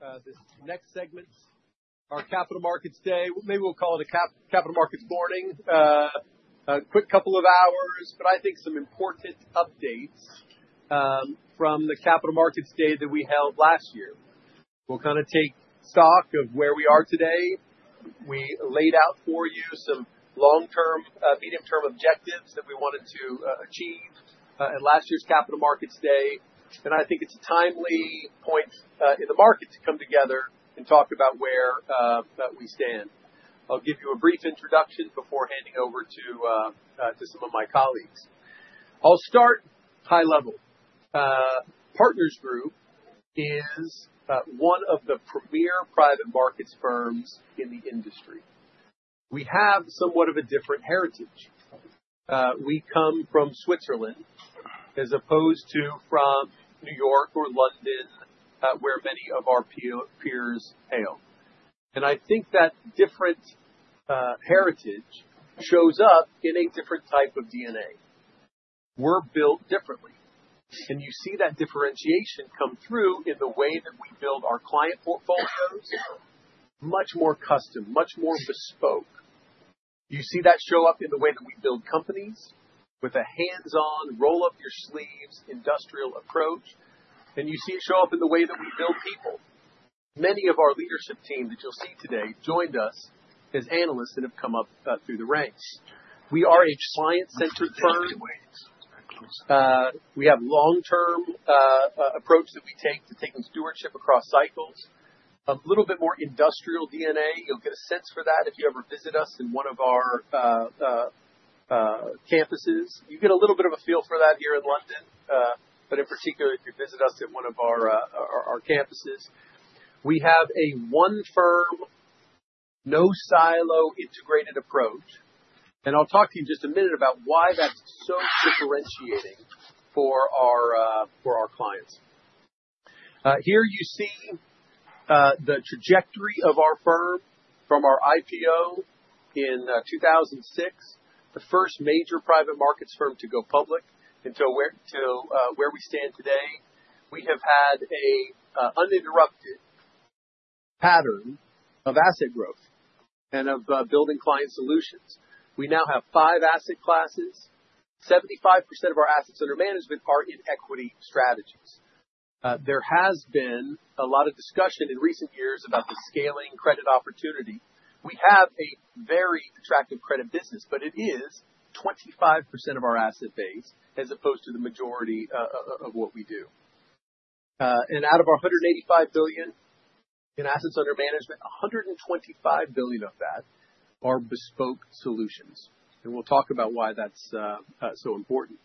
To this next segment, our Capital Markets Day. Maybe we'll call it a Capital Markets Morning. A quick couple of hours, but I think some important updates from the Capital Markets Day that we held last year. We'll kinda take stock of where we are today. We laid out for you some long-term, medium-term objectives that we wanted to achieve at last year's Capital Markets Day, and I think it's a timely point in the market to come together and talk about where we stand. I'll give you a brief introduction before handing over to some of my colleagues. I'll start high level. Partners Group is one of the premier private markets firms in the industry. We have somewhat of a different heritage. We come from Switzerland as opposed to from New York or London, where many of our peers hail. I think that different heritage shows up in a different type of DNA. We're built differently, and you see that differentiation come through in the way that we build our client portfolios. Much more custom, much more bespoke. You see that show up in the way that we build companies with a hands-on, roll-up-your-sleeves industrial approach, and you see it show up in the way that we build people. Many of our leadership team that you'll see today joined us as analysts and have come up through the ranks. We are a science-centered firm. We have long-term approach that we take to taking stewardship across cycles. A little bit more industrial DNA. You'll get a sense for that if you ever visit us in one of our campuses. You get a little bit of a feel for that here in London, but in particular, if you visit us in one of our campuses. We have a one firm, no silo integrated approach. I'll talk to you in just a minute about why that's so differentiating for our clients. Here you see the trajectory of our firm from our IPO in 2006, the first major private markets firm to go public, until where we stand today. We have had an uninterrupted pattern of asset growth and of building client solutions. We now have five asset classes. 75% of our assets under management are in equity strategies. There has been a lot of discussion in recent years about the scaling credit opportunity. We have a very attractive credit business, but it is 25% of our asset base as opposed to the majority of what we do. Out of our 185 billion in assets under management, 125 billion of that are bespoke solutions, and we'll talk about why that's so important.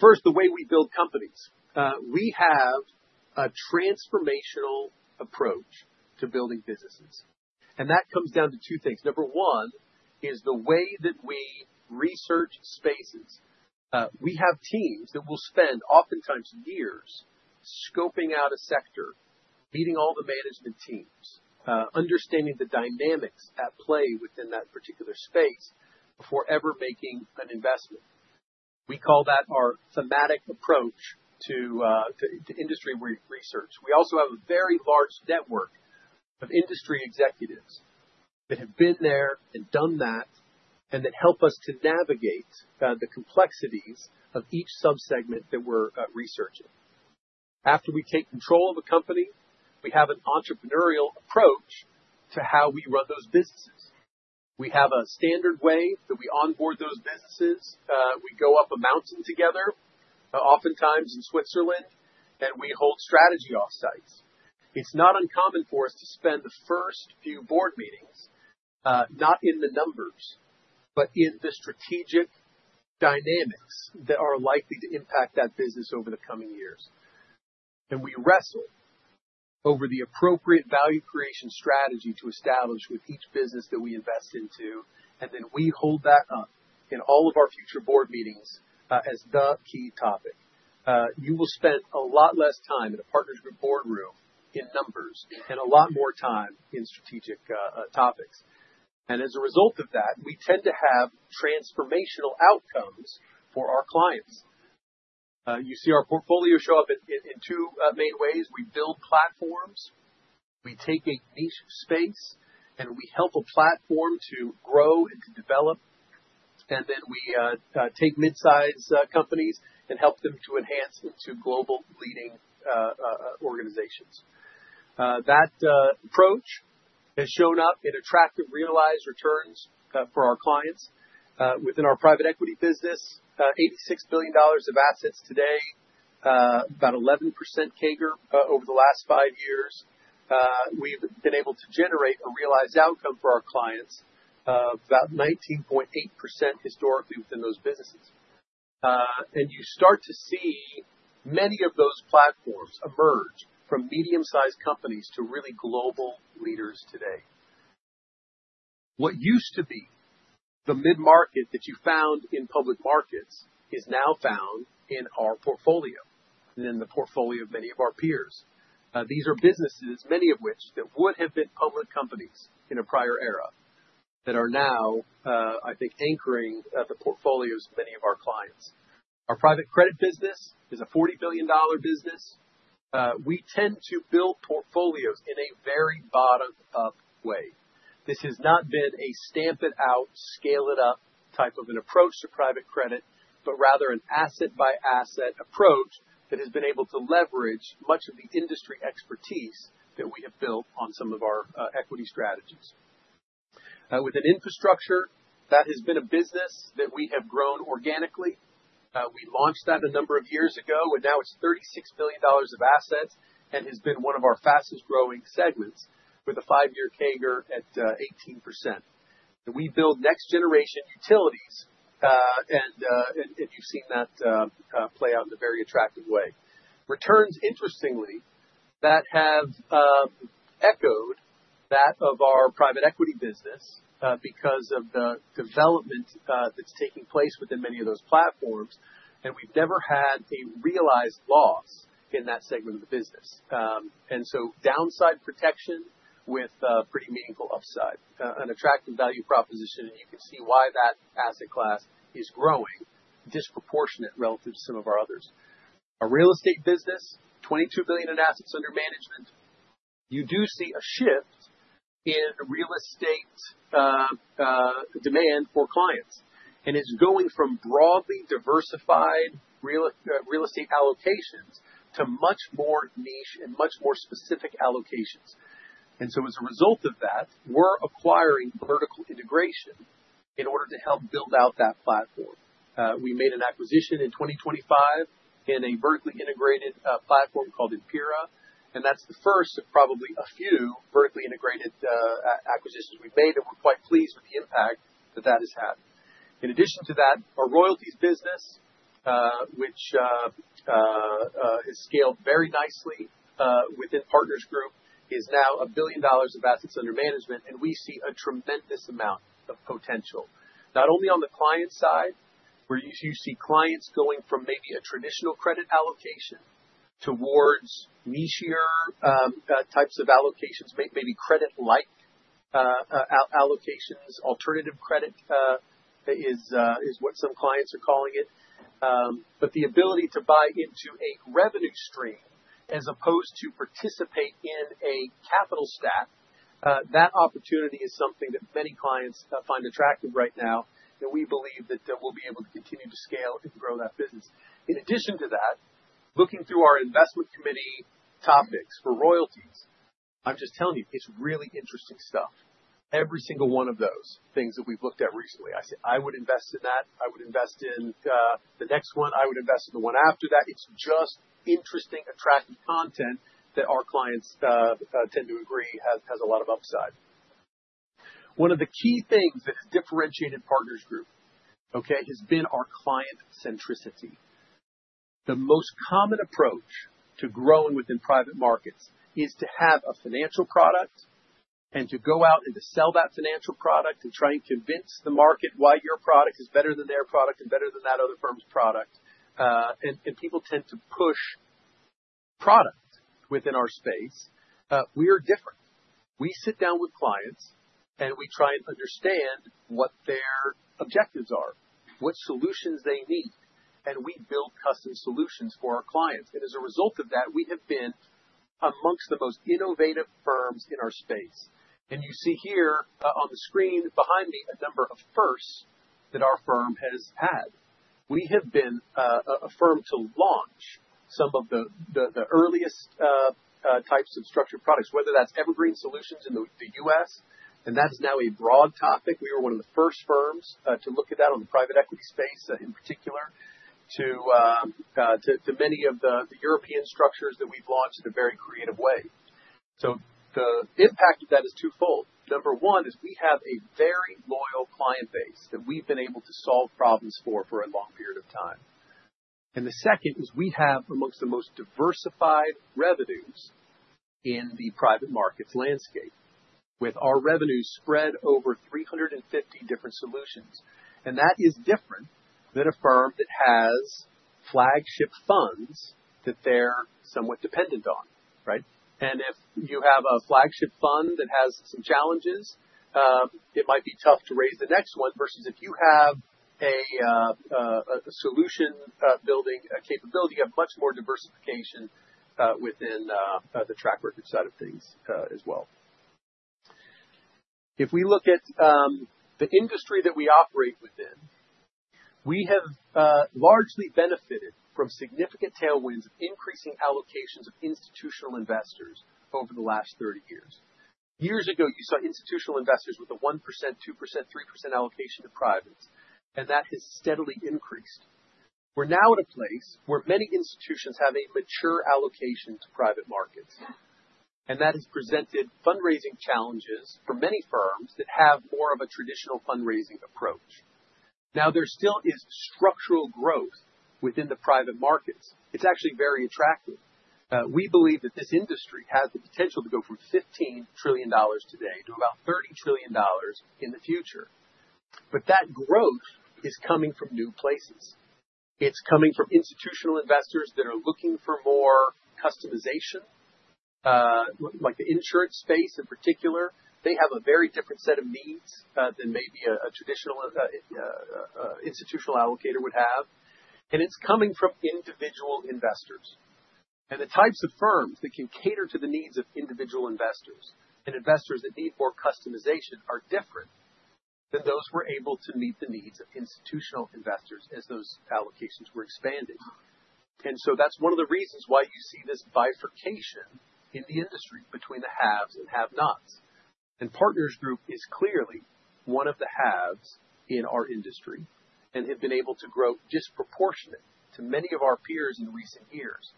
First, the way we build companies. We have a transformational approach to building businesses, and that comes down to two things. Number 1 is the way that we research spaces. We have teams that will spend oftentimes years scoping out a sector, meeting all the management teams, understanding the dynamics at play within that particular space before ever making an investment. We call that our thematic approach to industry research. We also have a very large network of industry executives that have been there and done that, and that help us to navigate the complexities of each sub-segment that we're researching. After we take control of a company, we have an entrepreneurial approach to how we run those businesses. We have a standard way that we onboard those businesses. We go up a mountain together, oftentimes in Switzerland, and we hold strategy off-sites. It's not uncommon for us to spend the first few board meetings not in the numbers, but in the strategic dynamics that are likely to impact that business over the coming years. We wrestle over the appropriate value creation strategy to establish with each business that we invest into, and then we hold that up in all of our future board meetings, as the key topic. You will spend a lot less time in a Partners Group board room in numbers and a lot more time in strategic topics. As a result of that, we tend to have transformational outcomes for our clients. You see our portfolio show up in two main ways. We build platforms. We take a niche space, and we help a platform to grow and to develop, and then we take mid-size companies and help them to enhance them to global leading organizations. That approach has shown up in attractive realized returns for our clients. Within our private equity business, $86 billion of assets today, about 11% CAGR over the last five years. We've been able to generate a realized outcome for our clients of about 19.8% historically within those businesses. You start to see many of those platforms emerge from medium-sized companies to really global leaders today. What used to be the mid-market that you found in public markets is now found in our portfolio and in the portfolio of many of our peers. These are businesses, many of which that would have been public companies in a prior era that are now, I think anchoring the portfolios of many of our clients. Our private credit business is a $40 billion business. We tend to build portfolios in a very bottom-up way. This has not been a stamp it out, scale it up type of an approach to private credit, but rather an asset-by-asset approach that has been able to leverage much of the industry expertise that we have built on some of our equity strategies. With an infrastructure that has been a business that we have grown organically. We launched that a number of years ago, and now it's $36 billion of assets and has been one of our fastest-growing segments with a five-year CAGR at 18%. We build next-generation utilities, and you've seen that play out in a very attractive way. Returns, interestingly, that have echoed that of our private equity business, because of the development that's taking place within many of those platforms, and we've never had a realized loss in that segment of the business. Downside protection with pretty meaningful upside. An attractive value proposition, and you can see why that asset class is growing disproportionately relative to some of our others. Our real estate business, $22 billion in assets under management. You do see a shift in real estate demand for clients, and it's going from broadly diversified real estate allocations to much more niche and much more specific allocations. As a result of that, we're acquiring vertical integration in order to help build out that platform. We made an acquisition in 2025 in a vertically integrated platform called Empira, and that's the first of probably a few vertically integrated acquisitions we've made, and we're quite pleased with the impact that that has had. In addition to that, our royalties business, which has scaled very nicely within Partners Group, is now $1 billion of assets under management, and we see a tremendous amount of potential. Not only on the client side, where you see clients going from maybe a traditional credit allocation towards nichier types of allocations, maybe credit-like allocations. Alternative credit is what some clients are calling it. The ability to buy into a revenue stream as opposed to participate in a capital stack, that opportunity is something that many clients find attractive right now, and we believe that we'll be able to continue to scale and grow that business. In addition to that, looking through our investment committee topics for royalties, I'm just telling you, it's really interesting stuff. Every single one of those things that we've looked at recently, I say, "I would invest in that. I would invest in the next one. I would invest in the one after that." It's just interesting, attractive content that our clients tend to agree has a lot of upside. One of the key things that's differentiated Partners Group, okay, has been our client centricity. The most common approach to growing within private markets is to have a financial product and to go out and to sell that financial product and try and convince the market why your product is better than their product and better than that other firm's product. And people tend to push product within our space. We are different. We sit down with clients, and we try and understand what their objectives are, what solutions they need, and we build custom solutions for our clients. As a result of that, we have been amongst the most innovative firms in our space. You see here on the screen behind me a number of firsts that our firm has had. We have been a firm to launch some of the earliest types of structured products, whether that's evergreen solutions in the U.S., and that's now a broad topic. We are one of the first firms to look at that on the private equity space, in particular to many of the European structures that we've launched in a very creative way. The impact of that is twofold. Number 1 is we have a very loyal client base that we've been able to solve problems for a long period of time. The second is we have among the most diversified revenues in the private markets landscape with our revenues spread over 350 different solutions. That is different than a firm that has flagship funds that they're somewhat dependent on, right? If you have a flagship fund that has some challenges, it might be tough to raise the next one versus if you have a solution building capability. You have much more diversification within the track record side of things as well. If we look at the industry that we operate within, we have largely benefited from significant tailwinds of increasing allocations of institutional investors over the last 30 years. Years ago, you saw institutional investors with a 1%, 2%, 3% allocation to privates, and that has steadily increased. We're now at a place where many institutions have a mature allocation to private markets, and that has presented fundraising challenges for many firms that have more of a traditional fundraising approach. Now, there still is structural growth within the private markets. It's actually very attractive. We believe that this industry has the potential to go from $15 trillion today to about $30 trillion in the future. But that growth is coming from new places. It's coming from institutional investors that are looking for more customization. Like the insurance space in particular, they have a very different set of needs than maybe a traditional institutional allocator would have. It's coming from individual investors. The types of firms that can cater to the needs of individual investors and investors that need more customization are different than those who are able to meet the needs of institutional investors as those allocations were expanded. That's one of the reasons why you see this bifurcation in the industry between the haves and have-nots. Partners Group is clearly one of the haves in our industry, and have been able to grow disproportionate to many of our peers in recent years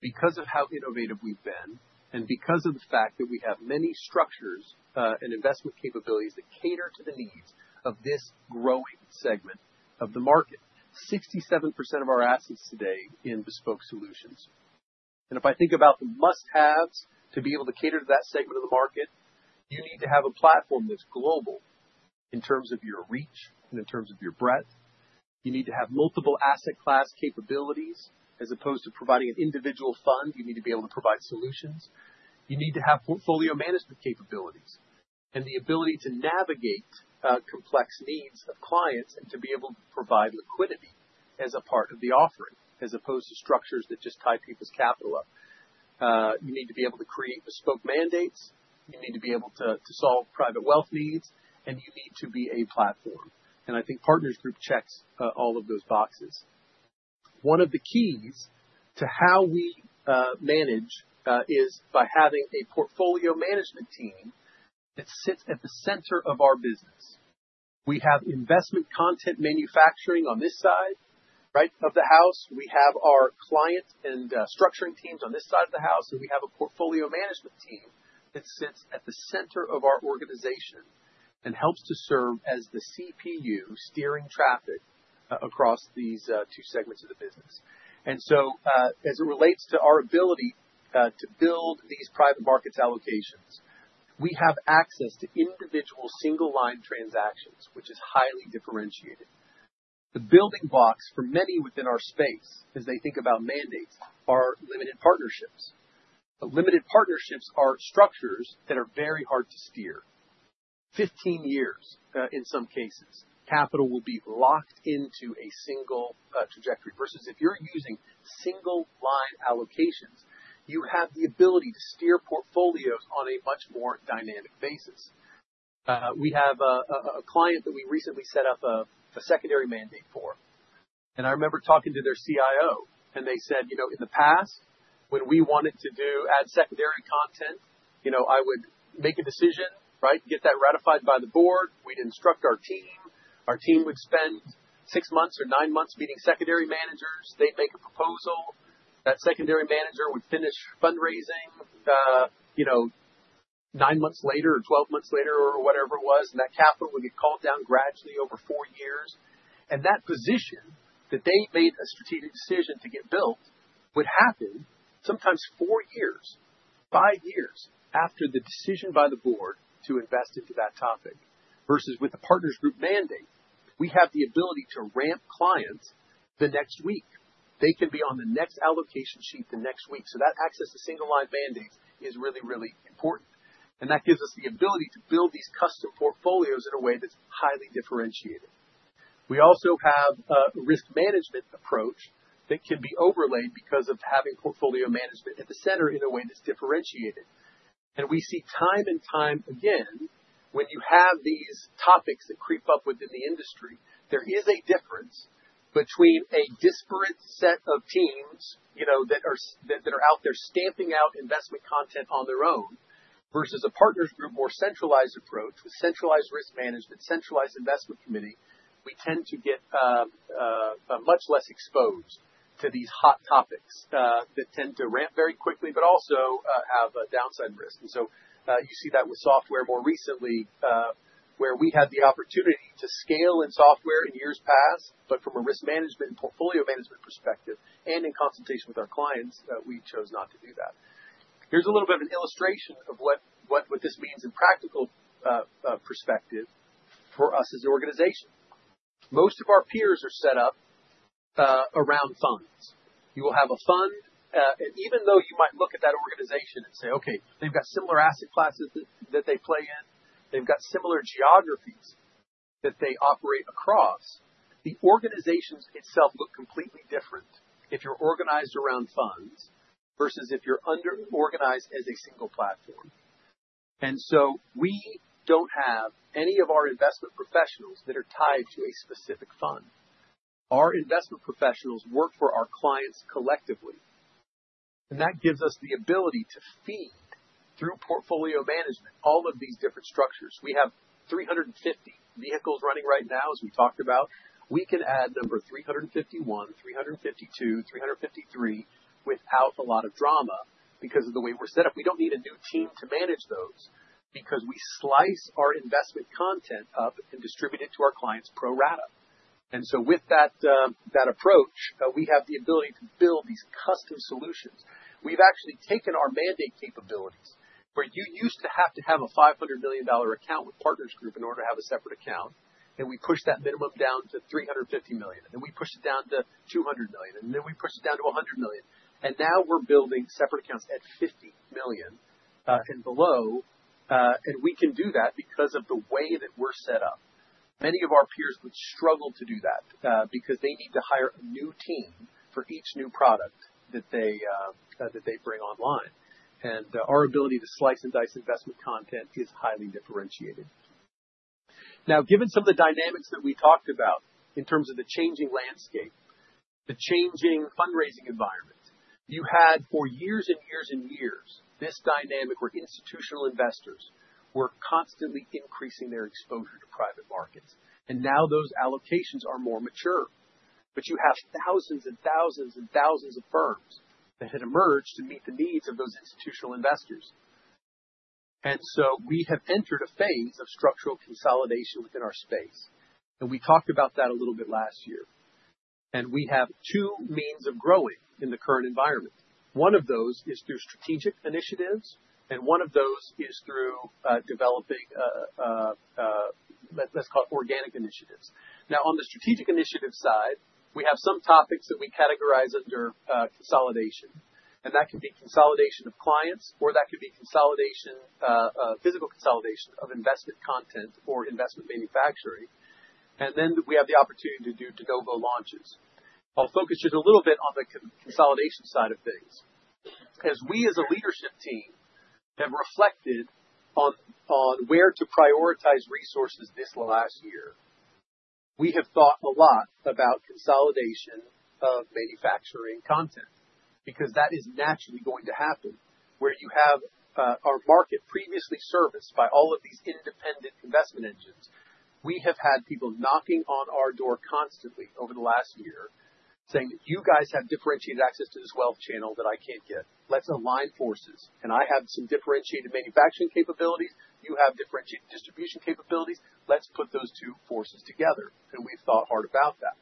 because of how innovative we've been, and because of the fact that we have many structures, and investment capabilities that cater to the needs of this growing segment of the market. 67% of our assets today in bespoke solutions. If I think about the must-haves to be able to cater to that segment of the market, you need to have a platform that's global in terms of your reach and in terms of your breadth. You need to have multiple asset class capabilities as opposed to providing an individual fund. You need to be able to provide solutions. You need to have portfolio management capabilities and the ability to navigate complex needs of clients and to be able to provide liquidity as a part of the offering, as opposed to structures that just tie people's capital up. You need to be able to create bespoke mandates, you need to be able to solve private wealth needs, and you need to be a platform. I think Partners Group checks all of those boxes. One of the keys to how we manage is by having a portfolio management team that sits at the center of our business. We have investment content manufacturing on this side, right, of the house. We have our client and structuring teams on this side of the house. We have a portfolio management team that sits at the center of our organization and helps to serve as the CPU steering traffic across these two segments of the business. As it relates to our ability to build these private markets allocations, we have access to individual single line transactions, which is highly differentiated. The building blocks for many within our space, as they think about mandates, are limited partnerships. Limited partnerships are structures that are very hard to steer. 15 years, in some cases, capital will be locked into a single trajectory. Versus if you're using single line allocations, you have the ability to steer portfolios on a much more dynamic basis. We have a client that we recently set up a secondary mandate for. I remember talking to their CIO, and they said, "You know, in the past, when we wanted to add secondary content, you know, I would make a decision, right? Get that ratified by the board. We'd instruct our team. Our team would spend six months or nine months meeting secondary managers. They'd make a proposal. That secondary manager would finish fundraising, nine months later or 12 months later or whatever it was, and that capital would get called down gradually over four years." That position that they made a strategic decision to get built would happen sometimes 4 years, 5 years after the decision by the board to invest into that topic. Versus with the Partners Group mandate, we have the ability to ramp clients the next week. They can be on the next allocation sheet the next week. That access to single line mandates is really, really important, and that gives us the ability to build these custom portfolios in a way that's highly differentiated. We also have a risk management approach that can be overlaid because of having portfolio management at the center in a way that's differentiated. We see time and time again, when you have these topics that creep up within the industry, there is a difference between a disparate set of teams, you know, that are out there stamping out investment content on their own versus a Partners Group, more centralized approach with centralized risk management, centralized investment committee. We tend to get much less exposed to these hot topics that tend to ramp very quickly, but also have a downside risk. You see that with software more recently, where we had the opportunity to scale in software in years past, but from a risk management and portfolio management perspective and in consultation with our clients, we chose not to do that. Here's a little bit of an illustration of what this means in practical perspective for us as an organization. Most of our peers are set up around funds. You will have a fund. Even though you might look at that organization and say, "Okay, they've got similar asset classes that they play in, they've got similar geographies that they operate across," the organization itself looks completely different if you're organized around funds versus if you're organized as a single platform. We don't have any of our investment professionals that are tied to a specific fund. Our investment professionals work for our clients collectively, and that gives us the ability to feed, through portfolio management, all of these different structures. We have 350 vehicles running right now, as we talked about. We can add 351, 352, 353 without a lot of drama because of the way we're set up. We don't need a new team to manage those because we slice our investment content up and distribute it to our clients pro rata. With that approach, we have the ability to build these custom solutions. We've actually taken our mandate capabilities, where you used to have to have a $500 million account with Partners Group in order to have a separate account. We pushed that minimum down to $350 million, and we pushed it down to $200 million, and we pushed it down to $100 million. We're building separate accounts at $50 million and below, and we can do that because of the way that we're set up. Many of our peers would struggle to do that because they need to hire a new team for each new product that they bring online. Our ability to slice and dice investment content is highly differentiated. Now, given some of the dynamics that we talked about in terms of the changing landscape, the changing fundraising environment. You had for years and years and years this dynamic where institutional investors were constantly increasing their exposure to private markets, and now those allocations are more mature. You have thousands and thousands and thousands of firms that had emerged to meet the needs of those institutional investors. We have entered a phase of structural consolidation within our space. We talked about that a little bit last year. We have two means of growing in the current environment. One of those is through strategic initiatives, and one of those is through developing, let's call it organic initiatives. Now, on the strategic initiative side, we have some topics that we categorize under consolidation, and that could be consolidation of clients or that could be consolidation, physical consolidation of investment content or investment manufacturing. Then we have the opportunity to do de novo launches. I'll focus just a little bit on the consolidation side of things. As we, as a leadership team have reflected on where to prioritize resources this last year, we have thought a lot about consolidation of manufacturing content because that is naturally going to happen where you have our market previously serviced by all of these independent investment engines. We have had people knocking on our door constantly over the last year saying, "You guys have differentiated access to this wealth channel that I can't get. Let's align forces. I have some differentiated manufacturing capabilities. You have differentiated distribution capabilities. Let's put those two forces together." We've thought hard about that.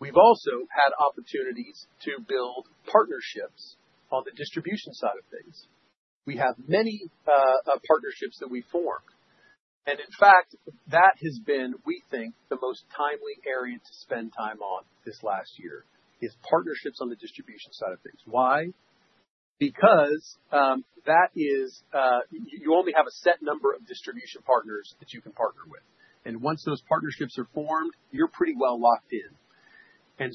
We've also had opportunities to build partnerships on the distribution side of things. We have many partnerships that we form. In fact, that has been, we think, the most timely area to spend time on this last year, is partnerships on the distribution side of things. Why? Because that is, you only have a set number of distribution partners that you can partner with, and once those partnerships are formed, you're pretty well locked in.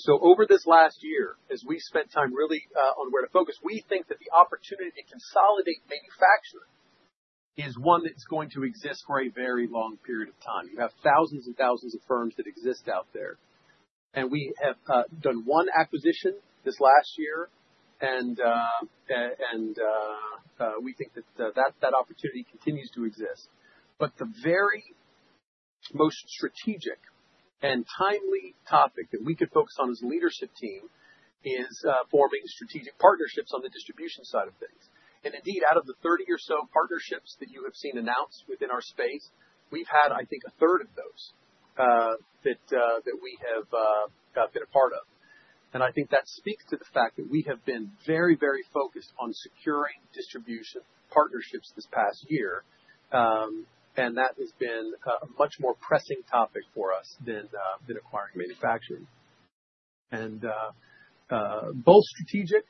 So, over this last year, as we spent time really on where to focus, we think that the opportunity to consolidate manufacturing is one that's going to exist for a very long period of time. You have thousands and thousands of firms that exist out there. We have done one acquisition this last year, and we think that opportunity continues to exist. The very most strategic and timely topic that we could focus on as a leadership team is forming strategic partnerships on the distribution side of things. Indeed, out of the 30 or so partnerships that you have seen announced within our space, we've had, I think, a third of those that we have been a part of. I think that speaks to the fact that we have been very, very focused on securing distribution partnerships this past year. That has been a much more pressing topic for us than acquiring manufacturing. Both strategic,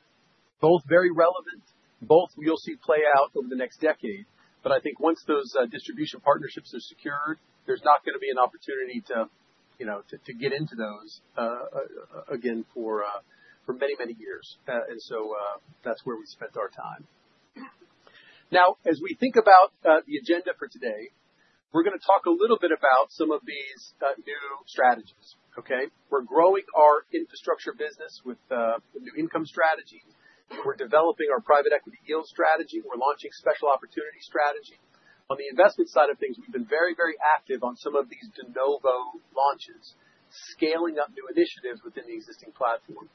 both very relevant, both you'll see play out over the next decade. I think once those distribution partnerships are secured, there's not gonna be an opportunity to, you know, to get into those again for many years. That's where we spent our time. Now, as we think about the agenda for today, we're gonna talk a little bit about some of these new strategies, okay? We're growing our infrastructure business with the new income strategy. We're developing our private equity yield strategy. We're launching special opportunity strategy. On the investment side of things, we've been very active on some of these de novo launches, scaling up new initiatives within the existing platform.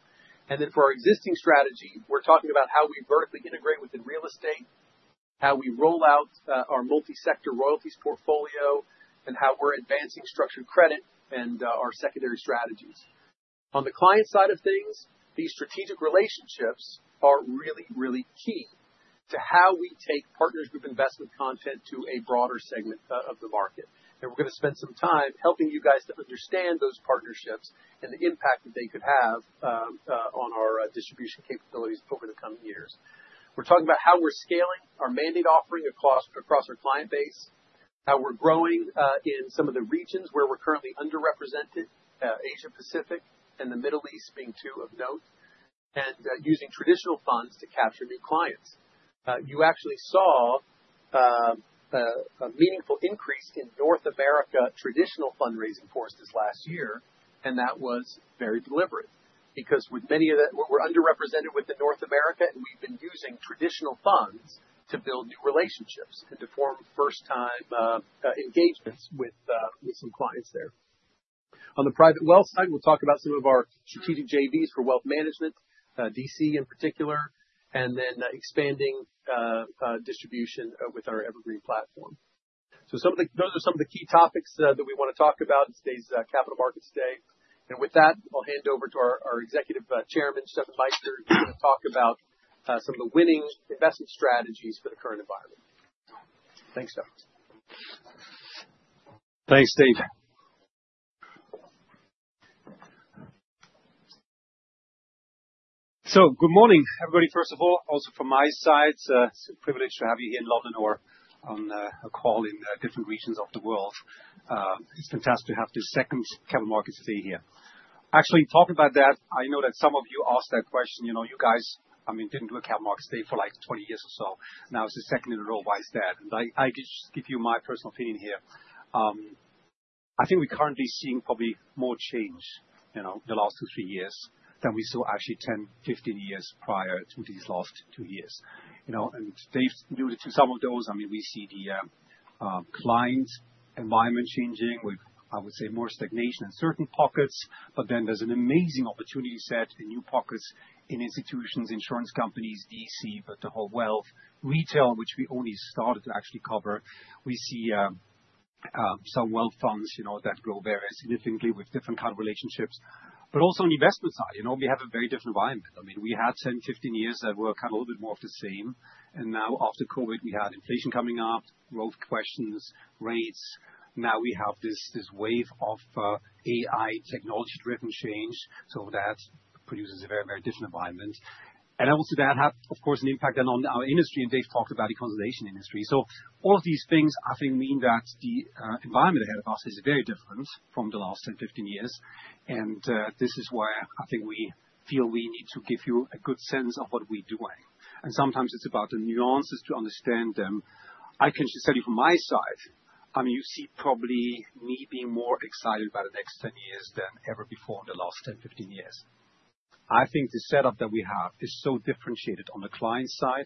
For our existing strategy, we're talking about how we vertically integrate within real estate, how we roll out our multi-sector royalties portfolio, and how we're advancing structured credit and our secondary strategies. On the client side of things, these strategic relationships are really, really key to how we take Partners Group investment content to a broader segment of the market. We're gonna spend some time helping you guys to understand those partnerships and the impact that they could have on our distribution capabilities over the coming years. We're talking about how we're scaling our mandate offering across our client base, how we're growing in some of the regions where we're currently underrepresented, Asia-Pacific and the Middle East being two of note, and using traditional funds to capture new clients. You actually saw a meaningful increase in North America traditional fundraising for us this last year, and that was very deliberate. Because we're underrepresented within North America, and we've been using traditional funds to build new relationships and to form first-time engagements with some clients there. On the private wealth side, we'll talk about some of our strategic JVs for wealth management, DC in particular, and then expanding distribution with our Evergreen platform. Those are some of the key topics that we wanna talk about today's Capital Markets Day. With that, I'll hand over to our Executive Chairman, Steffen Meister, who's gonna talk about some of the winning investment strategies for the current environment. Thanks, Steffen. Good morning, everybody. First of all, also from my side, it's a privilege to have you here in London or on a call in different regions of the world. It's fantastic to have the second Capital Markets Week here. Actually, talking about that, I know that some of you asked that question, you know, you guys, I mean, didn't do a Capital Markets Week for, like, 20 years or so. Now it's the second in a row. Why is that? I just give you my personal opinion here. I think we're currently seeing probably more change, you know, the last two, three years than we saw actually 10, 15 years prior to these last two years. You know, they've due to some of those, I mean, we see the client environment changing with, I would say, more stagnation in certain pockets, but then there's an amazing opportunity set in new pockets in institutions, insurance companies, DC, but the whole wealth retail, which we only started to actually cover. We see some wealth funds, you know, that grow very significantly with different kind of relationships. Also on investment side, you know, we have a very different environment. I mean, we had 10, 15 years that were kind of a little bit more of the same, and now after COVID, we had inflation coming up, growth questions, rates. Now we have this wave of AI technology-driven change. That produces a very, very different environment. Obviously that had, of course, an impact then on our industry, and Dave talked about the consolidation industry. All of these things, I think, mean that the environment ahead of us is very different from the last 10, 15 years. This is where I think we feel we need to give you a good sense of what we're doing. Sometimes it's about the nuances to understand them. I can just tell you from my side, I mean, you see probably me being more excited about the next 10 years than ever before in the last 10, 15 years. I think the setup that we have is so differentiated on the client side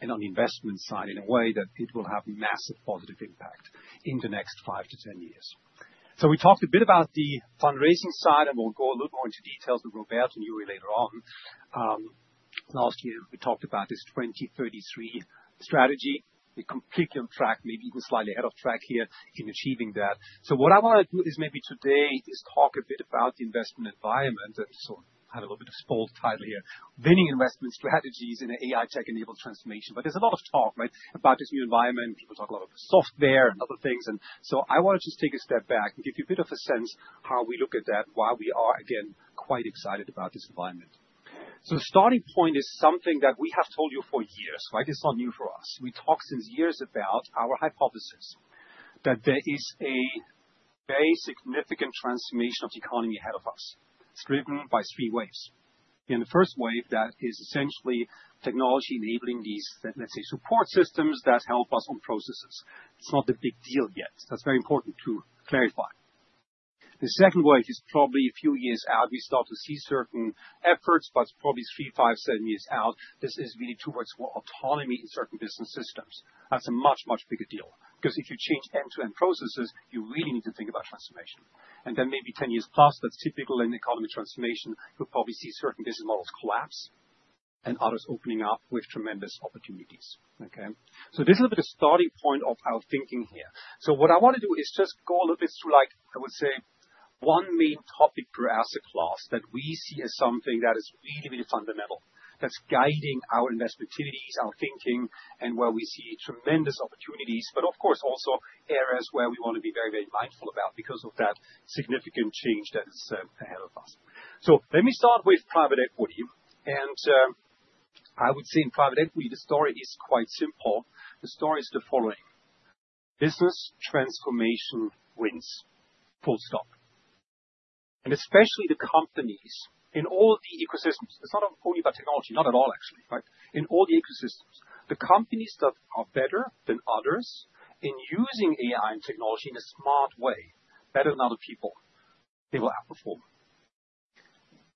and on the investment side in a way that it will have massive positive impact in the next 5-10 years. We talked a bit about the fundraising side, and we'll go a little more into details with Roberto and Juri later on. Last year we talked about this 2033 strategy. We're completely on track, maybe even slightly ahead of track here in achieving that. What I wanna do is maybe today is talk a bit about the investment environment. Have a little bit of a bold title here. Winning Investment Strategies in an AI Tech-Enabled Transformation. There's a lot of talk, right? About this new environment. People talk a lot about software and other things. I wanna just take a step back and give you a bit of a sense how we look at that, why we are again, quite excited about this environment. The starting point is something that we have told you for years, right? It's not new for us. We talked since years about our hypothesis that there is a very significant transformation of the economy ahead of us. It's driven by three waves. In the first wave, that is essentially technology enabling these, let's say, support systems that help us on processes. It's not a big deal yet. That's very important to clarify. The second wave is probably a few years out. We start to see certain efforts, but probably 3, 5, 7 years out. This is really towards more autonomy in certain business systems. That's a much, much bigger deal 'cause if you change end-to-end processes, you really need to think about transformation. maybe 10+ years, that's typical in economic transformation. You'll probably see certain business models collapse and others opening up with tremendous opportunities. Okay. This is a bit of starting point of our thinking here. What I wanna do is just go a little bit through, like, I would say one main topic per asset class that we see as something that is really, really fundamental, that's guiding our investment activities, our thinking, and where we see tremendous opportunities, but of course also areas where we wanna be very, very mindful about because of that significant change that is ahead of us. Let me start with private equity. I would say in private equity the story is quite simple. The story is the following: Business transformation wins. Full stop. Especially the companies in all the ecosystems. It's not only about technology, not at all actually, right? In all the ecosystems, the companies that are better than others in using AI and technology in a smart way, better than other people, they will outperform.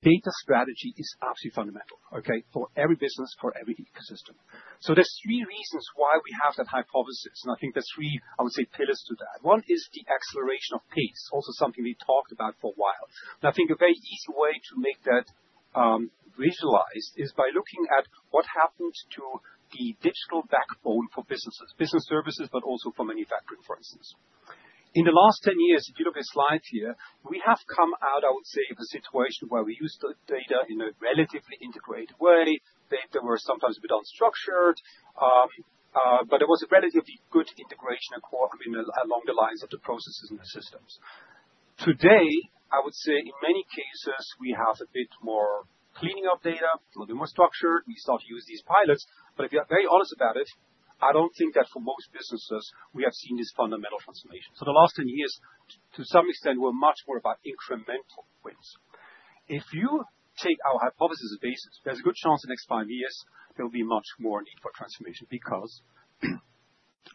Data strategy is absolutely fundamental, okay? For every business, for every ecosystem. There's three reasons why we have that hypothesis, and I think there's three, I would say, pillars to that. One is the acceleration of pace. Also something we talked about for a while. I think a very easy way to make that visualized is by looking at what happened to the digital backbone for businesses, business services, but also for manufacturing, for instance. In the last 10 years, if you look at this slide here, we have come out, I would say, of a situation where we used the data in a relatively integrated way. They were sometimes a bit unstructured, but it was a relatively good integration and cooperation along the lines of the processes and the systems. Today, I would say in many cases, we have a bit more cleaning of data, a little bit more structured. We start to use these pilots, but if you're very honest about it, I don't think that for most businesses we have seen this fundamental transformation. The last 10 years, to some extent, were much more about incremental wins. If you take our hypothesis as a basis, there's a good chance in the next five years there'll be much more need for transformation because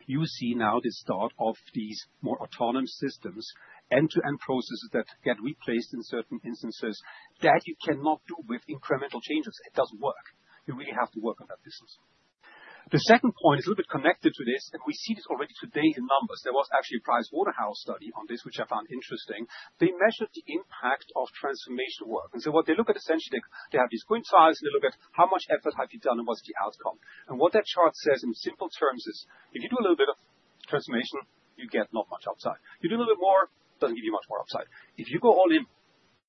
you see now the start of these more autonomous systems, end-to-end processes that get replaced in certain instances that you cannot do with incremental changes. It doesn't work. You really have to work on that business. The second point is a little bit connected to this, and we see this already today in numbers. There was actually a PricewaterhouseCoopers study on this, which I found interesting. They measured the impact of transformation work, and so what they look at, essentially, they have these twin trials, and they look at how much effort have you done and what's the outcome. What that chart says in simple terms is, if you do a little bit of transformation, you get not much upside. You do a little bit more, doesn't give you much more upside. If you go all in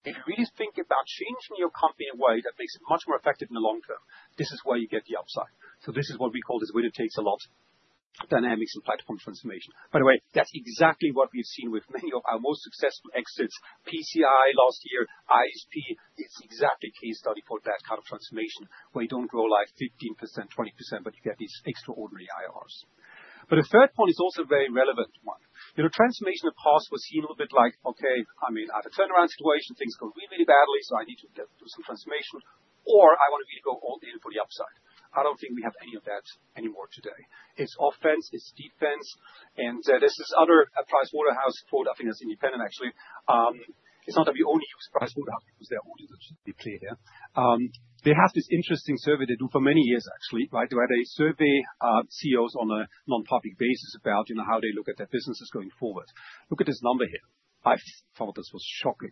and really think about changing your company in a way that makes it much more effective in the long term, this is where you get the upside. This is what we call this win takes a lot of dynamics and platform transformation. By the way, that's exactly what we've seen with many of our most successful exits. PCI last year, ISP, it's exactly a case study for that kind of transformation, where you don't grow like 15%, 20%, but you get these extraordinary IRRs. The third point is also a very relevant one. You know, transformation in the past was seen a little bit like, okay, I'm in either turnaround situation, things go really, really badly, so I need to get through some transformation, or I want to really go all in for the upside. I don't think we have any of that anymore today. It's offense, it's defense, and there's this other PricewaterhouseCoopers, I think it's independent actually. It's not that we only use PricewaterhouseCoopers, their auditors should be clear here. They have this interesting survey they do for many years actually, right? Where they survey CEOs on a non-public basis about, you know, how they look at their businesses going forward. Look at this number here. I thought this was shocking.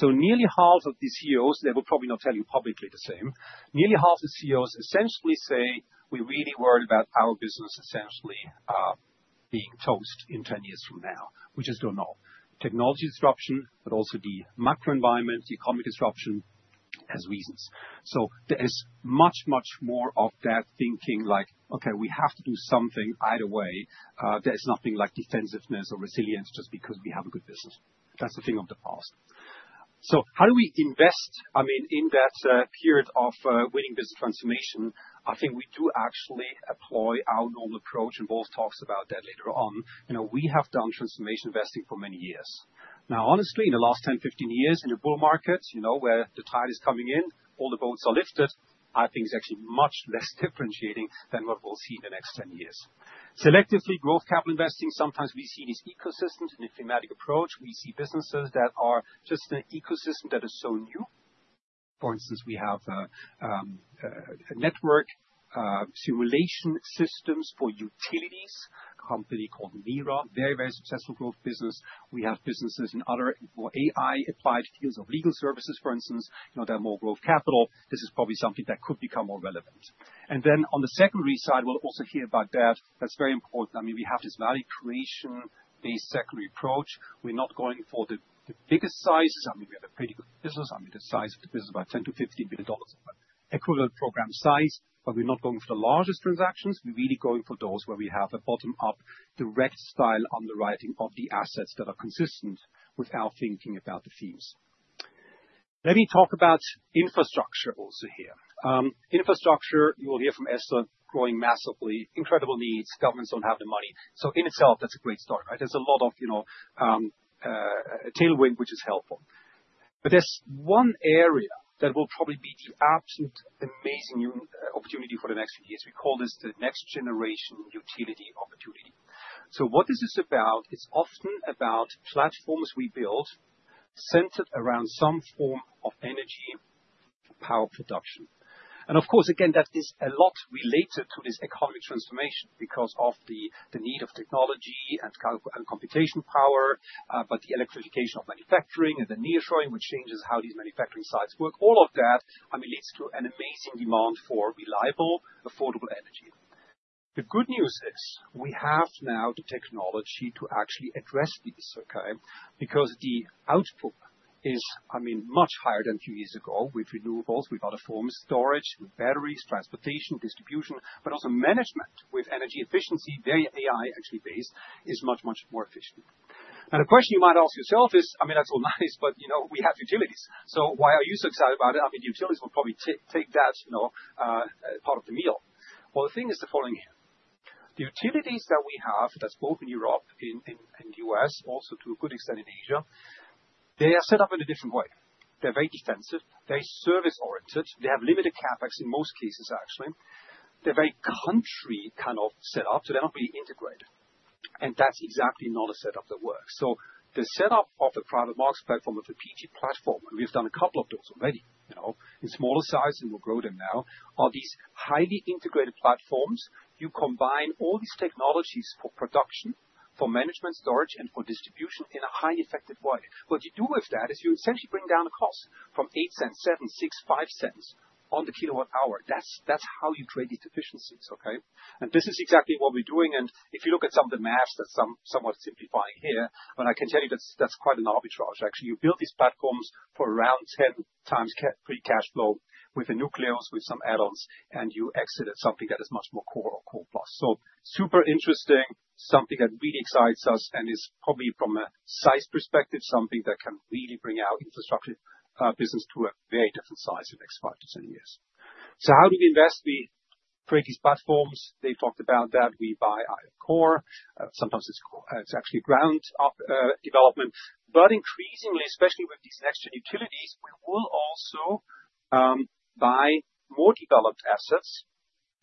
Nearly half of the CEOs, they will probably not tell you publicly the same. Nearly half the CEOs essentially say, "We're really worried about our business essentially, being toast in ten years from now." We just don't know. Technology disruption, but also the macro environment, the economic disruption has reasons. There is much, much more of that thinking like, "Okay, we have to do something either way." There is nothing like defensiveness or resilience just because we have a good business. That's the thing of the past. How do we invest, I mean, in that period of winning this transformation? I think we do actually employ our normal approach, and Wulf talks about that later on. You know, we have done transformation investing for many years. Now, honestly, in the last 10, 15 years in the bull markets, you know, where the tide is coming in, all the boats are lifted, I think it's actually much less differentiating than what we'll see in the next 10 years. Selectively growth capital investing, sometimes we see these ecosystems in a thematic approach. We see businesses that are just an ecosystem that is so new. For instance, we have a network simulation systems for utilities, a company called MIRA, very, very successful growth business. We have businesses in other or AI applied to fields of legal services, for instance. You know, they're more growth capital. This is probably something that could become more relevant. On the secondary side, we'll also hear about that. That's very important. I mean, we have this value creation-based secondary approach. We're not going for the biggest size. I mean, we have a pretty good business. I mean, the size of the business is about $10 billion-$15 billion of equivalent program size, but we're not going for the largest transactions. We're really going for those where we have a bottom-up direct style underwriting of the assets that are consistent with our thinking about the themes. Let me talk about infrastructure also here. Infrastructure, you will hear from Esther, growing massively. Incredible needs. Governments don't have the money. In itself, that's a great start, right? There's a lot of, you know, tailwind which is helpful. There's one area that will probably be the absolutely amazing opportunity for the next few years. We call this the next generation utility opportunity. What is this about? It's often about platforms we build centered around some form of energy power production. Of course, again, that is a lot related to this economic transformation because of the need of technology and computational power, but the electrification of manufacturing and the near-shoring, which changes how these manufacturing sites work. All of that, I mean, leads to an amazing demand for reliable, affordable energy. The good news is we have now the technology to actually address these, okay? Because the output is, I mean, much higher than a few years ago with renewables, with other forms, storage, with batteries, transportation, distribution, but also management with energy efficiency, very AI actually based, is much, much more efficient. Now, the question you might ask yourself is, I mean, that's all nice, but you know, we have utilities. So why are you so excited about it? I mean, utilities will probably take that, you know, part of the meal. Well, the thing is the following. The utilities that we have, that's both in Europe, in, in U.S., also to a good extent in Asia, they are set up in a different way. They're very defensive, they're service-oriented, they have limited CapEx in most cases, actually. They're very country kind of set up, so they're not really integrated. And that's exactly not a setup that works. The setup of the private markets platform of the PG platform, and we've done a couple of those already, you know, in smaller size, and we'll grow them now, are these highly integrated platforms. You combine all these technologies for production, for management storage, and for distribution in a highly effective way. What you do with that is you essentially bring down the cost from $0.08, $0.07, $0.06, $0.05 per kilowatt-hour. That's how you create these efficiencies, okay? This is exactly what we're doing, and if you look at some of the math that's somewhat simplifying here, but I can tell you that's quite an arbitrage actually. You build these platforms for around 10x free cash flow with the nucleus, with some add-ons, and you exit at something that is much more core or core plus. Super interesting, something that really excites us and is probably from a size perspective, something that can really bring our infrastructure business to a very different size in the next 5-10 years. How do we invest? We create these platforms. They talked about that. We buy either core. Sometimes it's actually ground development. But increasingly, especially with these next-gen utilities, we will also buy more developed assets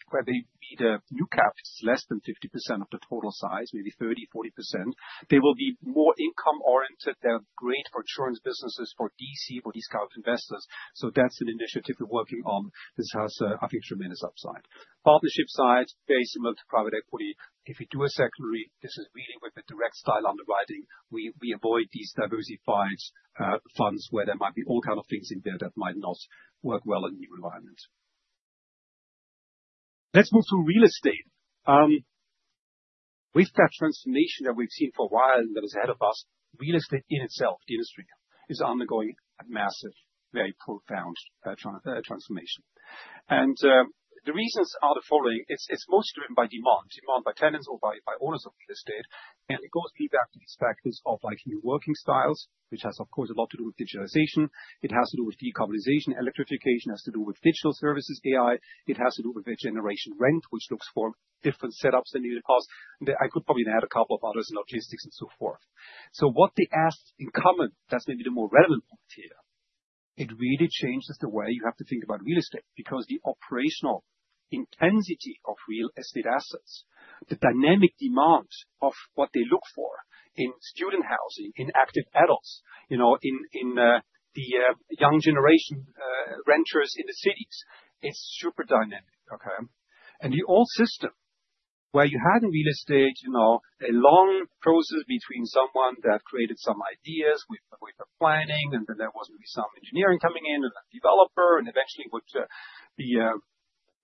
where they need a new CapEx that's less than 50% of the total size, maybe 30%-40%. They will be more income-oriented. They're great for insurance businesses, for DC, for discount investors. That's an initiative we're working on. This has, I think tremendous upside. Partnership side, very similar to private equity. If we do a secondary, this is really with the direct style underwriting. We avoid these diversified funds where there might be all kind of things in there that might not work well in the environment. Let's move to real estate. With that transformation that we've seen for a while, and that is ahead of us, real estate in itself, the industry, is undergoing a massive, very profound transformation. The reasons are the following. It's mostly driven by demand by tenants or by owners of real estate. It goes back to these factors of, like, new working styles, which has, of course, a lot to do with digitization. It has to do with decarbonization, electrification. It has to do with digital services, AI. It has to do with a generation rent, which looks for different setups than unit costs. I could probably add a couple of others in logistics and so forth. What they have in common, that's maybe the more relevant point here, it really changes the way you have to think about real estate. Because the operational intensity of real estate assets, the dynamic demand of what they look for in student housing, in active adults, you know, in the young generation, renters in the cities, it's super dynamic. The old system, where you had in real estate, you know, a long process between someone that created some ideas with the planning, and then there was maybe some engineering coming in, and a developer, and eventually would be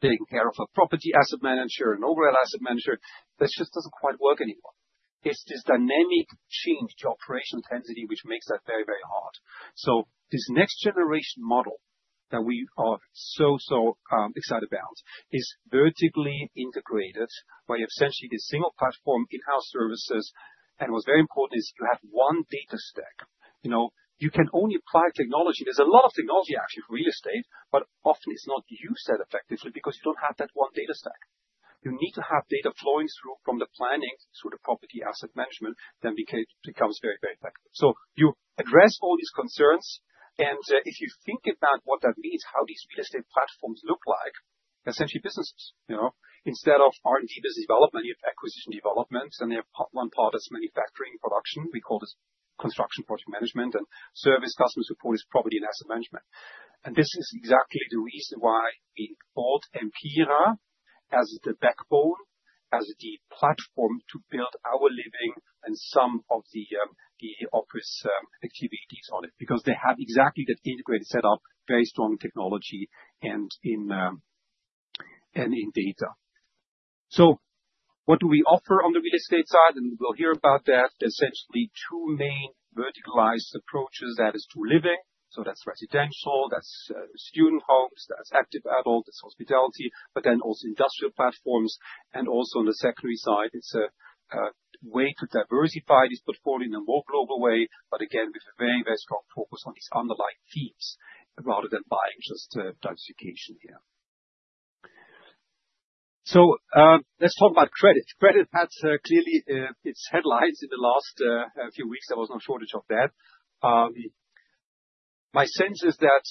taking care of a property asset manager, an overall asset manager. That just doesn't quite work anymore. It's this dynamic change to operational intensity which makes that very, very hard. This next generation model that we are so excited about is vertically integrated by essentially the single platform in-house services. What's very important is to have one data stack. You know, you can only apply technology. There's a lot of technology actually for real estate, but often it's not used that effectively because you don't have that one data stack. You need to have data flowing through from the planning through the property asset management, then becomes very effective. You address all these concerns, and if you think about what that means, how these real estate platforms look like, essentially businesses, you know? Instead of R&D business development, you have acquisition development, and you have one part is manufacturing production. We call this construction project management, and service customer support is property and asset management. This is exactly the reason why we bought Empira as the backbone, as the platform to build our living and some of the office activities on it, because they have exactly that integrated setup, very strong technology and in data. What do we offer on the real estate side? We'll hear about that. There's essentially two main verticalized approaches. That is through living, so that's residential, that's student homes, that's active adult, that's hospitality, but then also industrial platforms, and also on the secondary side, it's a way to diversify this portfolio in a more global way, but again, with a very, very strong focus on these underlying themes rather than buying just diversification here. Let's talk about credit. Credit had clearly its headlines in the last few weeks. There was no shortage of that. My sense is that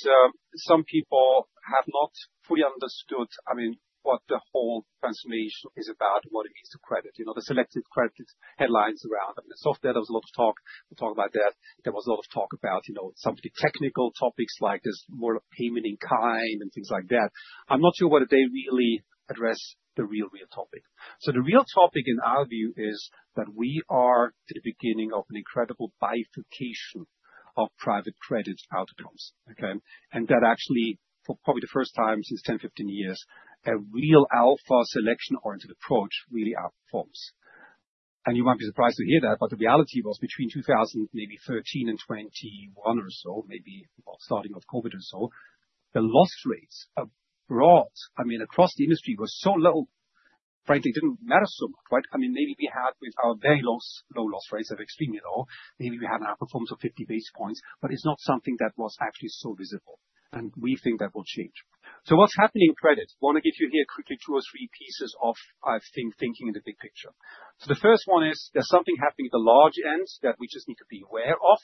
some people have not fully understood, I mean, what the whole transformation is about and what it means to credit. You know, the selective credit headlines around. I mean, the software, there was a lot of talk, we talked about that. There was a lot of talk about, you know, some of the technical topics like this world of payment in kind and things like that. I'm not sure whether they really address the real topic. The real topic in our view is that we are at the beginning of an incredible bifurcation of private credit outcomes, okay? That actually, for probably the first time since 10, 15 years, a real alpha selection-oriented approach really outperforms. You won't be surprised to hear that, but the reality was between maybe 2019 and 2021 or so, maybe starting of COVID or so, the loss rates across the industry were so low, frankly, it didn't matter so much. Right? I mean, maybe we had with our very low loss rates of extreme at all. Maybe we had an outcome of 50 basis points, but it's not something that was actually so visible, and we think that will change. What's happening in credit? Want to give you here quickly two or three pieces of, I think, thinking in the big picture. The first one is there's something happening at the large ends that we just need to be aware of.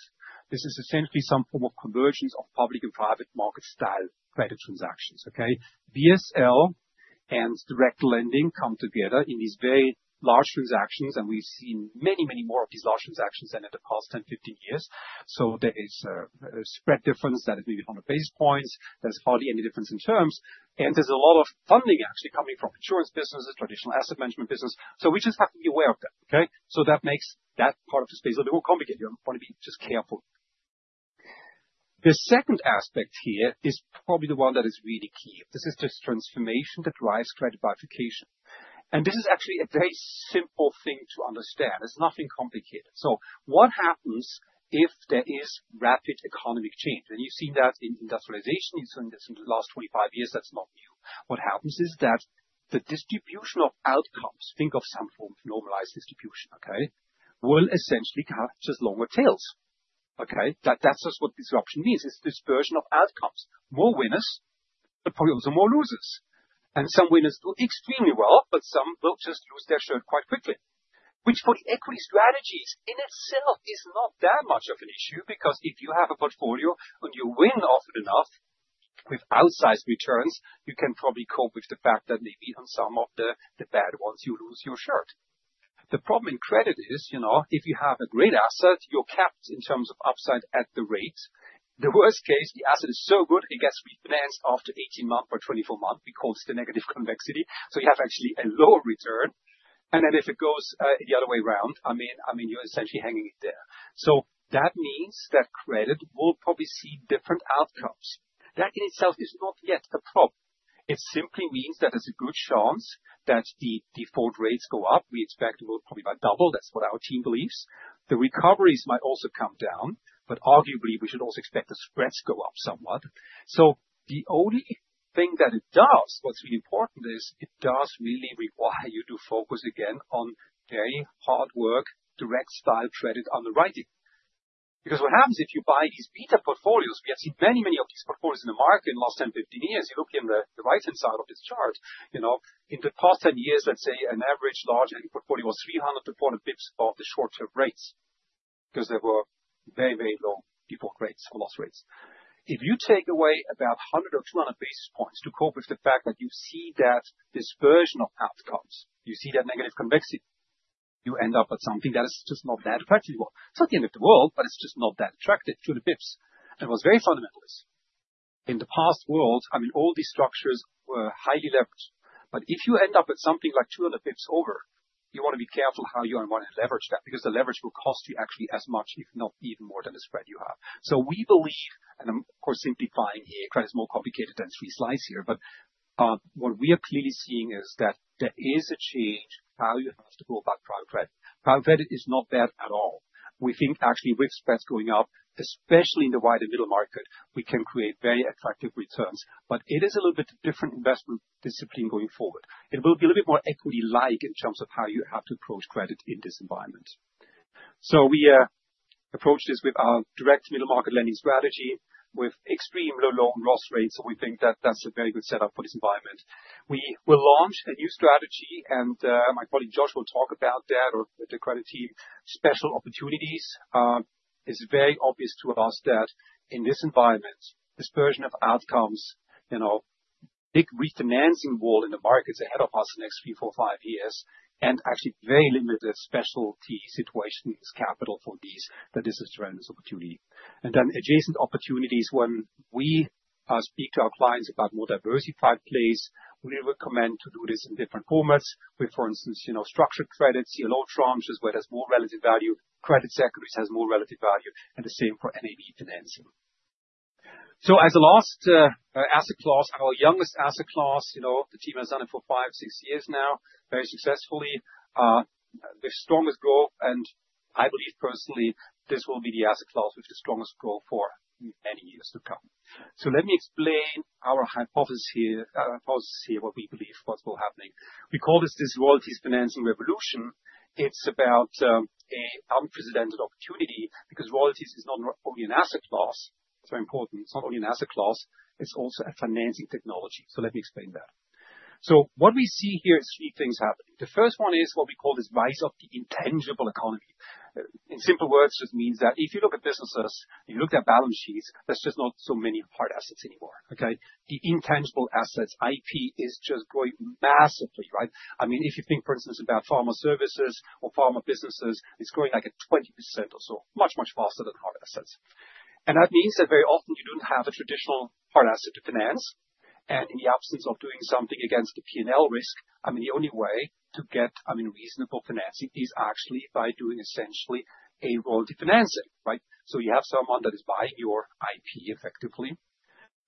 This is essentially some form of convergence of public and private market style credit transactions, okay? BSL and direct lending come together in these very large transactions, and we've seen many, many more of these large transactions than in the past 10, 15 years. There is a spread difference that is maybe 100 basis points. There's hardly any difference in terms. There's a lot of funding actually coming from insurance businesses, traditional asset management business. We just have to be aware of that, okay? That makes that part of the space a little more complicated. You wanna be just careful. The second aspect here is probably the one that is really key. This is this transformation that drives credit bifurcation. This is actually a very simple thing to understand. There's nothing complicated. What happens if there is rapid economic change? You've seen that in industrialization in certain, the last 25 years. That's not new. What happens is that the distribution of outcomes, think of some form of normal distribution, okay? Will essentially have just longer tails. Okay? That, that's just what disruption means. It's dispersion of outcomes. More winners, but probably also more losers. Some winners do extremely well, but some will just lose their shirt quite quickly. Which for the equity strategies in itself is not that much of an issue, because if you have a portfolio and you win often enough with outsized returns, you can probably cope with the fact that maybe on some of the bad ones, you lose your shirt. The problem in credit is, you know, if you have a great asset, you're capped in terms of upside at the rate. The worst case, the asset is so good it gets refinanced after 18 month or 24 month because the negative convexity. You have actually a lower return. Then if it goes the other way around, I mean you're essentially hanging it there. That means that credit will probably see different outcomes. That in itself is not yet a problem. It simply means that there's a good chance that the default rates go up. We expect it will probably about double. That's what our team believes. The recoveries might also come down, but arguably, we should also expect the spreads go up somewhat. The only thing that it does, what's really important is it does really require you to focus again on very hard work, direct style credit underwriting. Because what happens if you buy these beta portfolios, we have seen many of these portfolios in the market in the last 10, 15 years. You look in the right-hand side of this chart, you know, in the past 10 years, let's say an average large input portfolio, 300-400 basis points of the short-term rates, 'cause they were very, very low default rates or loss rates. If you take away about 100 or 200 basis points to cope with the fact that you see that this dispersion of outcomes, you see that negative convexity, you end up with something that is just not that attractive. It's not the end of the world, but it's just not that attractive to the LPs. What's very fundamental is in the past world, I mean, all these structures were highly leveraged. If you end up with something like 200 pips over, you wanna be careful how you are gonna leverage that, because the leverage will cost you actually as much, if not even more than the spread you have. We believe, and I'm of course simplifying here, credit is more complicated than three slides here, but what we are clearly seeing is that there is a change how you have to go about private credit. Private credit is not bad at all. We think actually with spreads going up, especially in the wider middle market, we can create very attractive returns. It is a little bit different investment discipline going forward. It will be a little bit more equity-like in terms of how you have to approach credit in this environment. We approach this with our direct middle market lending strategy with extremely low loss rates, so we think that that's a very good setup for this environment. We will launch a new strategy and my colleague, Josh, will talk about that or the credit team. Special opportunities is very obvious to us that in this environment, this version of outcomes, you know, big refinancing wall in the markets ahead of us the next 3, 4, 5 years, and actually very limited specialty situations, capital for these, that this is tremendous opportunity. Then adjacent opportunities when we speak to our clients about more diversified plays, we recommend to do this in different formats with, for instance, you know, structured credits, CLO tranches, where there's more relative value, credit sectors has more relative value, and the same for NAV financing. As a last asset class, our youngest asset class, you know, the team has done it for 5, 6 years now, very successfully. The strongest growth, and I believe personally, this will be the asset class, which is strongest growth for many years to come. Let me explain our hypothesis here, basically, what we believe, what's all happening. We call this royalties financing revolution. It's about a unprecedented opportunity because royalties is not only an asset class. It's very important. It's not only an asset class, it's also a financing technology. Let me explain that. What we see here is three things happening. The first one is what we call this rise of the intangible economy. In simple words, it means that if you look at businesses, you look at balance sheets, there's just not so many hard assets anymore, okay? The intangible assets, IP is just growing massively, right? I mean, if you think, for instance, about pharma services or pharma businesses, it's growing like at 20% or so, much, much faster than hard assets. That means that very often you don't have a traditional hard asset to finance. In the absence of doing something against the P&L risk, I mean, the only way to get, I mean, reasonable financing is actually by doing essentially a royalty financing, right? You have someone that is buying your IP effectively,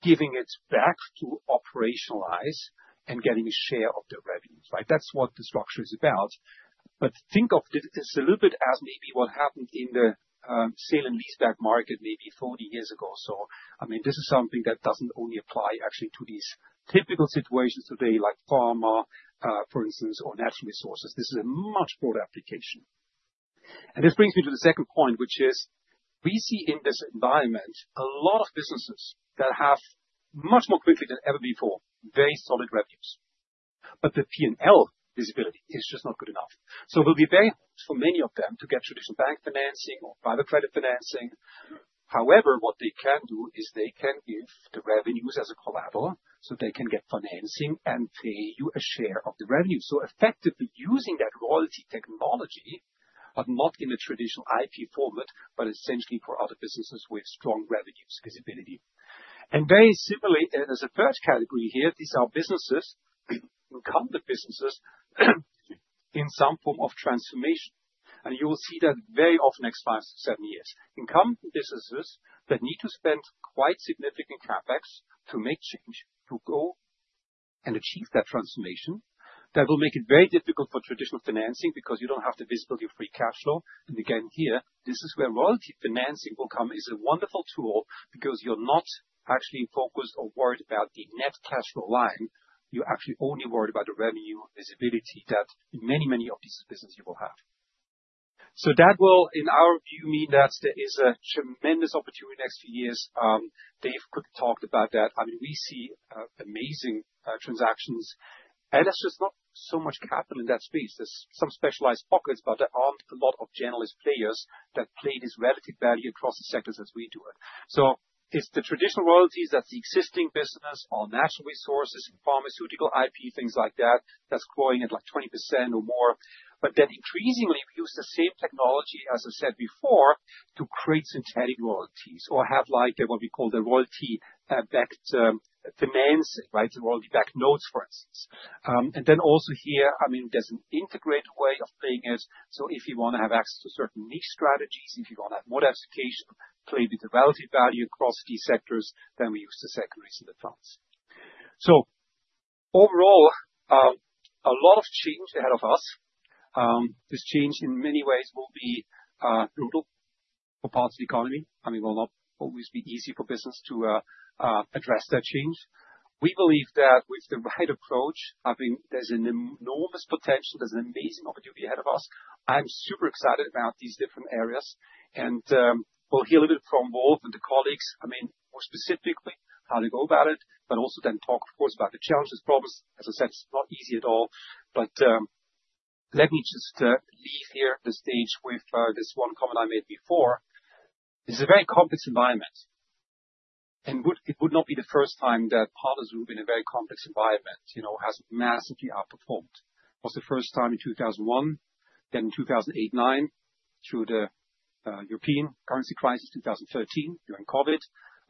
giving it back to operationalize and getting a share of the revenues, right? That's what the structure is about. Think of this a little bit as maybe what happened in the sale and leaseback market maybe 40 years ago or so. I mean, this is something that doesn't only apply actually to these typical situations today, like pharma, for instance, or natural resources. This is a much broader application. This brings me to the second point, which is we see in this environment a lot of businesses that have much more quickly than ever before, very solid revenues, but the P&L visibility is just not good enough. It will be very hard for many of them to get traditional bank financing or private credit financing. However, what they can do is they can give the revenues as a collateral, so they can get financing and pay you a share of the revenue. Effectively using that royalty technology, but not in a traditional IP format, but essentially for other businesses with strong revenues visibility. Very similarly, there's a third category here. These are businesses, incumbent businesses in some form of transformation. You will see that very often next 5-7 years. Incumbent businesses that need to spend quite significant CapEx to make change, to grow and achieve that transformation, that will make it very difficult for traditional financing because you don't have the visibility of free cash flow. Again, here, this is where royalty financing will come. It's a wonderful tool because you're not actually focused or worried about the net cash flow line. You're actually only worried about the revenue visibility that many, many of these businesses will have. That will, in our view, mean that there is a tremendous opportunity next few years. Dave could talk about that. I mean, we see amazing transactions, and there's just not so much capital in that space. There's some specialized pockets, but there aren't a lot of generalist players that play this relative value across the sectors as we do it. It's the traditional royalties, that's the existing business or natural resources, pharmaceutical IP, things like that. That's growing at like 20% or more. But then increasingly, we use the same technology, as I said before, to create synthetic royalties or have like a, what we call the royalty-backed financing, right? The royalty-backed notes, for instance. Then also here, I mean, there's an integrated way of playing it, so if you wanna have access to certain niche strategies, if you wanna have more diversification, play with the relative value across key sectors, then we use the second reason, the tranche. Overall, a lot of change ahead of us. This change in many ways will be brutal for parts of the economy. I mean, will not always be easy for business to address that change. We believe that with the right approach, I think there's an enormous potential, there's an amazing opportunity ahead of us. I'm super excited about these different areas, and we'll hear a bit from Wolf and the colleagues, I mean, more specifically, how to go about it, but also then talk, of course, about the challenges, problems. As I said, it's not easy at all. Let me just leave here the stage with this one comment I made before. This is a very complex environment, it would not be the first time that Partners who've been in a very complex environment, you know, has massively outperformed. Was the first time in 2001, then in 2008-2009 through the European currency crisis, 2019 during COVID.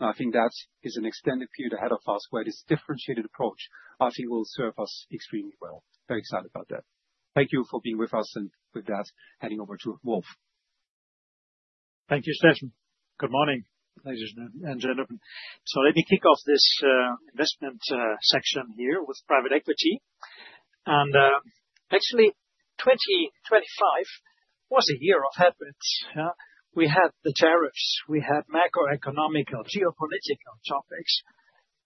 I think that is an extended period ahead of us where this differentiated approach actually will serve us extremely well. Very excited about that. Thank you for being with us, and with that, handing over to Wolf. Thank you, Steffen. Good morning, ladies and gentlemen. Let me kick off this investment section here with private equity. Actually, 2025 was a year of headwinds. Yeah. We had the tariffs, we had macroeconomic or geopolitical topics,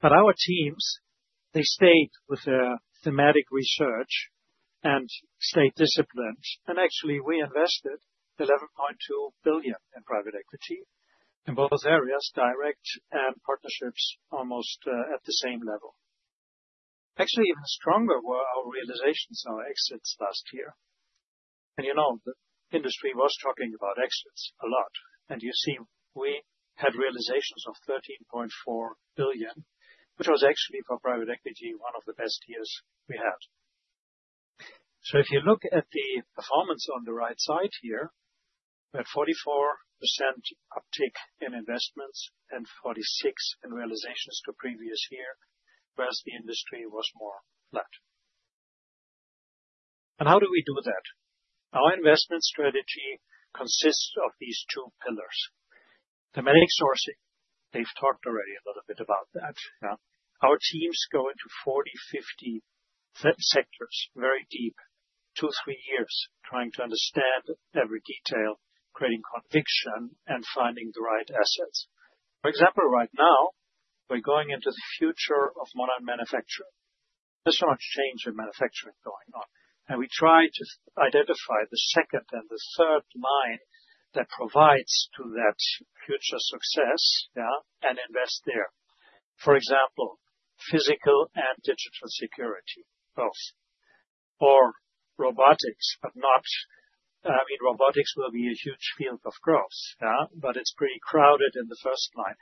but our teams, they stayed with their thematic research and stayed disciplined. Actually, we invested 11.2 billion in private equity. In both areas, direct and partnerships almost at the same level. Actually, even stronger were our realizations on our exits last year. You know, the industry was talking about exits a lot. You see we had realizations of 13.4 billion, which was actually for private equity, one of the best years we had. If you look at the performance on the right side here, we had 44% uptick in investments and 46% in realizations to previous year, whereas the industry was more flat. How do we do that? Our investment strategy consists of these two pillars. Thematic sourcing. They've talked already a little bit about that. Our teams go into 40, 50 sectors, very deep, 2, 3 years, trying to understand every detail, creating conviction and finding the right assets. For example, right now we're going into the future of modern manufacturing. There's so much change in manufacturing going on, and we try to identify the second and the third line that provides to that future success, yeah, and invest there. For example, physical and digital security, both. Or robotics, I mean, robotics will be a huge field, of course, yeah? It's pretty crowded in the first line.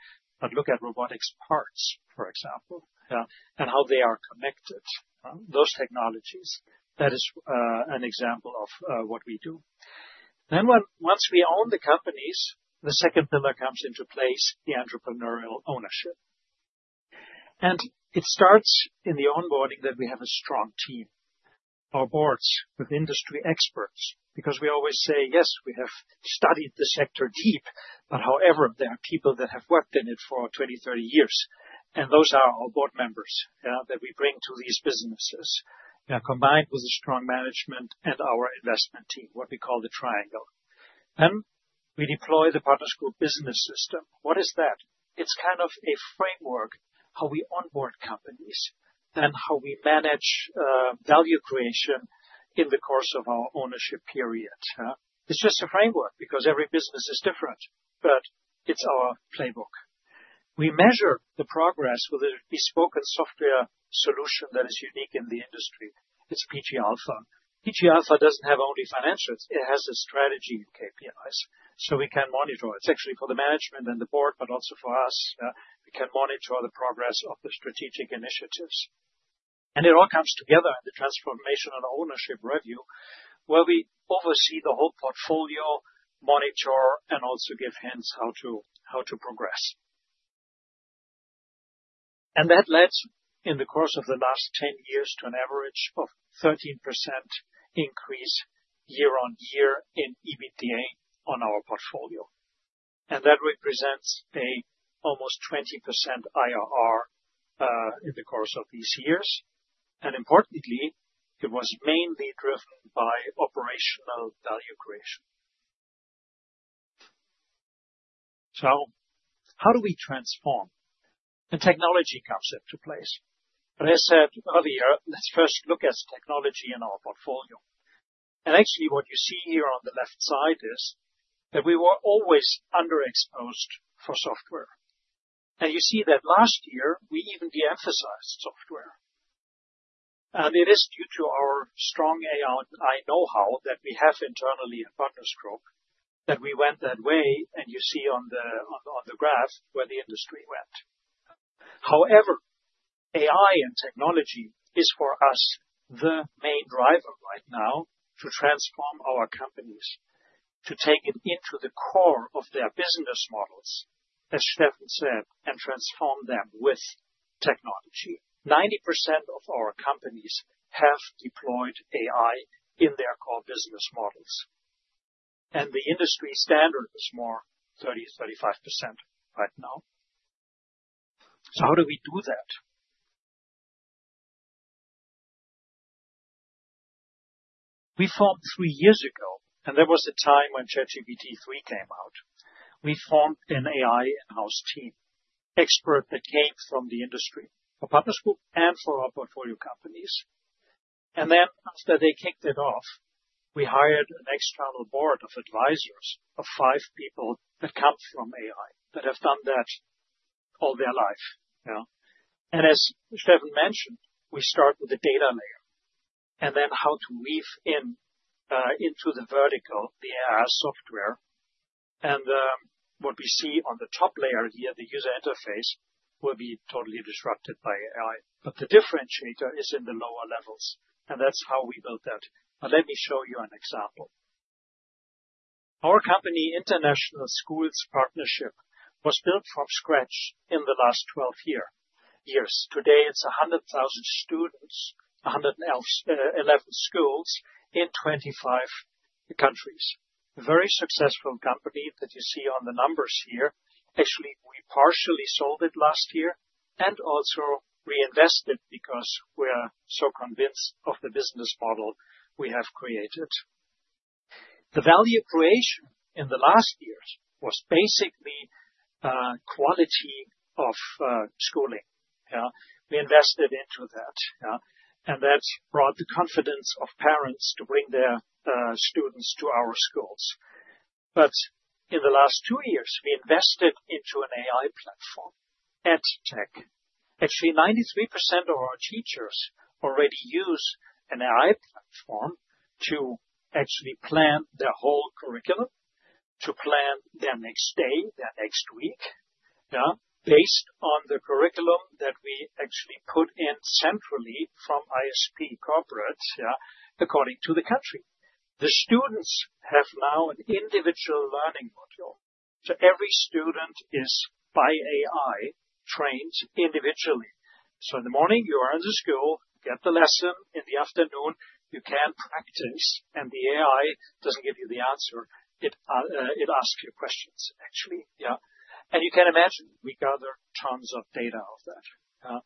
Look at robotics parts, for example, yeah, and how they are connected, those technologies. That is an example of what we do. Once we own the companies, the second pillar comes into place, the entrepreneurial ownership. It starts in the onboarding that we have a strong team. Our boards with industry experts, because we always say, "Yes, we have studied the sector deep." However, there are people that have worked in it for 20, 30 years, and those are our board members, yeah, that we bring to these businesses. They are combined with a strong management and our investment team, what we call the triangle. We deploy the Partners Group business system. What is that? It's kind of a framework how we onboard companies and how we manage value creation in the course of our ownership period. It's just a framework because every business is different, but it's our playbook. We measure the progress with a bespoke software solution that is unique in the industry. It's PG Alpha. PG Alpha doesn't have only financials, it has the strategy KPIs, so we can monitor. It's actually for the management and the board, but also for us. We can monitor the progress of the strategic initiatives. That led, in the course of the last 10 years, to an average of 13% increase year-on-year in EBITDA on our portfolio. That represents almost 20% IRR in the course of these years. Importantly, it was mainly driven by operational value creation. How do we transform? Technology comes into place. I said earlier, let's first look at technology in our portfolio. Actually, what you see here on the left side is that we were always underexposed for software. You see that last year we even de-emphasized software. It is due to our strong AI know-how that we have internally at Partners Group that we went that way, and you see on the graph where the industry went. However, AI and technology is, for us, the main driver to transform our companies, to take it into the core of their business models, as Steffen said, and transform them with technology. 90% of our companies have deployed AI in their core business models, and the industry standard is more 30%-35% right now. How do we do that? We formed three years ago, and there was a time when ChatGPT-3 came out. We formed an AI in-house team, expert that came from the industry for Partners Group and for our portfolio companies. Then after they kicked it off, we hired an external board of advisors of five people that come from AI, that have done that all their life. Yeah. As Steffen mentioned, we start with the data layer and then how to weave in into the vertical, the AI software. What we see on the top layer here, the user interface, will be totally disrupted by AI. But the differentiator is in the lower levels, and that's how we built that. Let me show you an example. Our company, International Schools Partnership, was built from scratch in the last 12 years. Today, it's 100,000 students, 111 schools in 25 countries. Very successful company that you see on the numbers here. Actually, we partially sold it last year and also reinvested because we're so convinced of the business model we have created. The value creation in the last years was basically quality of schooling. Yeah. We invested into that. Yeah. And that's brought the confidence of parents to bring their students to our schools. In the last two years, we invested into an AI platform, EdTech. Actually, 93% of our teachers already use an AI platform to actually plan their whole curriculum, to plan their next day, their next week, based on the curriculum that we actually put in centrally from ISP corporate, according to the country. The students have now an individual learning module. Every student is, by AI, trained individually. In the morning, you are in the school, get the lesson. In the afternoon, you can practice, and the AI doesn't give you the answer. It, it asks you questions, actually. You can imagine, we gather tons of data of that.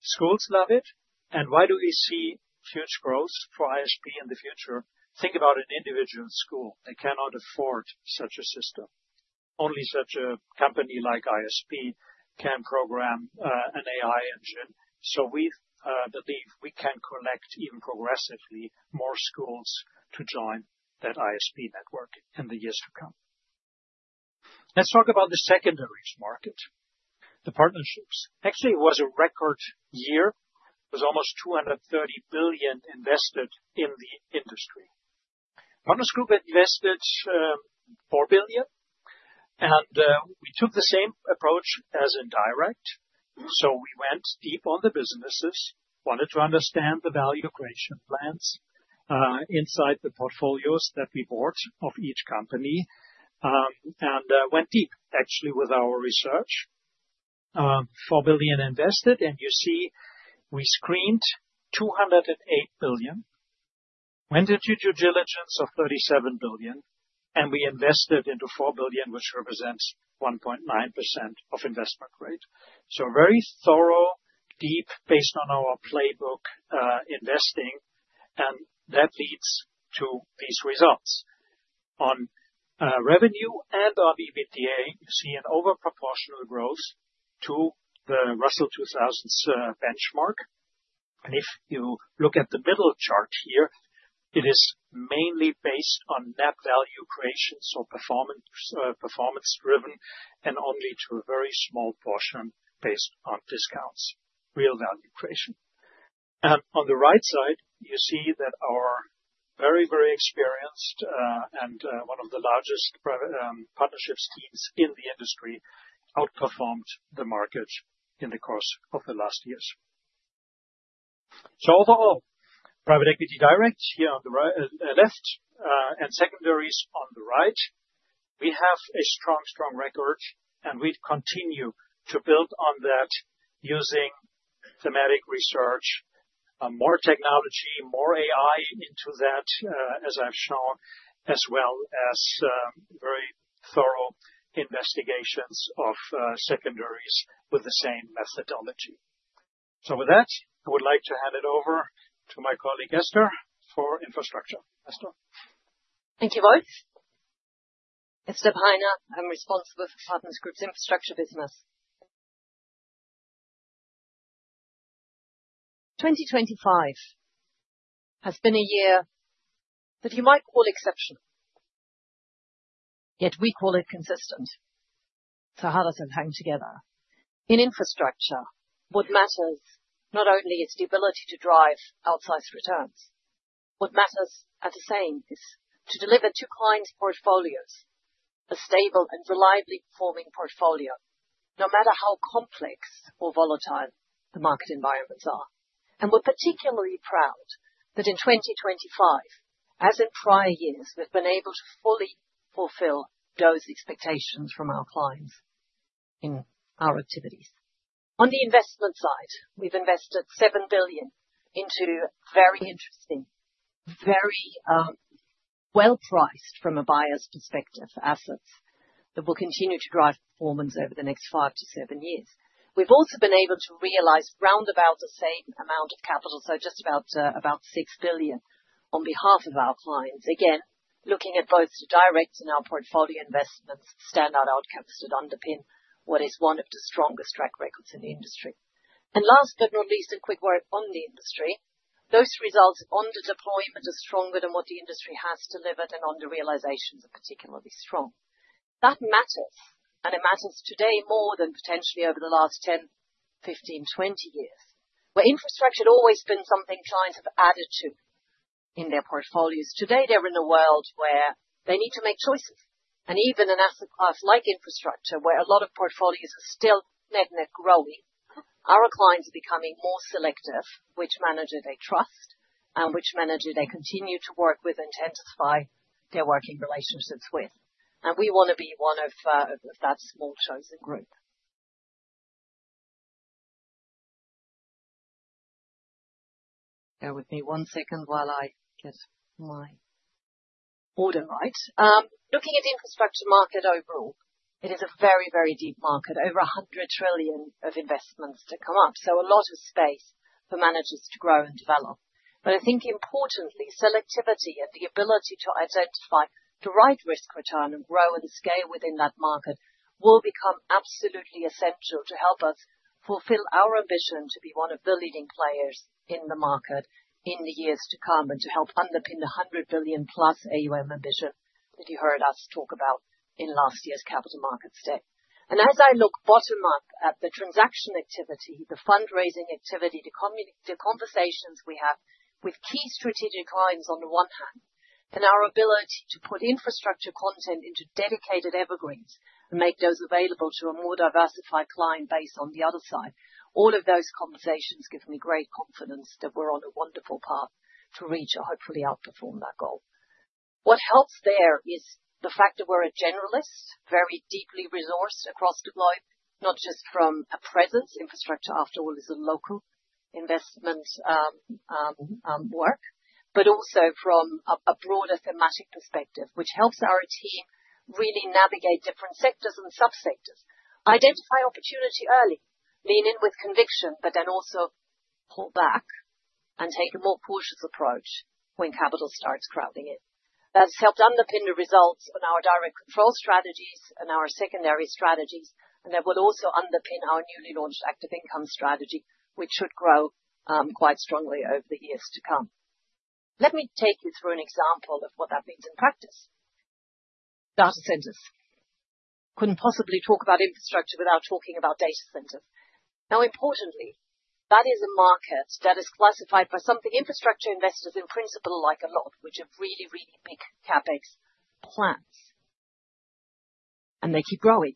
Schools love it. Why do we see huge growth for ISP in the future? Think about an individual school. They cannot afford such a system. Only such a company like ISP can program, an AI engine. We believe we can connect even progressively more schools to join that ISP network in the years to come. Let's talk about the secondaries market, the partnerships. Actually, it was a record year. It was almost $230 billion invested in the industry. Partners Group invested $4 billion, and we took the same approach as in direct. We went deep on the businesses, wanted to understand the value creation plans inside the portfolios that we bought of each company, and went deep actually with our research. $4 billion invested, and you see we screened $208 billion, went through due diligence of $37 billion, and we invested into $4 billion, which represents 1.9% of investment, right? Very thorough, deep, based on our playbook investing, and that leads to these results. On revenue and on EBITDA, you see an over proportional growth to the Russell 2000's benchmark. If you look at the middle chart here, it is mainly based on net value creation, so performance driven and only to a very small portion based on discounts, real value creation. On the right side, you see that our very experienced and one of the largest private partnerships teams in the industry outperformed the market in the course of the last years. Overall, private equity direct here on the left and secondaries on the right, we have a strong record, and we continue to build on that using thematic research, more technology, more AI into that, as I've shown, as well as very thorough investigations of secondaries with the same methodology. With that, I would like to hand it over to my colleague, Esther, for infrastructure. Esther? Thank you, Wolf. It's Esther Peiner. I'm responsible for Partners Group's infrastructure business. 2025 has been a year that you might call exceptional, yet we call it consistent, for how they've hung together. In infrastructure, what matters not only is the ability to drive outsized returns. What matters at the same time is to deliver to clients' portfolios, a stable and reliably performing portfolio, no matter how complex or volatile the market environments are. We're particularly proud that in 2025, as in prior years, we've been able to fully fulfill those expectations from our clients in our activities. On the investment side, we've invested $7 billion into very interesting, very well-priced from a buyer's perspective, assets that will continue to drive performance over the next 5-7 years. We've also been able to realize round about the same amount of capital, so just about about six billion on behalf of our clients. Again, looking at both the directs in our portfolio investments, standout outcomes that underpin what is one of the strongest track records in the industry. Last but not least, a quick word on the industry. Those results on the deployment are stronger than what the industry has delivered and on the realizations are particularly strong. That matters, and it matters today more than potentially over the last 10, 15, 20 years. Where infrastructure had always been something clients have added to in their portfolios, today they're in a world where they need to make choices. Even an asset class like infrastructure, where a lot of portfolios are still net growing, our clients are becoming more selective which manager they trust and which manager they continue to work with, intensify their working relationships with. We wanna be one of that small chosen group. Bear with me one second while I get my order right. Looking at the infrastructure market overall, it is a very, very deep market. Over $100 trillion of investments to come up, so a lot of space for managers to grow and develop. I think importantly, selectivity and the ability to identify the right risk return and grow and scale within that market will become absolutely essential to help us fulfill our ambition to be one of the leading players in the market in the years to come, and to help underpin the 100+ billion AUM ambition that you heard us talk about in last year's capital markets day. as I look bottom up at the transaction activity, the fundraising activity, the conversations we have with key strategic clients on the one hand, and our ability to put infrastructure content into dedicated evergreens and make those available to a more diversified client base on the other side, all of those conversations give me great confidence that we're on a wonderful path to reach or hopefully outperform that goal. What helps there is the fact that we're a generalist, very deeply resourced across the globe, not just from a presence, infrastructure after all is a local investment, but also from a broader thematic perspective, which helps our team really navigate different sectors and sub-sectors, identify opportunity early, lean in with conviction, but then also pull back and take a more cautious approach when capital starts crowding in. That's helped underpin the results in our direct control strategies and our secondary strategies, and that will also underpin our newly launched active income strategy, which should grow quite strongly over the years to come. Let me take you through an example of what that means in practice. Data centers. Couldn't possibly talk about infrastructure without talking about data centers. Now importantly, that is a market that is classified by something infrastructure investors in principle like a lot, which have really, really big CapEx plans, and they keep growing.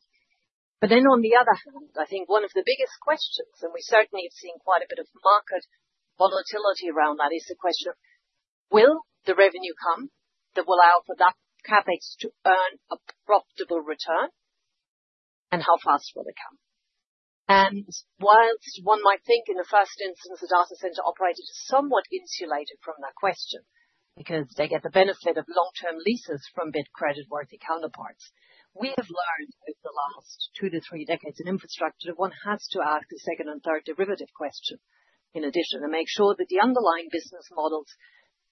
On the other hand, I think one of the biggest questions, and we certainly have seen quite a bit of market volatility around that, is the question of will the revenue come that will allow for that CapEx to earn a profitable return? How fast will they come? While one might think in the first instance, the data center operator is somewhat insulated from that question because they get the benefit of long-term leases from big creditworthy counterparties. We have learned over the last 2-3 decades in infrastructure that one has to ask the second and third derivative question in addition to make sure that the underlying business models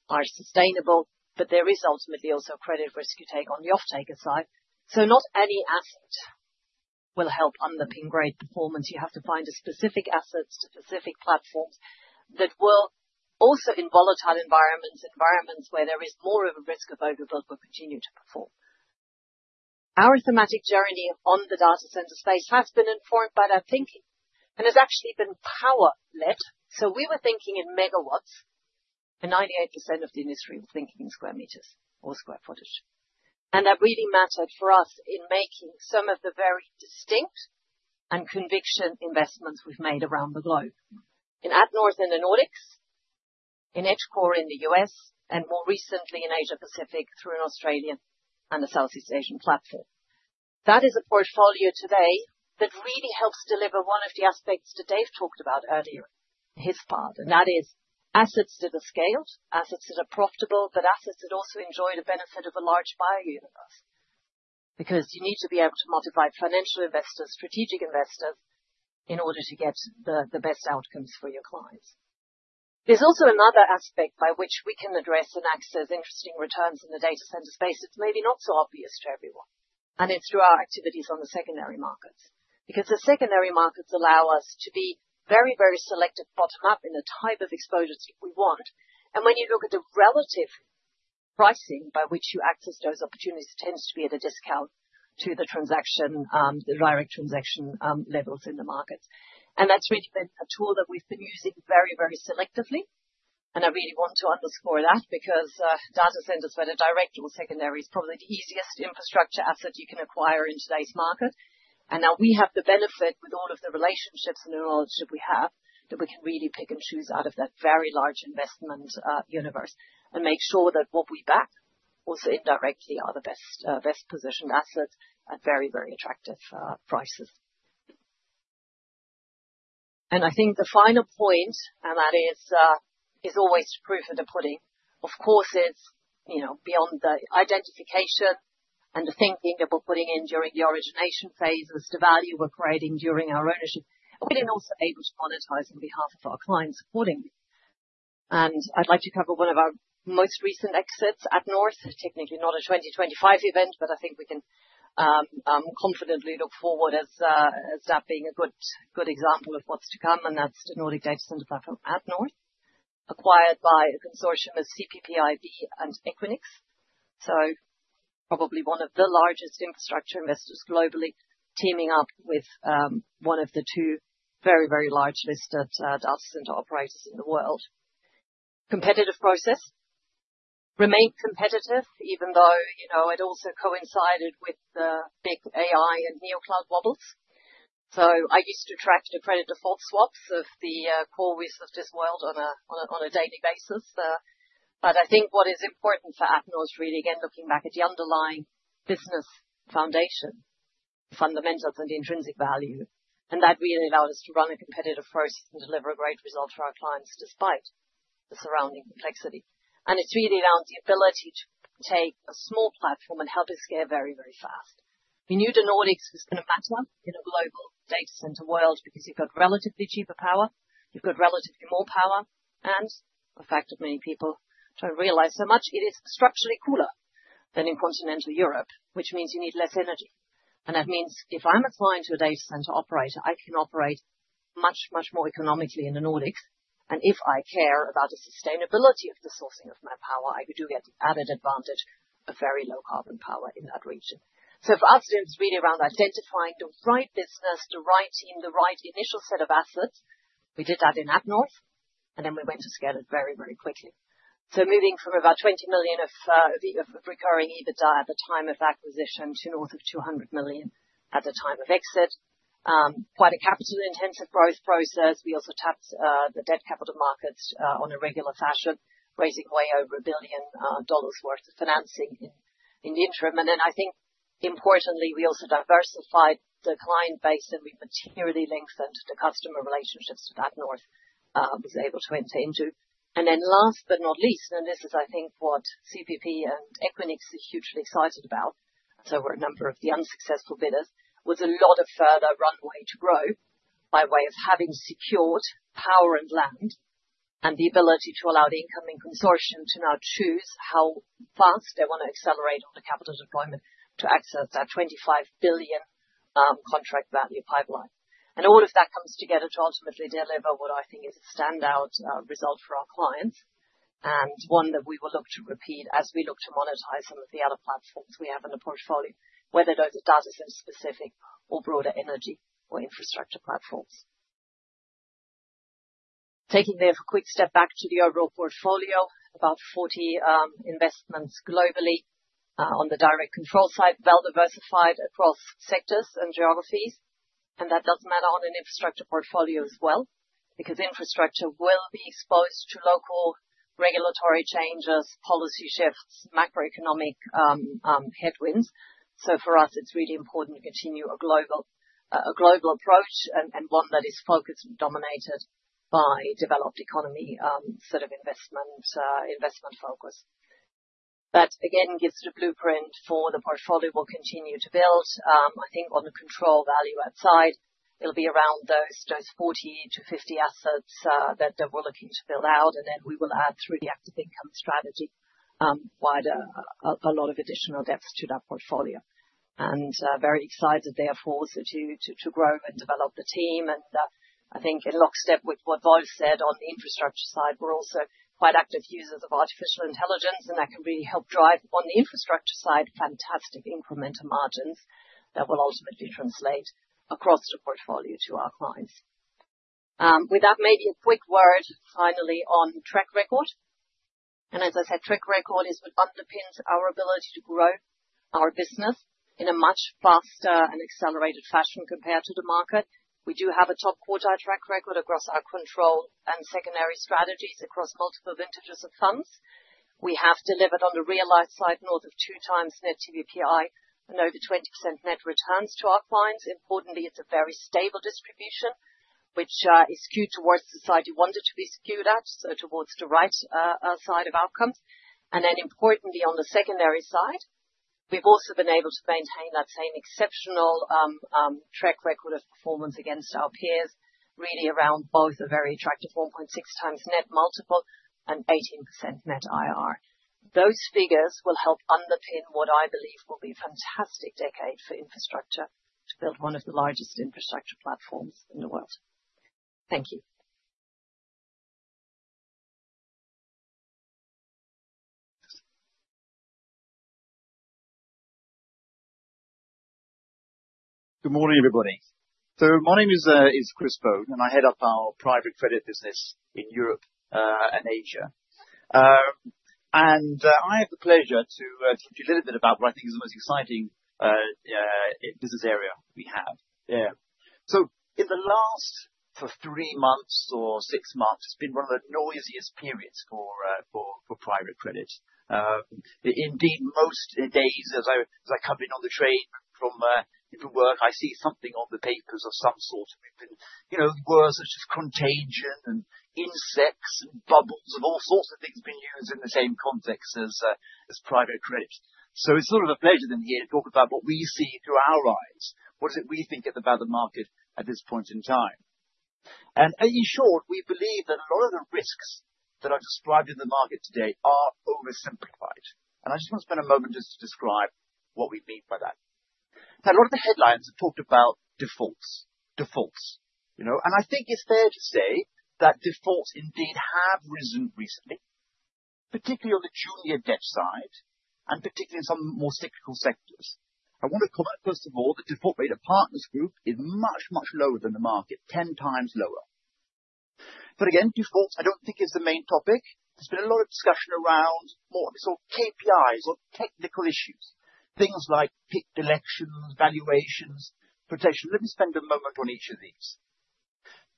are sustainable, but there is ultimately also credit risk you take on the offtaker side. Not any asset will help underpin great performance. You have to find a specific assets to specific platforms that will also in volatile environments where there is more of a risk of overbuild will continue to perform. Our thematic journey on the data center space has been informed by that thinking and has actually been power led. We were thinking in megawatts and 98% of the industry was thinking in square meters or square footage. That really mattered for us in making some of the very distinct and conviction investments we've made around the globe. In atNorth in the Nordics, in EdgeCore in the U.S., and more recently in Asia-Pacific through an Australian and a Southeast Asian platform. That is a portfolio today that really helps deliver one of the aspects that Dave talked about earlier in his part, and that is assets that are scaled, assets that are profitable, but assets that also enjoy the benefit of a large buyer universe. Because you need to be able to mobilize financial investors, strategic investors, in order to get the best outcomes for your clients. There's also another aspect by which we can address and access interesting returns in the data center space that's maybe not so obvious to everyone, and it's through our activities on the secondary markets. Because the secondary markets allow us to be very, very selective bottom-up in the type of exposures we want. When you look at the relative pricing by which you access those opportunities, it tends to be at a discount to the transaction, the direct transaction, levels in the markets. That's really been a tool that we've been using very, very selectively. I really want to underscore that because data centers, whether direct or secondary, is probably the easiest infrastructure asset you can acquire in today's market. Now we have the benefit with all of the relationships and the knowledge that we have, that we can really pick and choose out of that very large investment universe and make sure that what we back also indirectly are the best positioned assets at very, very attractive prices. I think the final point, and that is always proof of the pudding. Of course, it's, you know, beyond the identification and the thinking that we're putting in during the origination phase as to value we're creating during our ownership, and we've been also able to monetize on behalf of our clients accordingly. I'd like to cover one of our most recent exits atNorth. Technically, not a 2025 event, but I think we can confidently look forward to that being a good example of what's to come, and that's the Nordic data center platform atNorth, acquired by a consortium of CPPIB and Equinix. So probably one of the largest infrastructure investors globally, teaming up with one of the two very, very large listed data center operators in the world. Competitive process. Remained competitive, even though, you know, it also coincided with the big AI and neocloud models. I used to track the credit default swaps of the core risks of this world on a daily basis. I think what is important for [inaudble] is really, again, looking back at the underlying business foundation fundamentals and the intrinsic value. That really allowed us to run a competitive process and deliver a great result for our clients despite the surrounding complexity. It's really around the ability to take a small platform and help it scale very, very fast. We knew the Nordics was gonna matter in a global data center world because you've got relatively cheaper power, you've got relatively more power, and the fact that many people don't realize so much, it is structurally cooler than in continental Europe, which means you need less energy. That means if I'm a client to a data center operator, I can operate much, much more economically in the Nordics. If I care about the sustainability of the sourcing of my power, I do get the added advantage of very low carbon power in that region. For us, it's really around identifying the right business, the right team, the right initial set of assets. We did that in atNorth, and then we went to scale it very, very quickly. Moving from about $20 million of recurring EBITDA at the time of acquisition to north of $200 million at the time of exit. Quite a capital-intensive growth process. We also tapped the debt capital markets on a regular basis, raising way over $1 billion dollars worth of financing in the interim. I think importantly, we also diversified the client base, and we materially lengthened the customer relationships that atNorth was able to enter into. Last but not least, and this is I think what CPP and Equinix is hugely excited about, so were a number of the unsuccessful bidders, was a lot of further runway to grow by way of having secured power and land, and the ability to allow the incoming consortium to now choose how fast they wanna accelerate on the capital deployment to access that $25 billion contract value pipeline. All of that comes together to ultimately deliver what I think is a standout result for our clients, and one that we will look to repeat as we look to monetize some of the other platforms we have in the portfolio, whether those are data center specific or broader energy or infrastructure platforms. Taking a quick step back to the overall portfolio. About 40 investments globally on the direct control side, well diversified across sectors and geographies. That does matter on an infrastructure portfolio as well, because infrastructure will be exposed to local regulatory changes, policy shifts, macroeconomic headwinds. For us, it's really important to continue a global approach and one that is focused and dominated by developed economy sort of investment focus. That, again, gives the blueprint for the portfolio we'll continue to build. I think on the control value add side, it'll be around those 40-50 assets that we're looking to build out, and then we will add through the active income strategy a lot of additional depth to that portfolio. Very excited therefore to grow and develop the team. I think in lockstep with what Wolf said on the infrastructure side, we're also quite active users of artificial intelligence, and that can really help drive, on the infrastructure side, fantastic incremental margins that will ultimately translate across the portfolio to our clients. With that, maybe a quick word finally on track record. As I said, track record is what underpins our ability to grow our business in a much faster and accelerated fashion compared to the market. We do have a top quartile track record across our control and secondary strategies across multiple vintages of funds. We have delivered on the realized side, north of 2x net TVPI and over 20% net returns to our clients. Importantly, it's a very stable distribution, which is skewed towards the side you want it to be skewed at, so towards the right side of outcomes. Importantly, on the secondary side, we've also been able to maintain that same exceptional track record of performance against our peers, really around both a very attractive 4.6x net multiple and 18% net IRR. Those figures will help underpin what I believe will be a fantastic decade for infrastructure to build one of the largest infrastructure platforms in the world. Thank you. Good morning, everybody. My name is Chris Bone, and I head up our private credit business in Europe and Asia. I have the pleasure to talk to you a little bit about what I think is the most exciting business area we have. Yeah. In the last three months or six months, it's been one of the noisiest periods for private credit. Indeed, most days as I come in on the train from into work, I see something on the papers of some sort. It could be, you know, words such as contagion and incest and bubbles and all sorts of things being used in the same context as private credit. It's sort of a pleasure then here to talk about what we see through our eyes, what it is we think about the market at this point in time. In short, we believe that a lot of the risks that are described in the market today are oversimplified. I just want to spend a moment just to describe what we mean by that. A lot of the headlines have talked about defaults. Defaults, you know. I think it's fair to say that defaults indeed have resumed recently, particularly on the junior debt side, and particularly in some more cyclical sectors. I want to comment, first of all, the default rate of Partners Group is much, much lower than the market, 10 times lower. Again, defaults, I don't think is the main topic. There's been a lot of discussion around more of the sort of KPIs or technical issues. Things like PIK elections, valuations, protection. Let me spend a moment on each of these.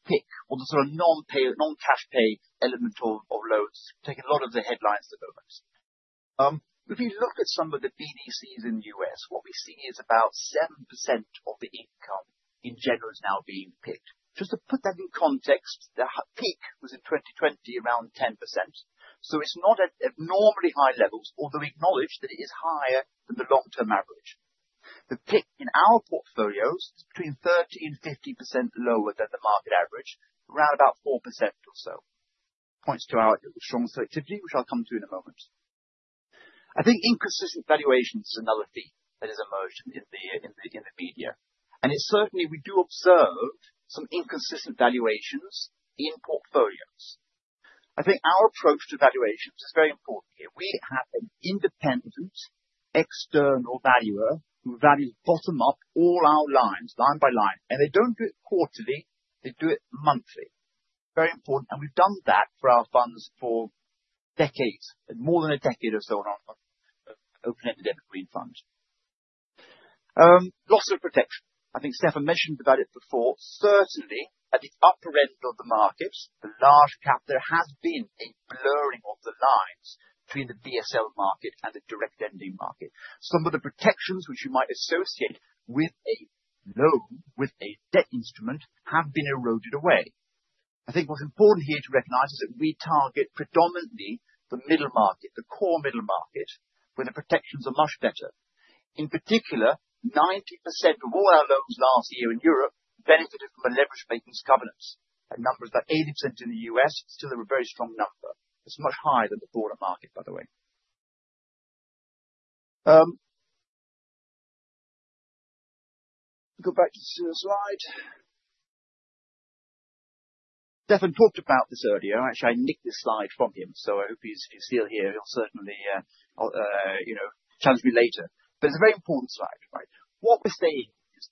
PIK or the sort of non-pay, non-cash pay element of loans take a lot of the headlines at the moment. If you look at some of the BDCs in the U.S., what we're seeing is about 7% of the income in general is now being PIK. Just to put that in context, the peak was in 2020, around 10%. It's not at abnormally high levels, although we acknowledge that it is higher than the long-term average. The PIK in our portfolios is between 30%-50% lower than the market average, around about 4% or so. Points to our strong selectivity, which I'll come to in a moment. I think inconsistent valuations is another theme that has emerged in the media. It's certainly we do observe some inconsistent valuations in portfolios. I think our approach to valuations is very important here. We have an independent external valuer who values bottom up all our lines, line by line, and they don't do it quarterly, they do it monthly. Very important, and we've done that for our funds for decades, more than a decade or so now of open-ended equity funds. Loss of protection. I think Steffen mentioned about it before. Certainly, at the upper end of the markets, the large cap, there has been a blurring of the lines between the BSL market and the direct lending market. Some of the protections which you might associate with a loan, with a debt instrument have been eroded away. I think what's important here to recognize is that we target predominantly the middle market, the core middle market, where the protections are much better. In particular, 90% of all our loans last year in Europe benefited from a leverage maintenance covenant. A number that 80% in the U.S. still have a very strong number. It's much higher than the broader market, by the way. Go back to the slide. Steffen talked about this earlier. Actually, I nicked this slide from him, so I hope he's still here. He'll certainly, you know, challenge me later, but it's a very important slide, right? What we're saying is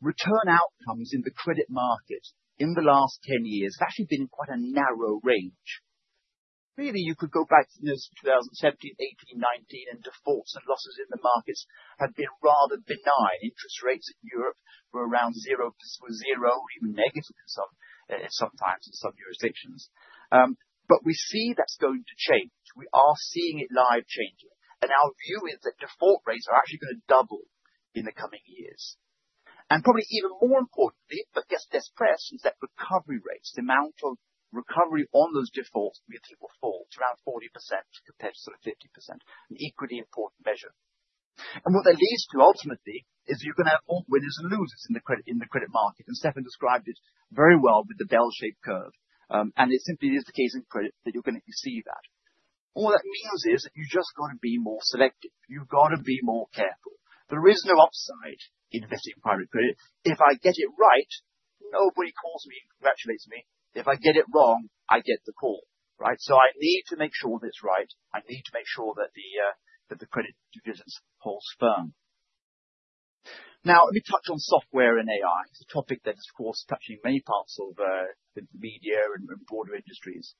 that return outcomes in the credit markets in the last 10 years has actually been quite a narrow range. Really, you could go back to, you know, 2017, 2018, 2019, and defaults and losses in the markets have been rather benign. Interest rates in Europe were around zero, even negative, sometimes in some jurisdictions. We see that's going to change. We are seeing it now changing. Our view is that default rates are actually gonna double in the coming years. Probably even more importantly, but less discussed, is that recovery rates, the amount of recovery on those defaults we expect will fall to around 40% compared to sort of 50%. An equally important measure. What that leads to ultimately is you're gonna have winners and losers in the credit market. Steffen described it very well with the bell-shaped curve. It simply is the case in credit that you're gonna see that. All that means is that you've just got to be more selective. You've got to be more careful. There is no upside in investing in private credit. If I get it right, nobody calls me and congratulates me. If I get it wrong, I get the call, right? I need to make sure that it's right. I need to make sure that the credit business holds firm. Now, let me touch on software and AI. It's a topic that is, of course, touching many parts of the media and broader industries.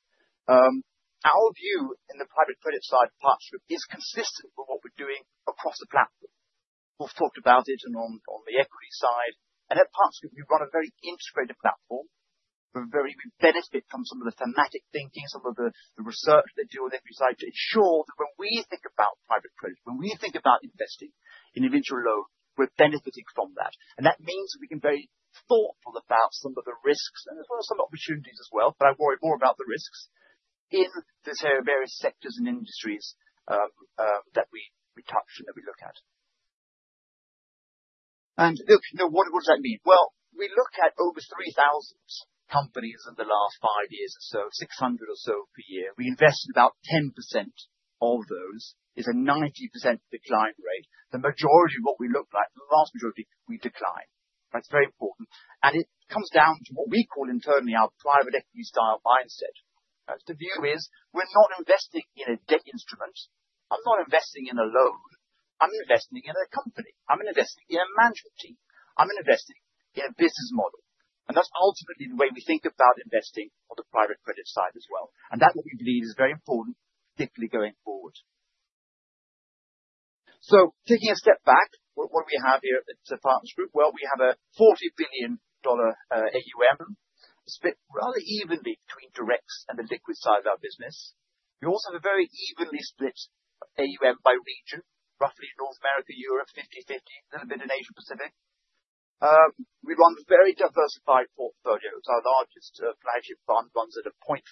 Our view in the private credit side of Partners Group is consistent with what we're doing across the platform. We've talked about it on the equity side and at Partners Group, we've got a very integrated platform. We benefit from some of the thematic thinking, some of the research that you do on equity side to ensure that when we think about private credit, when we think about investing in a venture loan, we're benefiting from that. That means we can be very thoughtful about some of the risks as well as some opportunities as well. I worry more about the risks in the sort of various sectors and industries that we touch and that we look at. Look, now what does that mean? Well, we look at over 3,000 companies in the last five years or so, 600 or so per year. We invest in about 10% of those, is a 90% decline rate. The majority of what we look like, the vast majority we decline. That's very important. It comes down to what we call internally our private equity style mindset. The view is we're not investing in a debt instrument. I'm not investing in a loan. I'm investing in a company. I'm investing in a management team. I'm investing in a business model. And that's ultimately the way we think about investing on the private credit side as well. And that, we believe, is very important, particularly going forward. Taking a step back, what we have here at Partners Group, well, we have a $40 billion AUM split rather evenly between directs and the liquid side of our business. We also have a very evenly split AUM by region, roughly North America, Europe, 50-50, little bit in Asia Pacific. We run very diversified portfolios. Our largest flagship fund runs at 0.5%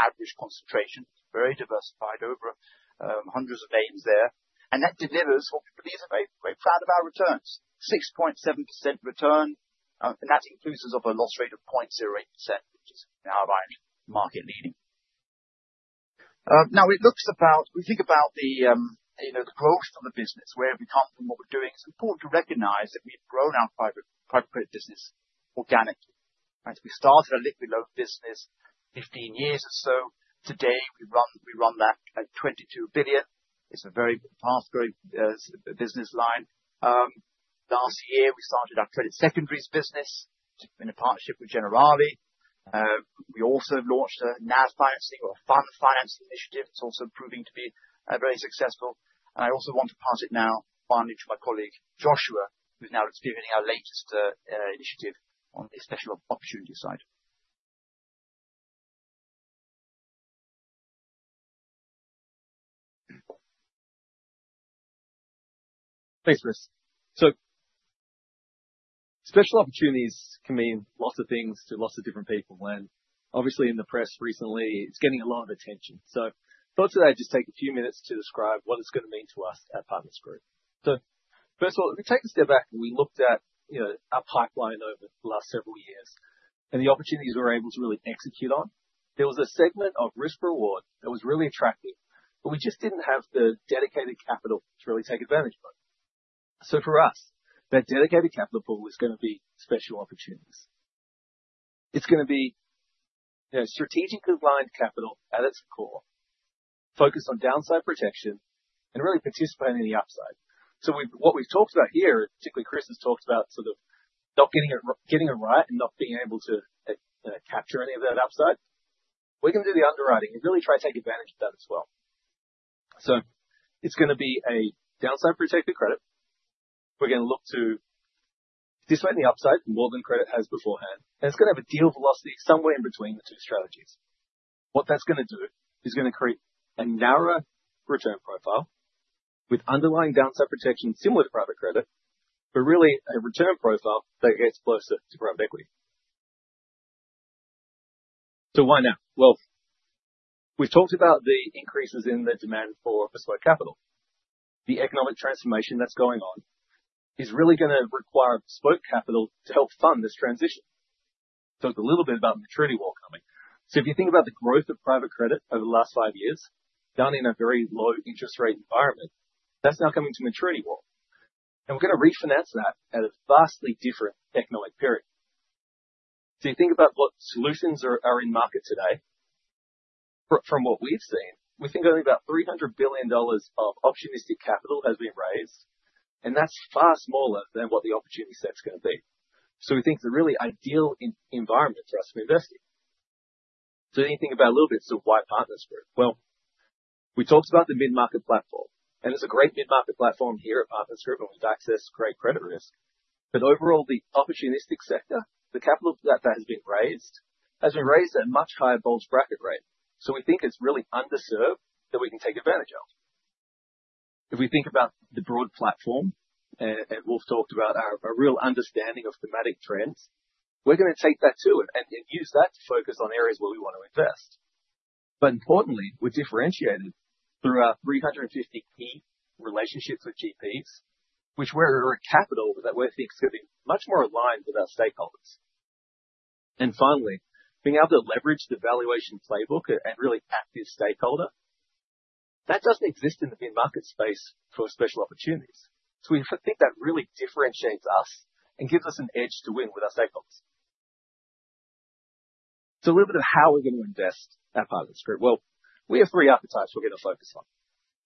average concentration, very diversified over hundreds of names there. That delivers what we believe is a very, very proud of our returns, 6.7% return, and that includes as of a loss rate of 0.08%, which is in our mind market leading. Now we think about the, you know, the growth of the business, where we come from, what we're doing. It's important to recognize that we've grown our private credit business organically. Right? We started a liquid loan business 15 years or so. Today, we run that at 22 billion. It's a very fast-growing business line. Last year we started our credit secondaries business in a partnership with Generali. We also launched a NAV financing or fund finance initiative. It's also proving to be very successful. I also want to pass it now finally to my colleague, Joshua, who's now explaining our latest initiative on the special opportunity side. Thanks, Chris. Special opportunities can mean lots of things to lots of different people, and obviously in the press recently it's getting a lot of attention. I thought today I'd just take a few minutes to describe what it's gonna mean to us at Partners Group. First of all, if we take a step back and we looked at, you know, our pipeline over the last several years and the opportunities we're able to really execute on, there was a segment of risk reward that was really attractive, but we just didn't have the dedicated capital to really take advantage of them. For us, that dedicated capital pool is gonna be special opportunities. It's gonna be, you know, strategically aligned capital at its core, focused on downside protection and really participating in the upside. What we've talked about here, particularly Chris, has talked about sort of not getting it right and not being able to capture any of that upside. We can do the underwriting and really try to take advantage of that as well. It's gonna be a downside protected credit. We're gonna look to size the upside more than credit has beforehand, and it's gonna have a deal velocity somewhere in between the two strategies. What that's gonna do is gonna create a narrower return profile with underlying downside protection similar to private credit, but really a return profile that gets closer to growth equity. Why now? Well, we've talked about the increases in the demand for bespoke capital. The economic transformation that's going on is really gonna require bespoke capital to help fund this transition. Talked a little bit about maturity wall coming. If you think about the growth of private credit over the last five years, done in a very low interest rate environment, that's now coming to maturity wall. We're gonna refinance that at a vastly different economic period. You think about what solutions are in market today. From what we've seen, we think only about $300 billion of opportunistic capital has been raised, and that's far smaller than what the opportunity set's gonna be. We think it's a really ideal environment for us to invest in. You think about a little bit, so why Partners Group? Well, we talked about the mid-market platform, and there's a great mid-market platform here at Partners Group and with access to great credit risk. Overall, the opportunistic sector, the capital that has been raised, has been raised at a much higher bulge bracket rate. We think it's really underserved that we can take advantage of. If we think about the broad platform, and Wolf talked about our real understanding of thematic trends, we're gonna take that too and use that to focus on areas where we want to invest. Importantly, we're differentiated through our 350 key relationships with GPs, which we're the capital that we think is gonna be much more aligned with our stakeholders. Finally, being able to leverage the valuation playbook and really active stakeholder, that doesn't exist in the mid-market space for special opportunities. We think that really differentiates us and gives us an edge to win with our stakeholders. A little bit of how we're gonna invest at Partners Group. Well, we have three appetites we're gonna focus on.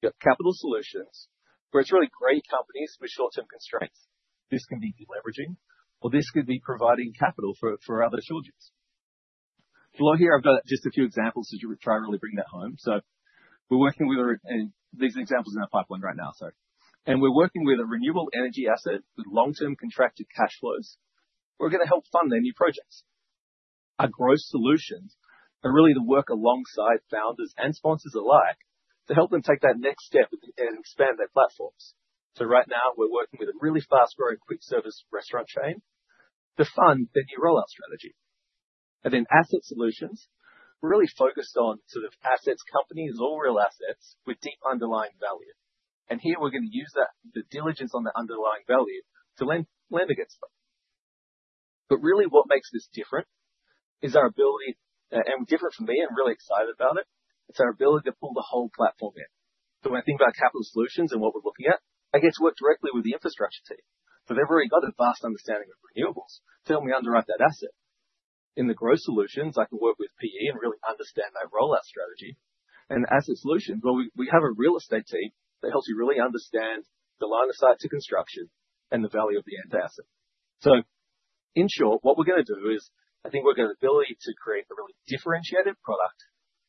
We've got capital solutions, where it's really great companies with short-term constraints. This can be de-leveraging or this could be providing capital for other shortages. Below here I've got just a few examples that you would try and really bring that home. These are examples in our pipeline right now. And we're working with a renewable energy asset with long-term contracted cash flows. We're gonna help fund their new projects. Our growth solutions are really to work alongside founders and sponsors alike to help them take that next step and expand their platforms. Right now we're working with a really fast-growing quick service restaurant chain to fund their new rollout strategy. Asset solutions, we're really focused on sort of assets, companies or real assets with deep underlying value. Here we're gonna use that, the diligence on the underlying value to lend against them. Really what makes this different is our ability, and different for me, I'm really excited about it's our ability to pull the whole platform in. When I think about capital solutions and what we're looking at, I get to work directly with the infrastructure team. They've already got a vast understanding of renewables to help me underwrite that asset. In the growth solutions, I can work with PE and really understand that rollout strategy. Asset solutions, well, we have a real estate team that helps you really understand the line of sight to construction and the value of the end asset. In short, what we're gonna do is, I think we've got the ability to create a really differentiated product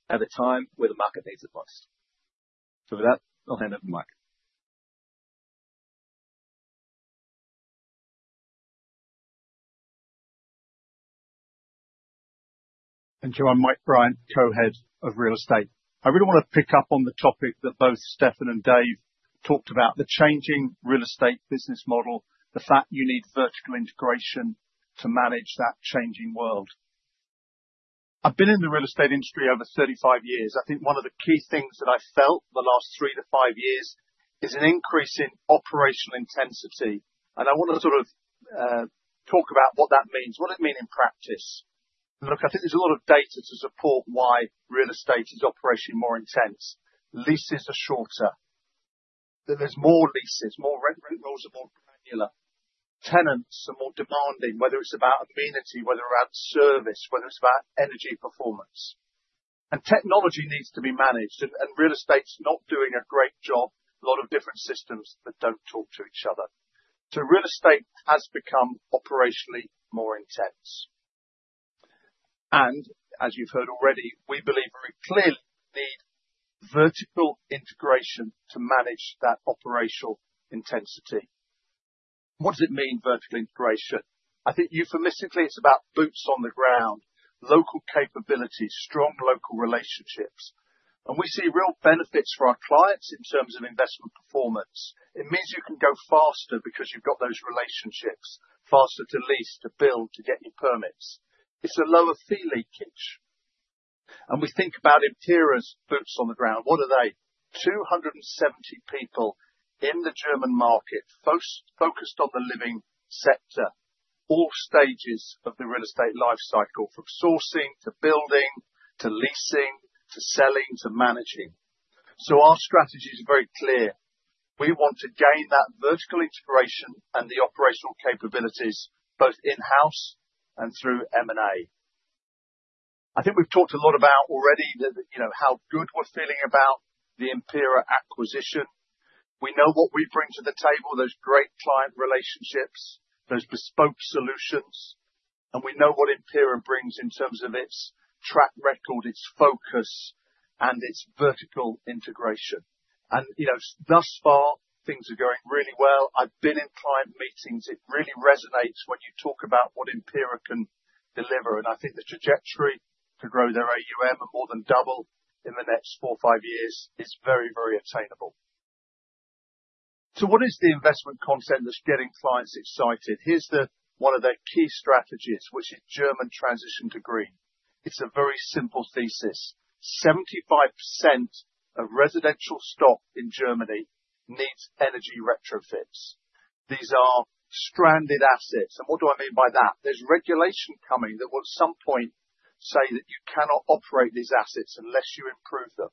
at a time where the market needs advice. With that, I'll hand over to Mike. Thank you. I'm Mike Bryant, Co-Head of Real Estate. I really wanna pick up on the topic that both Steffen and David talked about, the changing real estate business model, the fact you need vertical integration to manage that changing world. I've been in the real estate industry over 35 years. I think one of the key things that I felt the last 3-5 years is an increase in operational intensity. I wanna sort of talk about what that means. What does it mean in practice? Look, I think there's a lot of data to support why real estate is operating more intense. Leases are shorter. There's more leases, more rent, renewals are more granular. Tenants are more demanding, whether it's about amenity, whether about service, whether it's about energy performance. Technology needs to be managed and real estate's not doing a great job. A lot of different systems that don't talk to each other. Real estate has become operationally more intense. As you've heard already, we believe very clearly we need vertical integration to manage that operational intensity. What does it mean, vertical integration? I think euphemistically, it's about boots on the ground, local capabilities, strong local relationships. We see real benefits for our clients in terms of investment performance. It means you can go faster because you've got those relationships. Faster to lease, to build, to get your permits. It's a lower fee leakage. We think about Empira's boots on the ground. What are they? 270 people in the German market, focused on the living sector, all stages of the real estate life cycle, from sourcing, to building, to leasing, to selling, to managing. Our strategy is very clear. We want to gain that vertical integration and the operational capabilities both in-house and through M&A. I think we've talked a lot about already the, you know, how good we're feeling about the Empira acquisition. We know what we bring to the table, those great client relationships, those bespoke solutions, and we know what Empira brings in terms of its track record, its focus, and its vertical integration. You know, thus far, things are going really well. I've been in client meetings. It really resonates when you talk about what Empira can deliver, and I think the trajectory to grow their AUM more than double in the next four or five years is very, very attainable. What is the investment concept that's getting clients excited? Here's one of their key strategies, which is German transition to green. It's a very simple thesis. 75% of residential stock in Germany needs energy retrofits. These are stranded assets. What do I mean by that? There's regulation coming that will at some point say that you cannot operate these assets unless you improve them.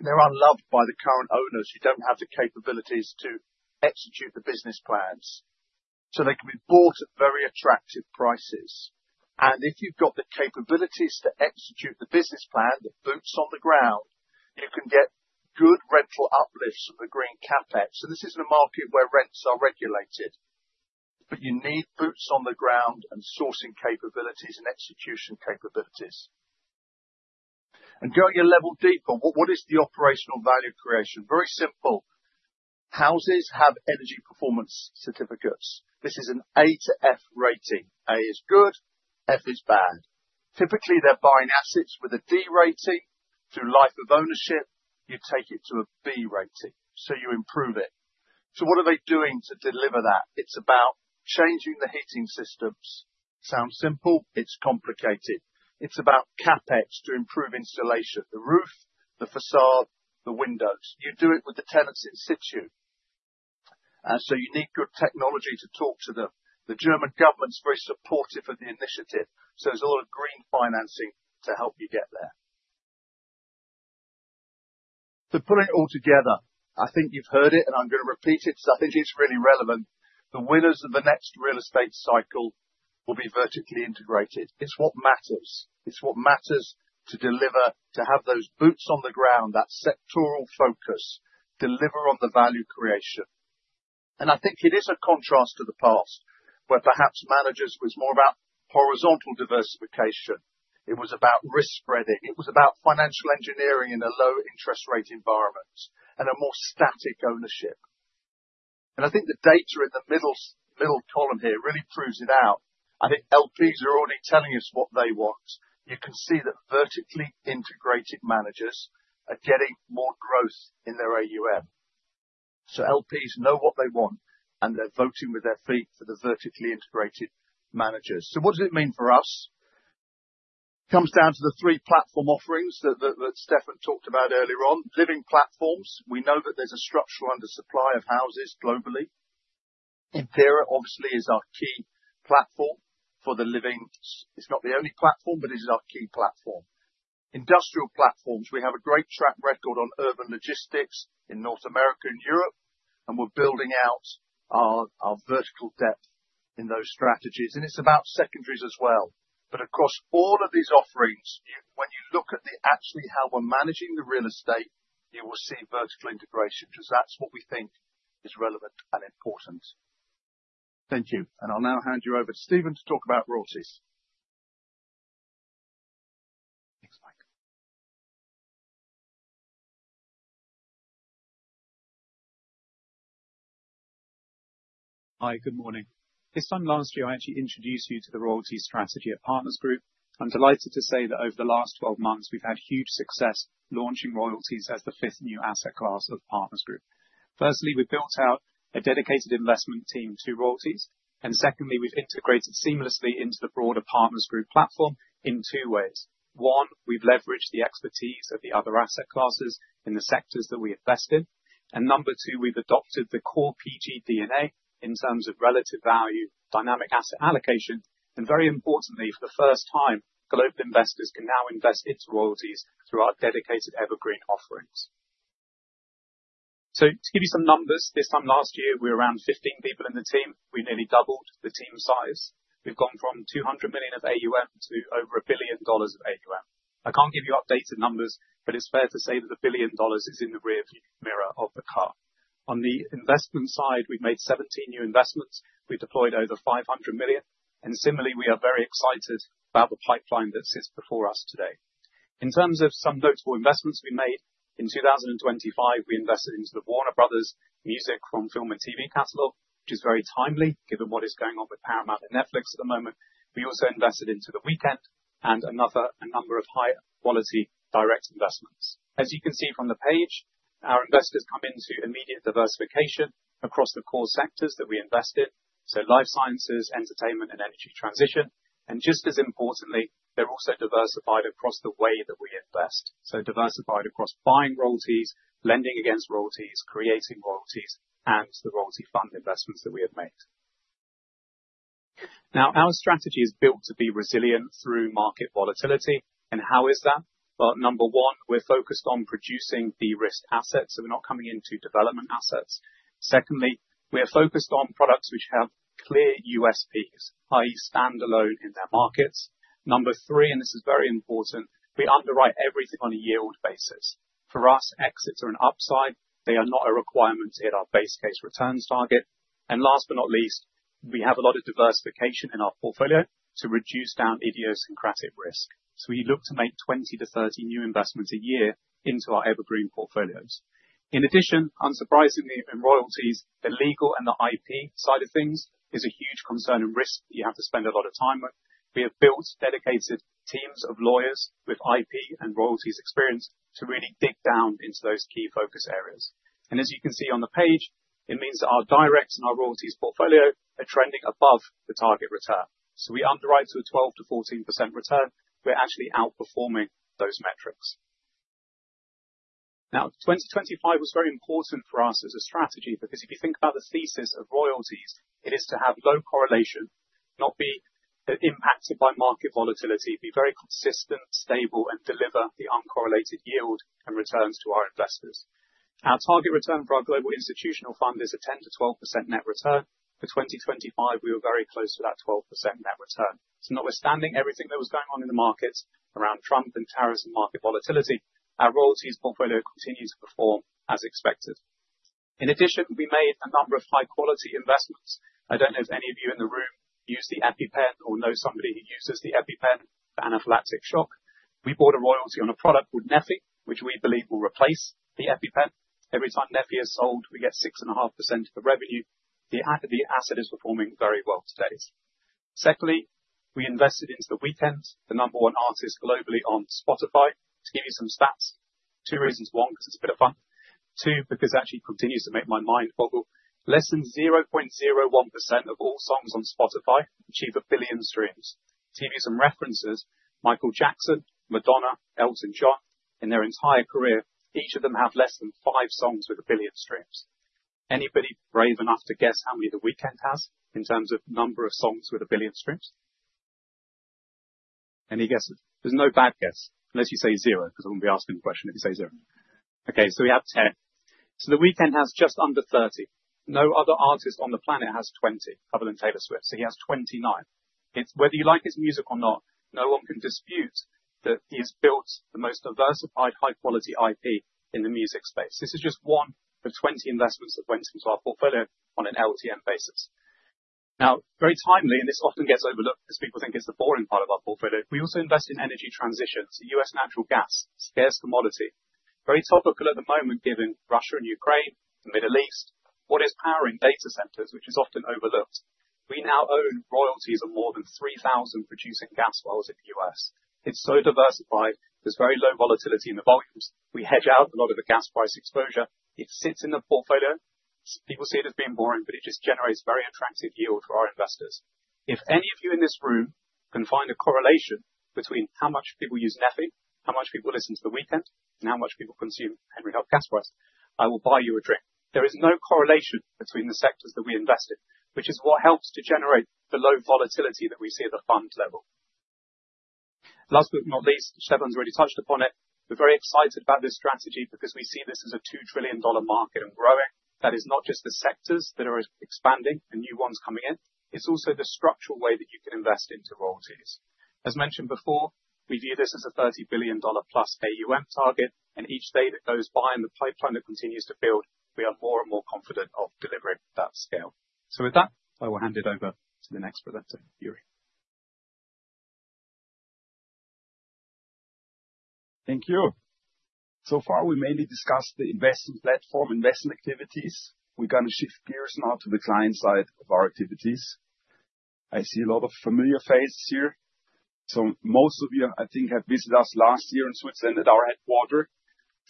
They're unloved by the current owners who don't have the capabilities to execute the business plans, so they can be bought at very attractive prices. If you've got the capabilities to execute the business plan, the boots on the ground, you can get good rental uplifts of the green CapEx. This is in a market where rents are regulated. You need boots on the ground and sourcing capabilities and execution capabilities. Go at your level deeper. What is the operational value creation? Very simple. Houses have energy performance certificates. This is an A to F rating. A is good, F is bad. Typically, they're buying assets with a D rating. Through life of ownership, you take it to a B rating. You improve it. What are they doing to deliver that? It's about changing the heating systems. Sounds simple. It's complicated. It's about CapEx to improve insulation of the roof, the façade, the windows. You do it with the tenants in situ. You need good technology to talk to them. The German government's very supportive of the initiative, so there's a lot of green financing to help you get there. Putting it all together, I think you've heard it and I'm gonna repeat it 'cause I think it's really relevant. The winners of the next real estate cycle will be vertically integrated. It's what matters. It's what matters to deliver, to have those boots on the ground, that sectoral focus, deliver on the value creation. I think it is a contrast to the past, where perhaps managers was more about horizontal diversification. It was about risk spreading. It was about financial engineering in a low interest rate environment and a more static ownership. I think the data in the middle column here really proves it out. I think LPs are only telling us what they want. You can see that vertically integrated managers are getting more growth in their AUM. LPs know what they want, and they're voting with their feet for the vertically integrated managers. What does it mean for us? Comes down to the three platform offerings that Steffen talked about earlier on. Living platforms, we know that there's a structural undersupply of houses globally. Empira obviously is our key platform for the living. It's not the only platform, but it is our key platform. Industrial platforms, we have a great track record on urban logistics in North America and Europe, and we're building out our vertical depth in those strategies, and it's about secondaries as well. But across all of these offerings, when you look at the actual how we're managing the real estate, you will see vertical integration, 'cause that's what we think is relevant and important. Thank you. I'll now hand you over to Stephen to talk about royalties. Thanks, Mike. Hi, good morning. This time last year, I actually introduced you to the royalties strategy at Partners Group. I'm delighted to say that over the last 12 months we've had huge success launching royalties as the fifth new asset class of Partners Group. Firstly, we built out a dedicated investment team to royalties, and secondly, we've integrated seamlessly into the broader Partners Group platform in two ways. One, we've leveraged the expertise of the other asset classes in the sectors that we invest in. Number 2, we've adopted the core PG DNA in terms of relative value, dynamic asset allocation, and very importantly, for the first time, global investors can now invest into royalties through our dedicated evergreen offerings. To give you some numbers, this time last year we were around 15 people in the team. We nearly doubled the team size. We've gone from $200 million of AUM to over $1 billion of AUM. I can't give you updated numbers, but it's fair to say that $1 billion is in the rear view mirror of the car. On the investment side, we've made 17 new investments. We deployed over $500 million, and similarly, we are very excited about the pipeline that sits before us today. In terms of some notable investments we made, in 2025, we invested into the Warner Brothers music from film and TV catalog, which is very timely given what is going on with Paramount and Netflix at the moment. We also invested into The Weeknd and a number of high-quality direct investments. As you can see from the page, our investors come into immediate diversification across the core sectors that we invest in, so life sciences, entertainment, and energy transition. Just as importantly, they're also diversified across the way that we invest. Diversified across buying royalties, lending against royalties, creating royalties, and the royalty fund investments that we have made. Now, our strategy is built to be resilient through market volatility. How is that? Well, number one, we're focused on producing de-risked assets, so we're not coming into development assets. Secondly, we are focused on products which have clear USPs, i.e., standalone in their markets. Number three, and this is very important, we underwrite everything on a yield basis. For us, exits are an upside. They are not a requirement to hit our base case returns target. Last but not least, we have a lot of diversification in our portfolio to reduce down idiosyncratic risk. We look to make 20-30 new investments a year into our evergreen portfolios. In addition, unsurprisingly, in royalties, the legal and the IP side of things is a huge concern and risk that you have to spend a lot of time with. We have built dedicated teams of lawyers with IP and royalties experience to really dig down into those key focus areas. As you can see on the page, it means that our direct and our royalties portfolio are trending above the target return. We underwrite to a 12%-14% return. We're actually outperforming those metrics. Now, 2025 was very important for us as a strategy because if you think about the thesis of royalties, it is to have low correlation, not be impacted by market volatility, be very consistent, stable, and deliver the uncorrelated yield and returns to our investors. Our target return for our global institutional fund is a 10%-12% net return. For 2025, we were very close to that 12% net return. Notwithstanding everything that was going on in the markets around Trump and tariffs and market volatility, our royalties portfolio continues to perform as expected. In addition, we made a number of high-quality investments. I don't know if any of you in the room use the EpiPen or know somebody who uses the EpiPen for anaphylactic shock. We bought a royalty on a product called neffy, which we believe will replace the EpiPen. Every time neffy is sold, we get 6.5% of the revenue. The asset is performing very well to date. Secondly, we invested into The Weeknd, the number 1 artist globally on Spotify. To give you some stats, two reasons. One, because it's a bit of fun. Two, because it actually continues to make my mind boggle. Less than 0.01% of all songs on Spotify achieve a billion streams. To give you some references, Michael Jackson, Madonna, Elton John, in their entire career, each of them have less than five songs with a billion streams. Anybody brave enough to guess how many The Weeknd has in terms of number of songs with a billion streams? Any guesses? There's no bad guess unless you say zero, 'cause I wouldn't be asking the question if you say zero. Okay, so we have 10. The Weeknd has just under 30. No other artist on the planet has 20 other than Taylor Swift, so he has 29. It's whether you like his music or not, no one can dispute that he has built the most diversified, high quality IP in the music space. This is just one of 20 investments that went into our portfolio on an LTM basis. Now, very timely, and this often gets overlooked 'cause people think it's the boring part of our portfolio. We also invest in energy transition, so U.S. natural gas, scarce commodity. Very topical at the moment given Russia and Ukraine, the Middle East. What is powering data centers, which is often overlooked. We now own royalties of more than 3,000 producing gas wells in the U.S.. It's so diversified. There's very low volatility in the volumes. We hedge out a lot of the gas price exposure. It sits in the portfolio. Some people see it as being boring, but it just generates very attractive yield for our investors. If any of you in this room can find a correlation between how much people use Netflix, how much people listen to The Weeknd, and how much people consume Henry Hub Gas Prices, I will buy you a drink. There is no correlation between the sectors that we invest in, which is what helps to generate the low volatility that we see at the fund level. Last but not least, Steffen's already touched upon it. We're very excited about this strategy because we see this as a $2 trillion market and growing. That is not just the sectors that are expanding and new ones coming in, it's also the structural way that you can invest into royalties. As mentioned before, we view this as a $30+ billion AUM target, and each day that goes by and the pipeline that continues to build, we are more and more confident of delivering that scale. With that, I will hand it over to the next presenter, Juri. Thank you. So far, we mainly discussed the investment platform, investment activities. We're gonna shift gears now to the client side of our activities. I see a lot of familiar faces here. Most of you, I think, have visited us last year in Switzerland at our headquarters.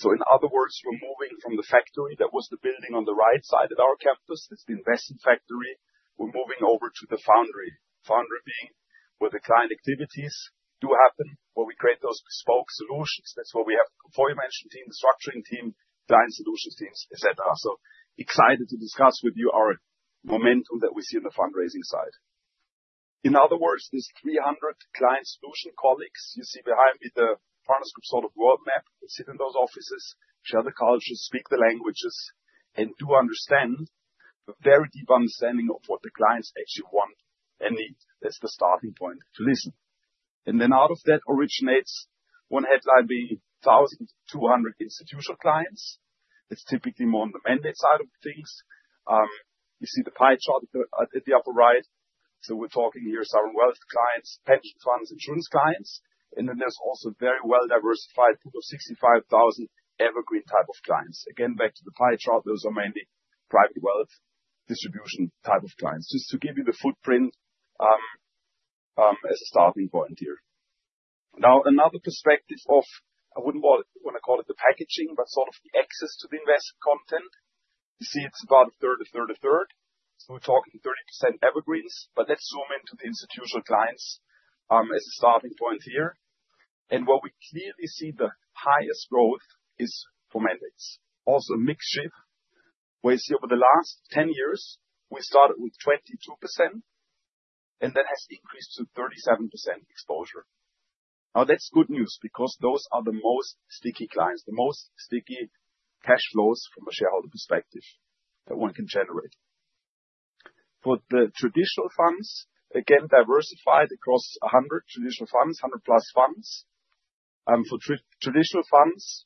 In other words, we're moving from the factory that was the building on the right side of our campus. It's the investment factory. We're moving over to the foundry. Foundry being where the client activities do happen, where we create those bespoke solutions. That's where we have the aforementioned team, the structuring team, client solutions teams, et cetera. Excited to discuss with you our momentum that we see on the fundraising side. In other words, these 300 client solution colleagues you see behind me, the Partners Group sort of world map, who sit in those offices, share the culture, speak the languages, and do understand a very deep understanding of what the clients actually want and need. That's the starting point, to listen. Out of that originates one headline being 200 institutional clients. It's typically more on the mandate side of things. You see the pie chart at the upper right. We're talking here some wealth clients, hedge funds, insurance clients, and then there's also very well-diversified people, 65,000 evergreen type of clients. Again, back to the pie chart, those are mainly private wealth distribution type of clients. Just to give you the footprint, as a starting point here. Now another perspective of, I wouldn't wanna call it the packaging, but sort of the access to the investment content. You see it's about a third, a third, a third. We're talking 30% evergreens, but let's zoom into the institutional clients as a starting point here. What we clearly see the highest growth is for mandates. Mix shift, where you see over the last 10 years, we started with 22%, and that has increased to 37% exposure. That's good news because those are the most sticky clients, the most sticky cash flows from a shareholder perspective that one can generate. For the traditional funds, again, diversified across 100 traditional funds, 100+ funds. For traditional funds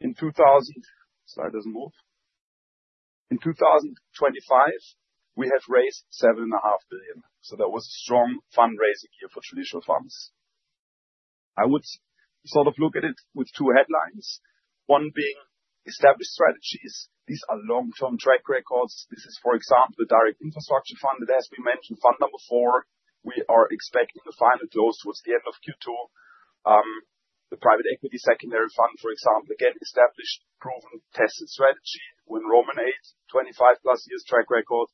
in 2025, we have raised 7.5 billion. That was a strong fundraising year for traditional funds. I would sort of look at it with two headlines. One being established strategies. These are long-term track records. This is, for example, the direct infrastructure fund that has been mentioned, fund number 4. We are expecting the final close towards the end of Q2. The private equity secondary fund, for example, again, established, proven, tested strategy with [inaudible] 8, 25+ years track record.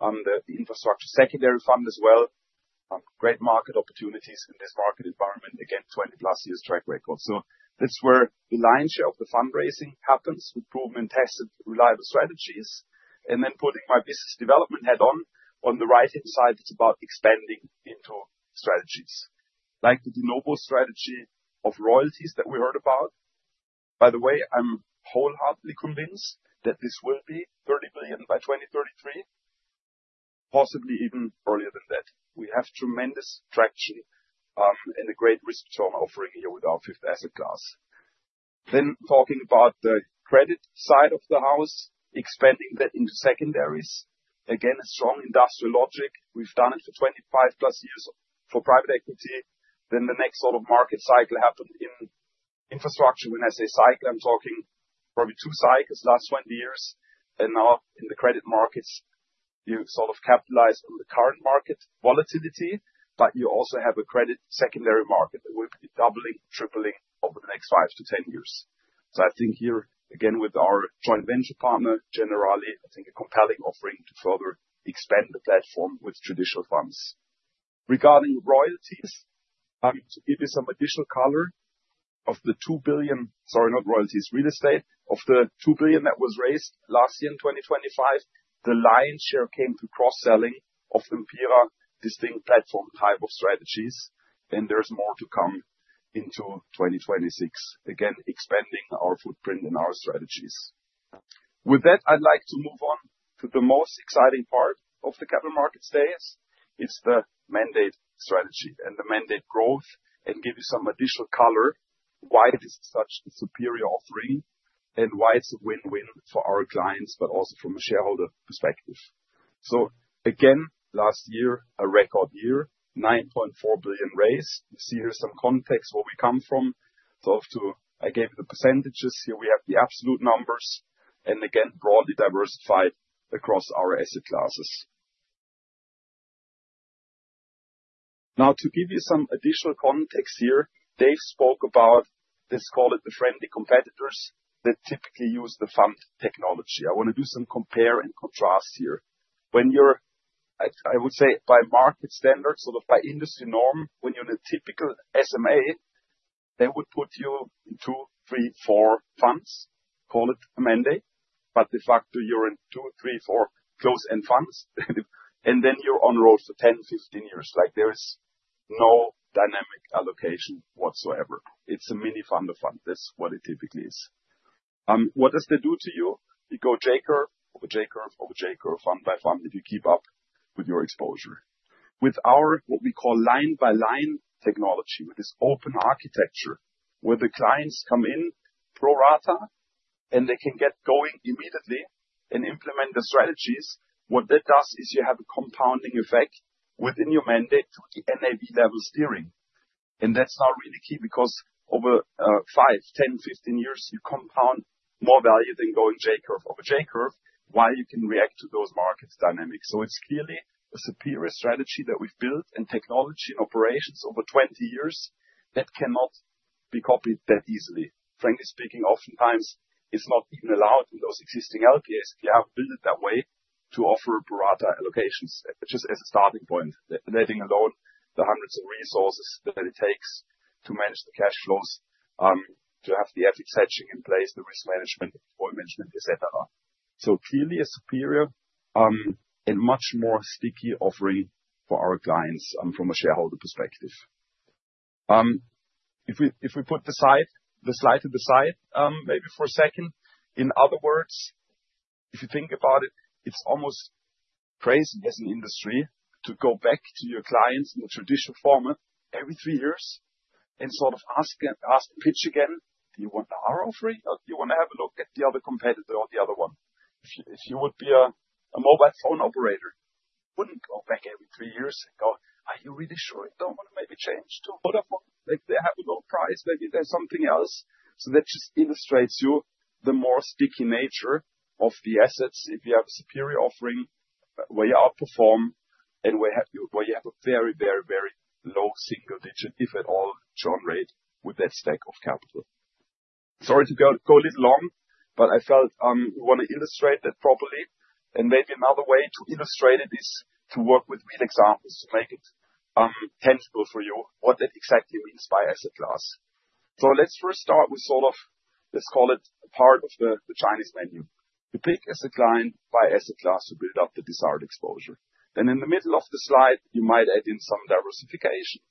The infrastructure secondary fund as well, great market opportunities in this market environment. Again, 20+ years track record. That's where the lion's share of the fundraising happens with proven, tested, reliable strategies. Putting my business development hat on the right-hand side, it's about expanding into strategies like the de novo strategy of royalties that we heard about. By the way, I'm wholeheartedly convinced that this will be $30 billion by 2033, possibly even earlier than that. We have tremendous traction, and a great risk term offering here with our fifth asset class. Talking about the credit side of the house, expanding that into secondaries. Again, a strong industrial logic. We've done it for 25+ years for private equity. The next sort of market cycle happened in infrastructure. When I say cycle, I'm talking probably two cycles last 20 years. Now in the credit markets, you sort of capitalize on the current market volatility, but you also have a credit secondary market that will be doubling, tripling over the next 5-10 years. I think here, again, with our joint venture partner, Generali, I think a compelling offering to further expand the platform with traditional funds. Regarding real estate, to give you some additional color on the $2 billion that was raised last year, in 2025, the lion's share came through cross-selling of Empira distinct platform type of strategies. Then there's more to come in 2026. Again, expanding our footprint and our strategies. With that, I'd like to move on to the most exciting part of the capital markets days. It's the mandate strategy and the mandate growth, and give you some additional color why it is such a superior offering and why it's a win-win for our clients, but also from a shareholder perspective. Again, last year, a record year, $9.4 billion raised. You see here some context where we come from. I gave the percentages, here we have the absolute numbers, and again, broadly diversified across our asset classes. Now to give you some additional context here, Dave spoke about. Let's call it the friendly competitors that typically use the fund technology. I wanna do some compare and contrast here. When you're, I would say by market standards, sort of by industry norm, when you're in a typical SMA, they would put you in 2, 3, 4 funds, call it a mandate, but de facto you're in 2, 3, 4 closed-end funds, and then you're on rolls for 10, 15 years. Like, there is no dynamic allocation whatsoever. It's a mini fund of funds. That's what it typically is. What does that do to you? You go J-curve, over J-curve, over J-curve, fund by fund, if you keep up with your exposure. With our what we call Line-by-Line technology, with this open architecture, where the clients come in pro rata, and they can get going immediately and implement the strategies, what that does is you have a compounding effect within your mandate to keep NAV level steering. That's now really key because over 5, 10, 15 years, you compound more value than going J-curve over J-curve while you can react to those market dynamics. It's clearly a superior strategy that we've built in technology and operations over 20 years that cannot be copied that easily. Frankly speaking, oftentimes it's not even allowed in those existing LPs. You have to build it that way to offer pro rata allocations, just as a starting point, leaving alone the hundreds of resources that it takes to manage the cash flows, to have the FX hedging in place, the risk management, employee management, et cetera. Clearly a superior and much more sticky offering for our clients, from a shareholder perspective. If we put the slide to the side, maybe for a second, in other words, if you think about it's almost crazy as an industry to go back to your clients in the traditional format every three years and sort of ask, pitch again, "Do you want a RO3, or do you wanna have a look at the other competitor or the other one?" If you would be a mobile phone operator, you wouldn't go back every three years and go, "Are you really sure you don't wanna maybe change to Vodafone? Maybe they have a low price. Maybe there's something else. That just illustrates to you the more sticky nature of the assets if you have a superior offering where you outperform and where you have a very low single digit, if at all, churn rate with that stack of capital. Sorry to go a little long, but I felt we wanna illustrate that properly, and maybe another way to illustrate it is to work with real examples to make it tangible for you what that exactly means by asset class. Let's first start with sort of, let's call it a part of the Chinese menu. You pick as a client by asset class to build up the desired exposure. Then in the middle of the slide, you might add in some diversification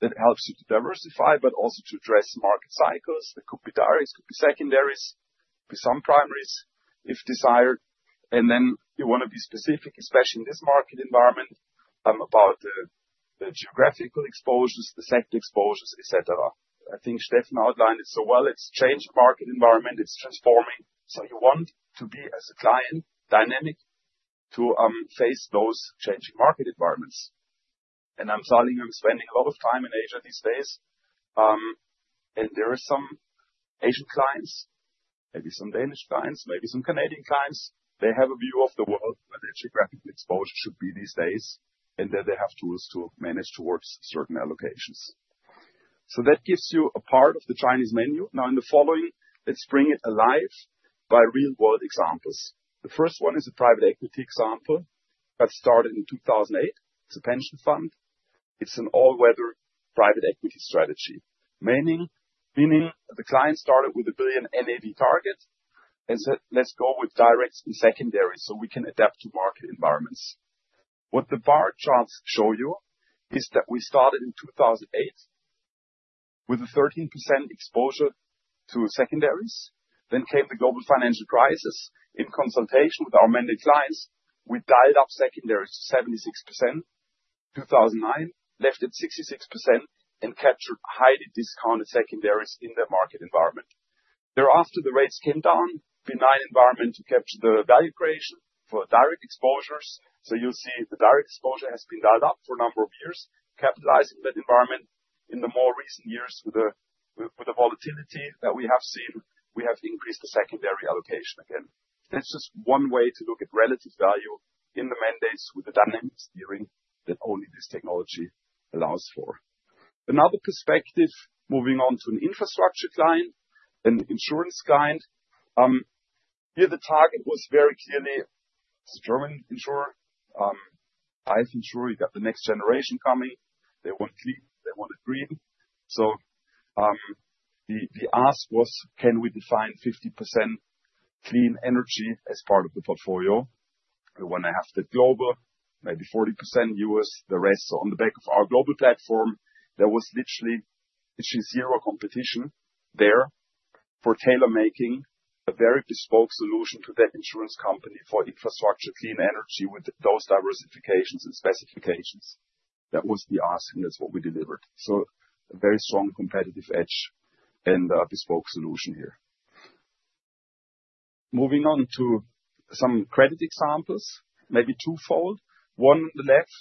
that helps you to diversify, but also to address market cycles. They could be direct, could be secondaries, could be some primaries, if desired. Then you wanna be specific, especially in this market environment, about the geographical exposures, the sector exposures, et cetera. I think Steffen outlined it so well. It's changed market environment. It's transforming. You want to be, as a client, dynamic to face those changing market environments. I'm telling you, I'm spending a lot of time in Asia these days, and there are some Asian clients, maybe some Danish clients, maybe some Canadian clients, they have a view of the world where their geographic exposure should be these days, and there they have tools to manage towards certain allocations. That gives you a part of the Chinese menu. Now in the following, let's bring it alive by real world examples. The first one is a private equity example that started in 2008. It's a pension fund. It's an all-weather private equity strategy, meaning the client started with a $1 billion NAV target and said, "Let's go with directs and secondaries, so we can adapt to market environments." What the bar charts show you is that we started in 2008 with a 13% exposure to secondaries. The global financial crisis. In consultation with our mandate clients, we dialed up secondaries to 76% in 2009, left at 66% and captured highly discounted secondaries in that market environment. Thereafter, the rates came down, benign environment to capture the value creation for direct exposures. You'll see the direct exposure has been dialed up for a number of years, capitalizing that environment in the more recent years with the volatility that we have seen. We have increased the secondary allocation again. That's just one way to look at relative value in the mandates with the dynamic steering that only this technology allows for. Another perspective, moving on to an infrastructure client, an insurance client. Here the target was very clearly it's a German insurer, life insurer. You got the next generation coming. They want clean, they wanted green. The ask was, "Can we define 50% clean energy as part of the portfolio? We wanna have the global, maybe 40% U.S., the rest on the back of our global platform." There was literally zero competition there for tailor-making a very bespoke solution to that insurance company for infrastructure, clean energy with those diversifications and specifications. That was the ask, and that's what we delivered. A very strong competitive edge and a bespoke solution here. Moving on to some credit examples, maybe twofold. One on the left,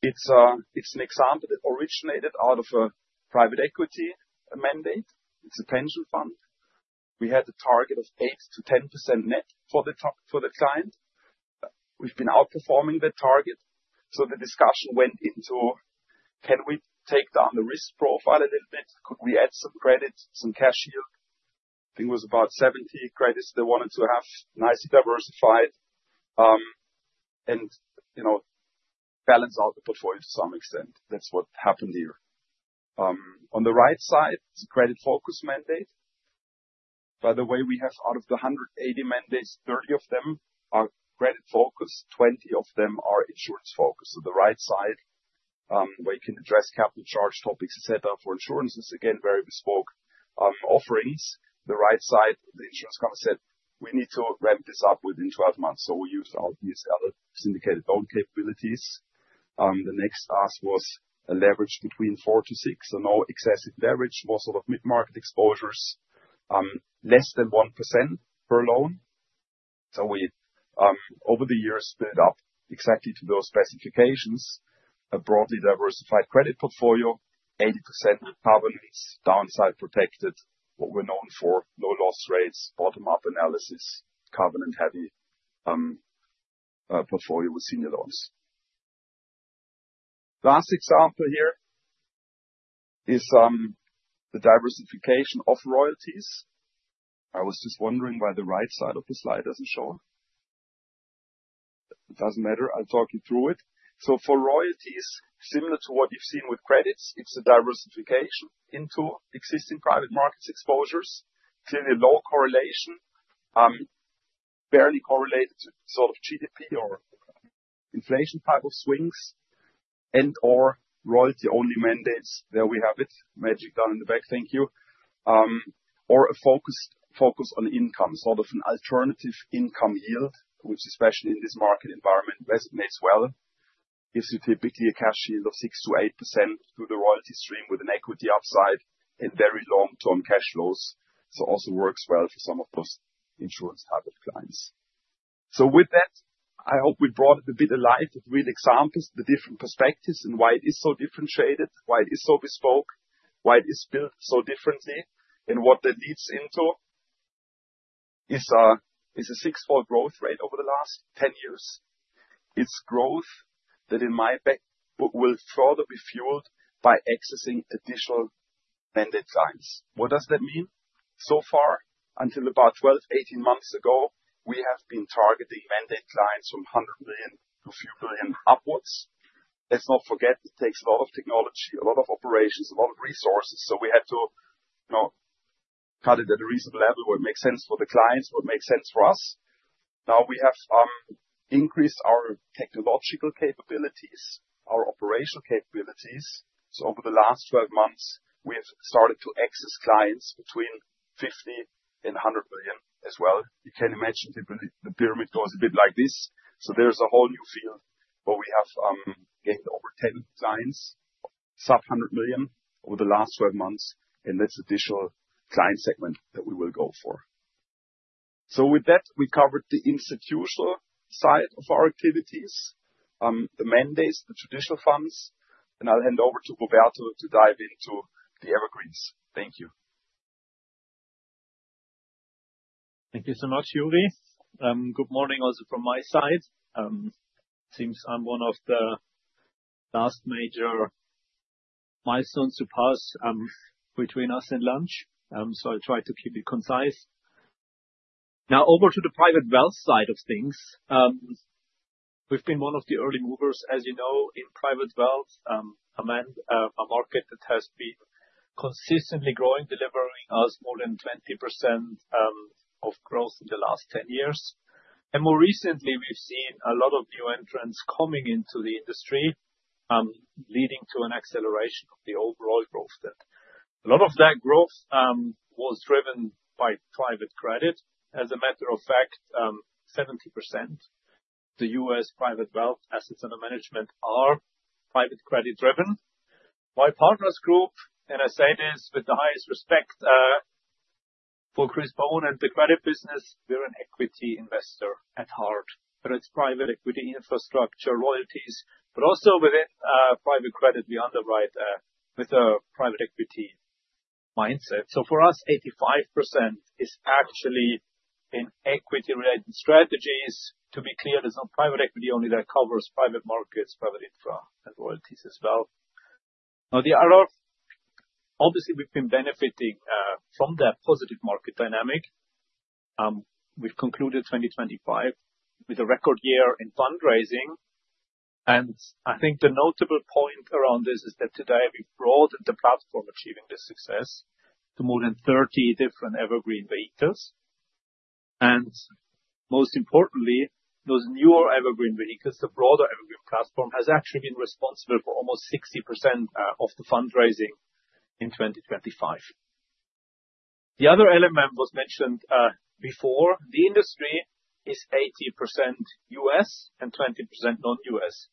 it's an example that originated out of a private equity mandate. It's a pension fund. We had a target of 8%-10% net for the client. We've been outperforming the target, so the discussion went into can we take down the risk profile a little bit? Could we add some credits, some cash yield? I think it was about 70 credits they wanted to have nicely diversified, and, you know, balance out the portfolio to some extent. That's what happened here. On the right side is a credit focus mandate. By the way, we have out of the 180 mandates, 30 of them are credit focused, 20 of them are insurance focused. The right side, where you can address capital charge topics, et cetera, for insurances, again, very bespoke offerings. The right side, the insurance kind of said, "We need to ramp this up within 12 months." We used all these other syndicated loan capabilities. The next ask was a leverage between 4-6. No excessive leverage, more sort of mid-market exposures, less than 1% per loan. We over the years built up exactly to those specifications, a broadly diversified credit portfolio, 80% with covenants, downside protected, what we're known for, low loss rates, bottom up analysis, covenant-heavy, portfolio with senior loans. Last example here is the diversification of royalties. I was just wondering why the right side of the slide doesn't show. It doesn't matter. I'll talk you through it. For royalties, similar to what you've seen with credits, it's a diversification into existing private markets exposures. Clearly low correlation, barely correlated to sort of GDP or inflation type of swings and/or royalty-only mandates. There we have it. Magic down in the back. Thank you. A focused focus on income, sort of an alternative income yield, which especially in this market environment resonates well, gives you typically a cash yield of 6%-8% through the royalty stream with an equity upside and very long term cash flows. Also works well for some of those insurance type of clients. With that, I hope we brought it a bit alive with real examples, the different perspectives, and why it is so differentiated, why it is so bespoke, why it is built so differently, and what that leads into is a six-fold growth rate over the last 10 years. It's growth that in my book will further be fueled by accessing additional mandate clients. What does that mean? Far, until about 12-18 months ago, we have been targeting mandate clients from 100 million to a few billion upwards. Let's not forget it takes a lot of technology, a lot of operations, a lot of resources. We had to, you know, cut it at a reasonable level where it makes sense for the clients, what makes sense for us. Now we have increased our technological capabilities, our operational capabilities. Over the last 12 months, we have started to access clients between 50 and 100 billion as well. You can imagine the pyramid goes a bit like this. There's a whole new field where we have gained over 10 clients, sub-100 million, over the last 12 months, and that's additional client segment that we will go for. With that, we covered the institutional side of our activities, the mandates, the traditional funds, and I'll hand over to Roberto to dive into the evergreens. Thank you. Thank you so much, Juri. Good morning also from my side. Seems I'm one of the last major milestones to pass, between us and lunch, so I'll try to keep it concise. Now over to the private wealth side of things. We've been one of the early movers, as you know, in private wealth, a market that has been consistently growing, delivering us more than 20% of growth in the last 10 years. More recently, we've seen a lot of new entrants coming into the industry, leading to an acceleration of the overall growth then. A lot of that growth was driven by private credit. As a matter of fact, 70%, the U.S. private wealth assets under management are private credit driven. At Partners Group, I say this with the highest respect for Chris Bone and the credit business, we're an equity investor at heart, whether it's private equity, infrastructure, royalties. Also within private credit, we underwrite with a private equity mindset. For us, 85% is actually in equity-related strategies. To be clear, there's no private equity only that covers private markets, private infra, and royalties as well. We've been benefiting from that positive market dynamic. We've concluded 2025 with a record year in fundraising. I think the notable point around this is that today we've broadened the platform achieving this success to more than 30 different evergreen vehicles. Most importantly, those newer evergreen vehicles, the broader evergreen platform, has actually been responsible for almost 60% of the fundraising in 2025. The other element was mentioned before. The industry is 80% U.S. and 20% non-U.S.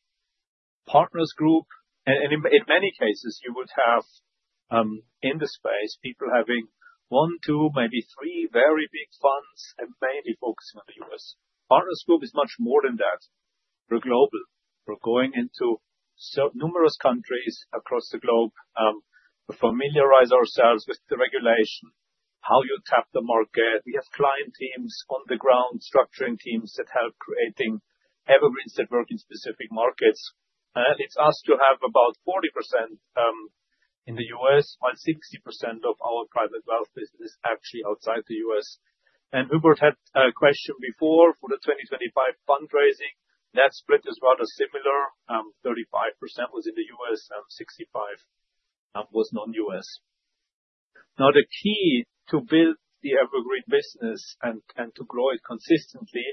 Partners Group, in many cases you would have in the space people having 1, 2, maybe three very big funds and mainly focusing on the U.S. Partners Group is much more than that. We're global. We're going into numerous countries across the globe to familiarize ourselves with the regulation, how you tap the market. We have client teams on the ground, structuring teams that help creating evergreens that work in specific markets. It's asked to have about 40% in the U.S., while 60% of our private wealth business is actually outside the U.S. Hubert had a question before for the 2025 fundraising. Net split is rather similar. 35% was in the U.S., and 65% was non-U.S. The key to build the evergreen business and to grow it consistently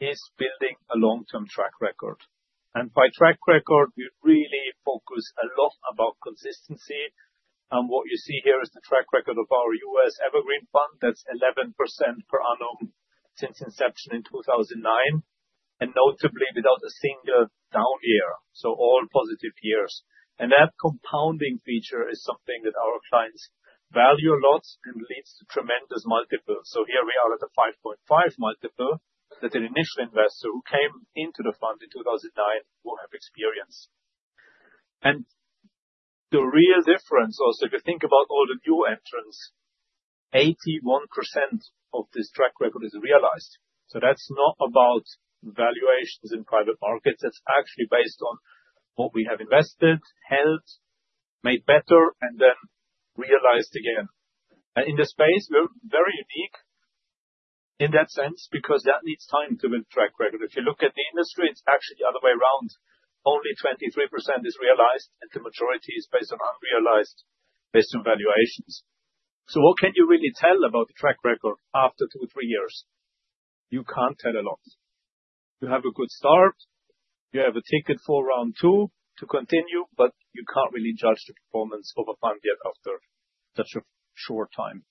is building a long-term track record. By track record, we really focus a lot about consistency. What you see here is the track record of our U.S. evergreen fund that's 11% per annum since inception in 2009, and notably without a single down year, so all positive years. That compounding feature is something that our clients value a lot and leads to tremendous multiples. Here we are at the 5.5 multiple that an initial investor who came into the fund in 2009 will have experienced. The real difference also, if you think about all the new entrants, 81% of this track record is realized. That's not about valuations in private markets, it's actually based on what we have invested, held, made better, and then realized again. In this space, we're very unique in that sense because that needs time to build track record. If you look at the industry, it's actually the other way around. Only 23% is realized, and the majority is based on unrealized based on valuations. What can you really tell about the track record after 2, 3 years? You can't tell a lot. You have a good start, you have a ticket for round two to continue, but you can't really judge the performance of a fund yet after such a short time.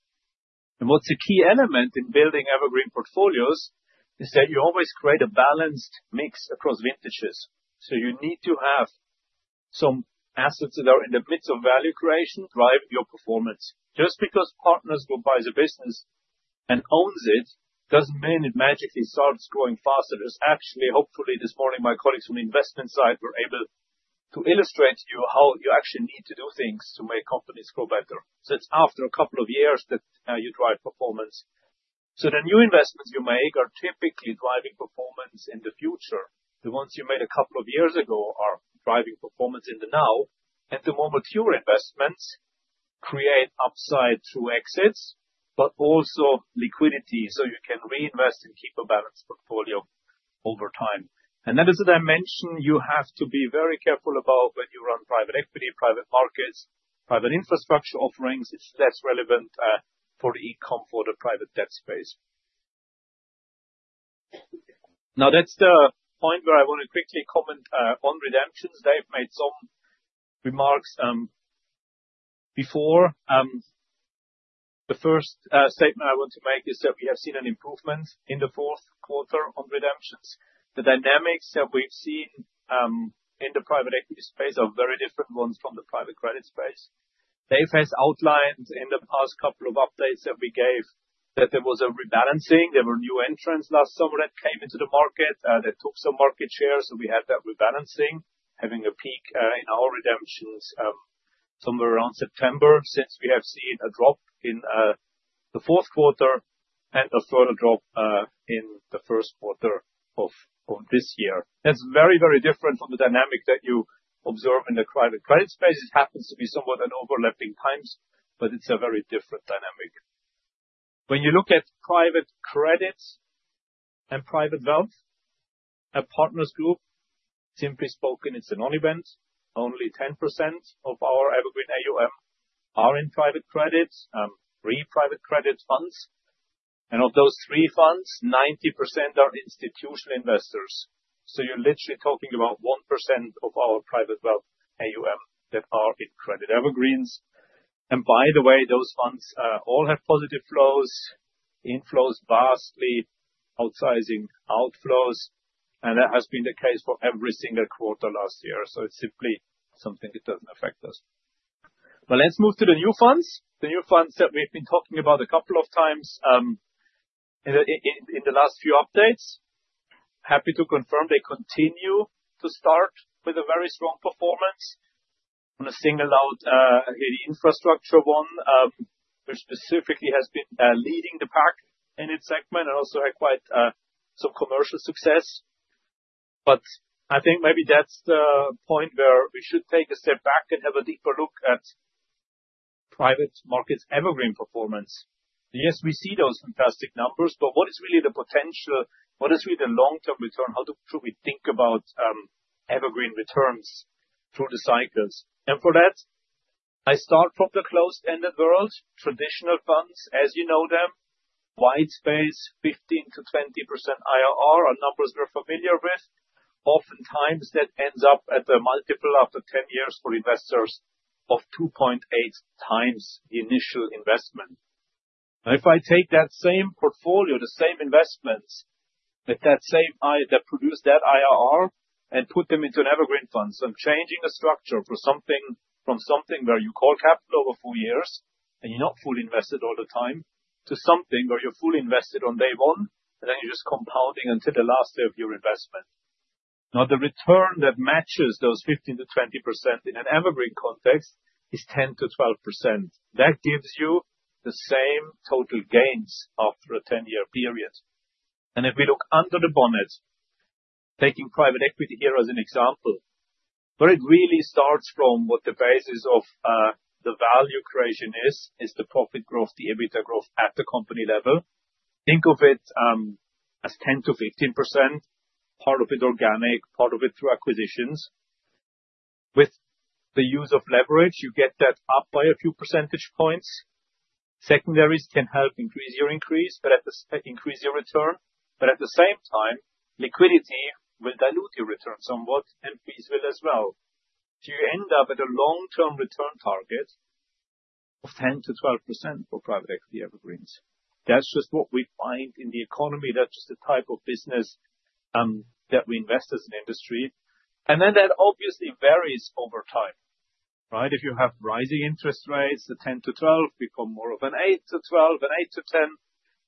What's a key element in building evergreen portfolios is that you always create a balanced mix across vintages. You need to have some assets that are in the midst of value creation drive your performance. Just because Partners Group will buy the business and owns it, doesn't mean it magically starts growing faster. There's actually. Hopefully, this morning my colleagues from the investment side were able to illustrate to you how you actually need to do things to make companies grow better. It's after a couple of years that you drive performance. The new investments you make are typically driving performance in the future. The ones you made a couple of years ago are driving performance in the now. The more mature investments create upside through exits, but also liquidity, so you can reinvest and keep a balanced portfolio over time. That is a dimension you have to be very careful about when you run private equity, private markets, private infrastructure offerings. It's less relevant for e.com for the private debt space. Now that's the point where I wanna quickly comment on redemptions. Dave made some remarks before. The first statement I want to make is that we have seen an improvement in the fourth quarter on redemptions. The dynamics that we've seen in the private equity space are very different ones from the private credit space. Dave has outlined in the past couple of updates that we gave that there was a rebalancing. There were new entrants last summer that came into the market that took some market share, so we had that rebalancing, having a peak in our redemptions somewhere around September, since we have seen a drop in the fourth quarter and a further drop in the first quarter of this year. That's very, very different from the dynamic that you observe in the private credit space. It happens to be somewhat an overlapping times, but it's a very different dynamic. When you look at private credits and private wealth at Partners Group, simply spoken, it's a non-event. Only 10% of our evergreen AUM are in private credits, three private credit funds. Of those three funds, 90% are institutional investors. So you're literally talking about 1% of our private wealth AUM that are in credit evergreens. By the way, those funds all have positive flows, inflows vastly outsizing outflows, and that has been the case for every single quarter last year. So it's simply something that doesn't affect us. Let's move to the new funds. The new funds that we've been talking about a couple of times in the last few updates. Happy to confirm they continue to start with a very strong performance. Wanna single out the infrastructure one, which specifically has been leading the pack in its segment and also had quite some commercial success. I think maybe that's the point where we should take a step back and have a deeper look at private markets evergreen performance. Yes, we see those fantastic numbers, but what is really the potential? What is really the long-term return? How should we think about evergreen returns through the cycles? For that, I start from the closed-ended world, traditional funds, as you know them. White space, 15%-20% IRR are numbers we're familiar with. Oftentimes that ends up at a multiple after 10 years for investors of 2.8x the initial investment. Now if I take that same portfolio, the same investments at that same IRR that produce that IRR and put them into an evergreen fund, so I'm changing the structure for something, from something where you call capital over four years and you're not fully invested all the time, to something where you're fully invested on day one, and then you're just compounding until the last day of your investment. Now, the return that matches those 15%-20% in an evergreen context is 10%-12%. That gives you the same total gains after a 10-year period. If we look under the bonnet, taking private equity here as an example, where it really starts from what the basis of the value creation is the profit growth, the EBITDA growth at the company level. Think of it as 10%-15%, part of it organic, part of it through acquisitions. With the use of leverage, you get that up by a few percentage points. Secondaries can help increase your return, but at the same time, liquidity will dilute your return somewhat, and fees will as well. You end up at a long-term return target of 10%-12% for private equity evergreens. That's just what we find in the economy. That's the type of business that we invest as an industry. Then that obviously varies over time, right? If you have rising interest rates, the 10-12 become more of an 8-12, an 8-10.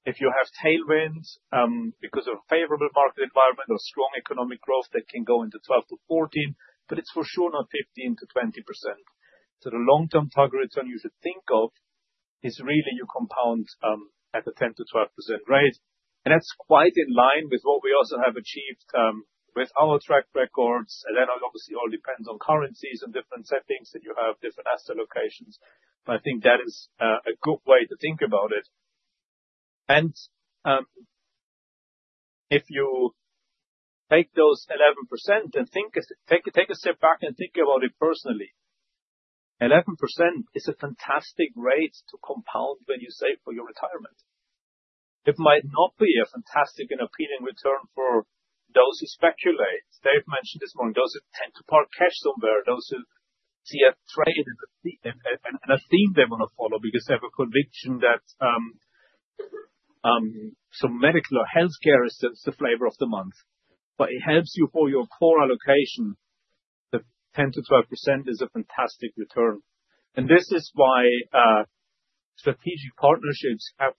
If you have tailwinds because of favorable market environment or strong economic growth, that can go into 12-14, but it's for sure not 15%-20%. The long-term target return you should think of is really you compound at the 10%-12% rate, and that's quite in line with what we also have achieved with our track records. It obviously all depends on currencies and different settings that you have, different asset locations, but I think that is a good way to think about it. If you take those 11% and take a step back and think about it personally. 11% is a fantastic rate to compound when you save for your retirement. It might not be a fantastic and appealing return for those who speculate. Dave mentioned this one. Those who tend to park cash somewhere, those who see a trade and a theme they wanna follow because they have a conviction that some medical or healthcare is the flavor of the month. It helps you for your core allocation, the 10%-12% is a fantastic return. This is why strategic partnerships have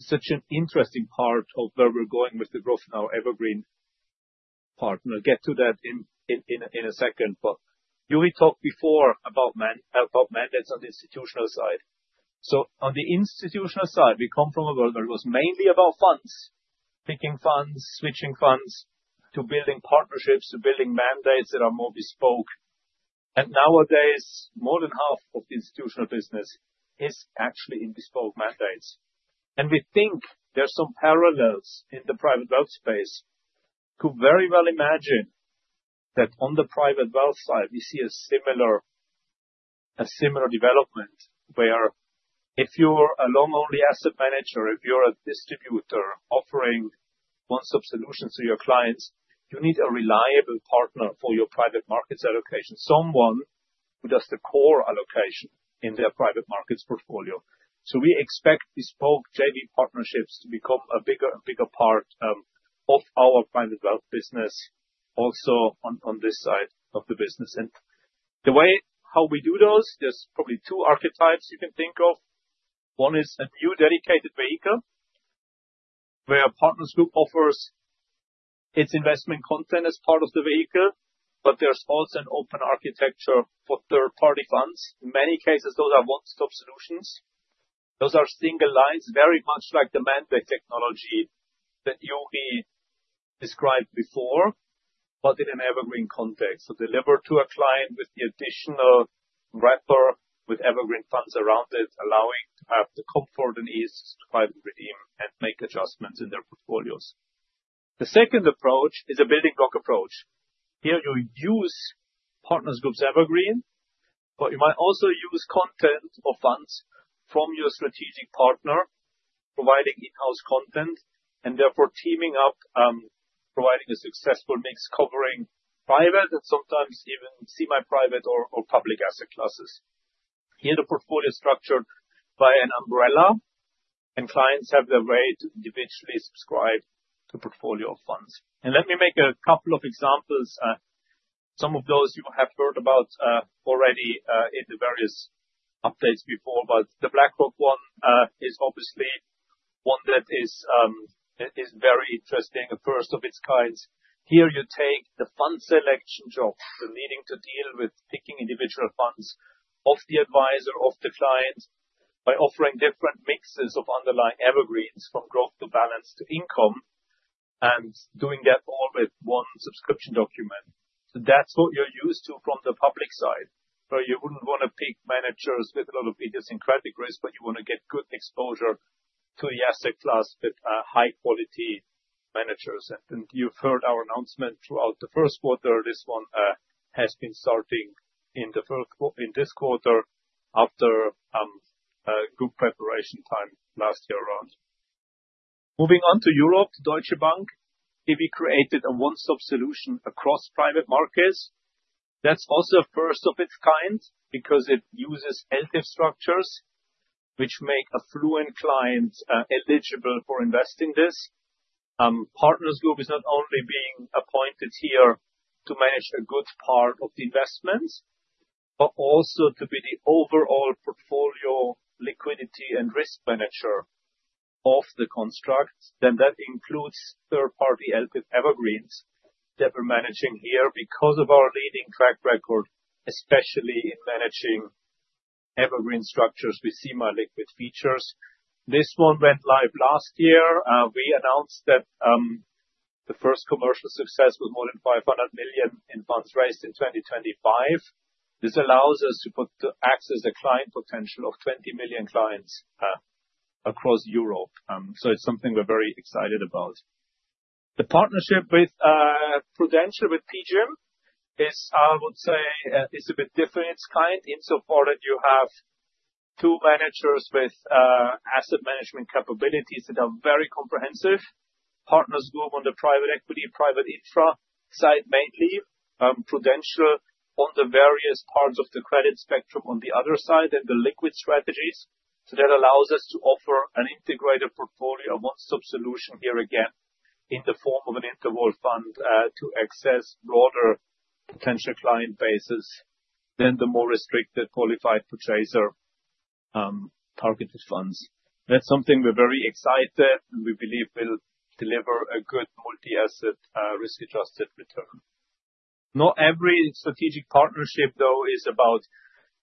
become such an interesting part of where we're going with the growth in our evergreen partner. I'll get to that in a second, but here we talked before about mandates on the institutional side. On the institutional side, we come from a world where it was mainly about funds, picking funds, switching funds to building partnerships, to building mandates that are more bespoke. Nowadays, more than half of the institutional business is actually in bespoke mandates. We think there's some parallels in the private wealth space. Could very well imagine that on the private wealth side you see a similar development, where if you're a long-only asset manager, if you're a distributor offering one-stop solutions to your clients, you need a reliable partner for your private markets allocation, someone who does the core allocation in their private markets portfolio. We expect bespoke JV partnerships to become a bigger and bigger part of our private wealth business also on this side of the business. The way how we do those, there's probably two archetypes you can think of. One is a new dedicated vehicle, where Partners Group offers its investment content as part of the vehicle, but there's also an open architecture for third-party funds. In many cases, those are one-stop solutions. Those are single lines, very much like the mandate technology that Juri described before, but in an evergreen context. Deliver to a client with the additional wrapper, with evergreen funds around it, allowing to have the comfort and ease to buy and redeem and make adjustments in their portfolios. The second approach is a building block approach. Here you use Partners Group's Evergreen, but you might also use content or funds from your strategic partner, providing in-house content and therefore teaming up, providing a successful mix covering private and sometimes even semi-private or public asset classes. Here the portfolio is structured by an umbrella, and clients have their way to individually subscribe to portfolio funds. Let me make a couple of examples. Some of those you have heard about already in the various updates before, but the BlackRock one is obviously one that is very interesting, the first of its kind. Here you take the fund selection jobs, the needing to deal with picking individual funds of the advisor, of the client, by offering different mixes of underlying evergreens from growth to balance to income, and doing that all with one subscription document. That's what you're used to from the public side, where you wouldn't wanna pick managers with a lot of idiosyncratic risk, but you wanna get good exposure to the asset class with high quality managers. You've heard our announcement throughout the first quarter. This one has been starting in this quarter after a group preparation time last year around. Moving on to Europe, Deutsche Bank. Here we created a one-stop solution across private markets. That's also a first of its kind because it uses active structures which make affluent clients eligible for investing in this. Partners Group is not only being appointed here to manage a good part of the investments, but also to be the overall portfolio liquidity and risk manager of the construct. That includes third party help with evergreens that we're managing here because of our leading track record, especially in managing evergreen structures with semi-liquid features. This one went live last year. We announced that the first commercial success with more than $500 million in funds raised in 2025. This allows us to access the client potential of 20 million clients across Europe. It's something we're very excited about. The partnership with Prudential, with PGIM, is, I would say, a bit different. It's kind insofar that you have two managers with asset management capabilities that are very comprehensive. Partners Group on the private equity and private infra side mainly, Prudential on the various parts of the credit spectrum on the other side and the liquid strategies. That allows us to offer an integrated portfolio, one sub-solution here again, in the form of an interval fund to access broader potential client bases than the more restricted qualified purchaser targeted funds. That's something we're very excited, and we believe will deliver a good multi-asset risk-adjusted return. Not every strategic partnership, though, is about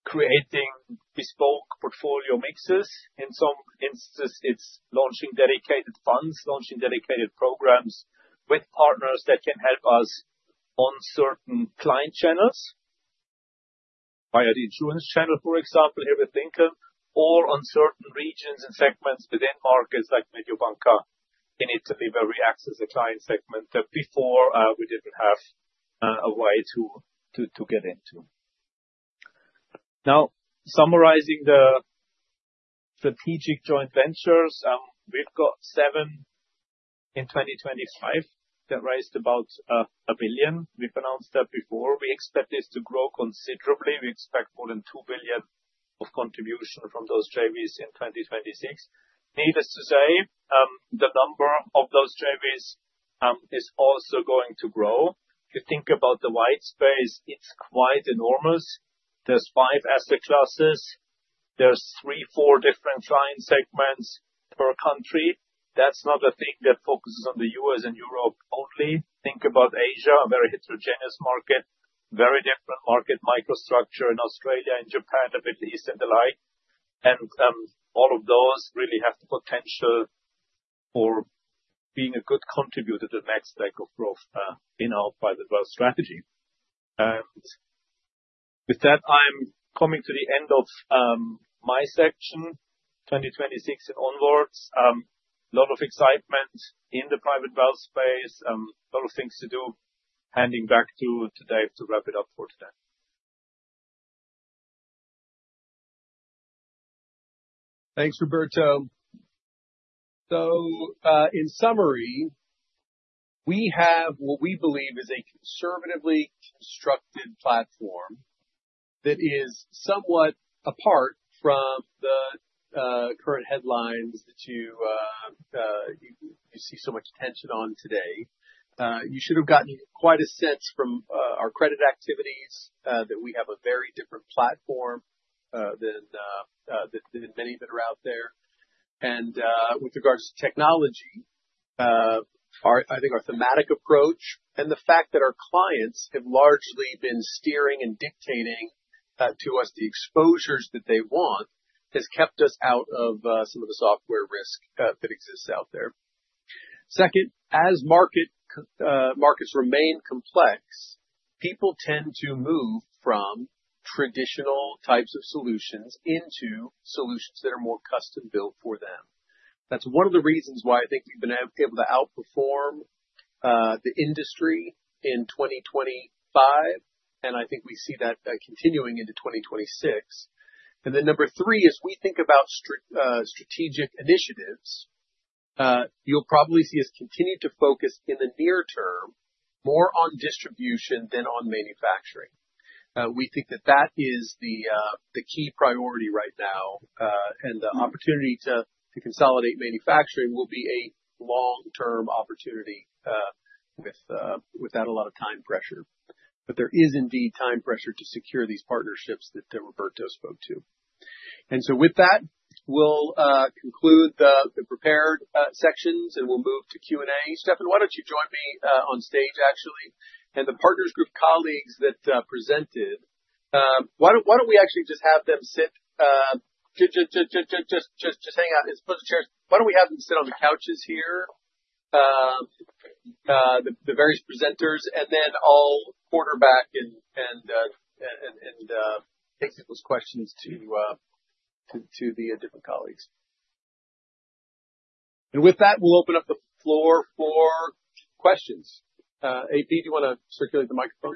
creating bespoke portfolio mixes. In some instances, it's launching dedicated funds, launching dedicated programs with partners that can help us on certain client channels. Via the insurance channel, for example, here with Lincoln, or on certain regions and segments within markets like Mediobanca in Italy, where we access a client segment that before we didn't have a way to get into. Now summarizing the strategic joint ventures, we've got seven in 2025 that raised about 1 billion. We've announced that before. We expect this to grow considerably. We expect more than 2 billion of contribution from those JVs in 2026. Needless to say, the number of those JVs is also going to grow. If you think about the white space, it's quite enormous. There's five asset classes. There's 3, 4 different client segments per country. That's not a thing that focuses on the U.S. and Europe only. Think about Asia, a very heterogeneous market, very different market microstructure in Australia and Japan, the Middle East and the like. All of those really have the potential for being a good contributor to the next leg of growth in our private wealth strategy. With that, I'm coming to the end of my section, 2026 onwards. A lot of excitement in the private wealth space. A lot of things to do. Handing back to Dave to wrap it up for today. Thanks, Roberto. In summary, we have what we believe is a conservatively constructed platform that is somewhat apart from the current headlines that you see so much tension on today. You should have gotten quite a sense from our credit activities that we have a very different platform than many that are out there. With regards to technology, our, I think our thematic approach and the fact that our clients have largely been steering and dictating to us the exposures that they want, has kept us out of some of the software risk that exists out there. Second, as markets remain complex, people tend to move from traditional types of solutions into solutions that are more custom-built for them. That's one of the reasons why I think we've been able to outperform the industry in 2025, and I think we see that continuing into 2026. Then number 3, as we think about strategic initiatives, you'll probably see us continue to focus in the near term more on distribution than on manufacturing. We think that that is the key priority right now. The opportunity to consolidate manufacturing will be a long-term opportunity with without a lot of time pressure. There is indeed time pressure to secure these partnerships that Roberto spoke to. With that, we'll conclude the prepared sections, and we'll move to Q&A. Steffen, why don't you join me on stage actually? The Partners Group colleagues that presented, why don't we actually just have them sit, just hang on. Let's pull the chairs. Why don't we have them sit on the couches here, the various presenters, and then I'll quarterback and take people's questions to the different colleagues. With that, we'll open up the floor for questions. AP, do you wanna circulate the microphone?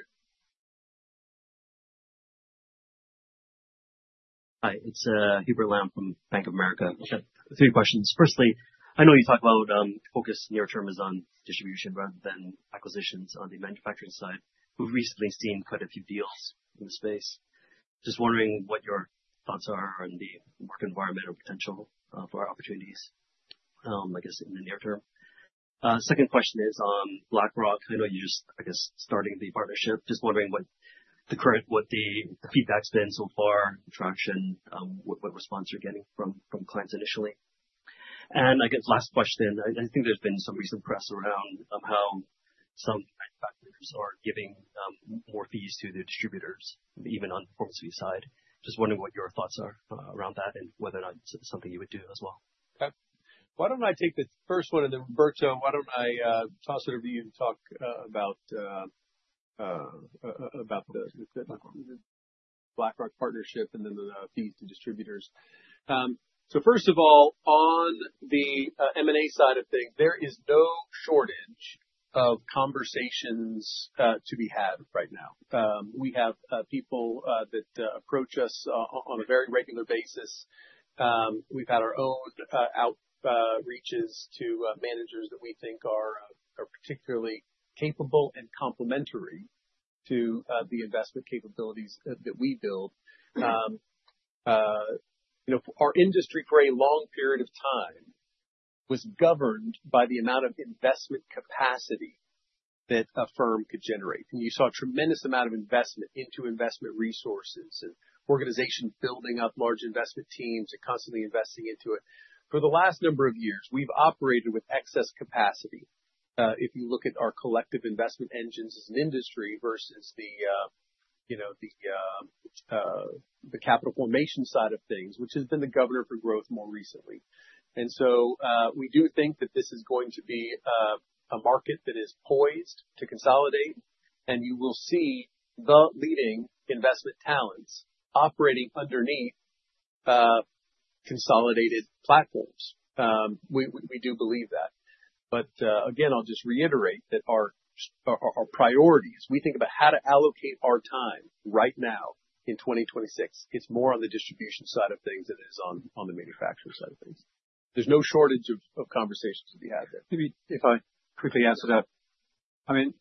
Hi, it's Hubert Lam from Bank of America. I've got three questions. Firstly, I know you talked about focus near term is on distribution rather than acquisitions on the manufacturing side. We've recently seen quite a few deals in the space. Just wondering what your thoughts are on the work environment or potential for opportunities. I guess in the near term. Second question is on BlackRock. I know you're just, I guess, starting the partnership. Just wondering what the feedback's been so far, traction, what response you're getting from clients initially. I guess last question, I think there's been some recent press around how some manufacturers are giving more fees to the distributors, even on the side. Just wondering what your thoughts are around that and whether or not it's something you would do as well. Okay. Why don't I take the first one, and then, Roberto, why don't I toss it over to you to talk about the BlackRock partnership and then the fees to distributors? First of all, on the M&A side of things, there is no shortage of conversations to be had right now. We have people that approach us on a very regular basis. We've had our own outreaches to managers that we think are particularly capable and complementary to the investment capabilities that we build. You know, our industry, for a long period of time, was governed by the amount of investment capacity that a firm could generate. You saw a tremendous amount of investment into investment resources and organizations building up large investment teams and constantly investing into it. For the last number of years, we've operated with excess capacity. If you look at our collective investment engines as an industry versus the capital formation side of things, which has been the governor for growth more recently. We do think that this is going to be a market that is poised to consolidate, and you will see the leading investment talents operating underneath consolidated platforms. We do believe that. Again, I'll just reiterate that our priorities, we think about how to allocate our time right now in 2026, it's more on the distribution side of things than it is on the manufacturer side of things. There's no shortage of conversations to be had there. Maybe if I quickly answer that. I mean,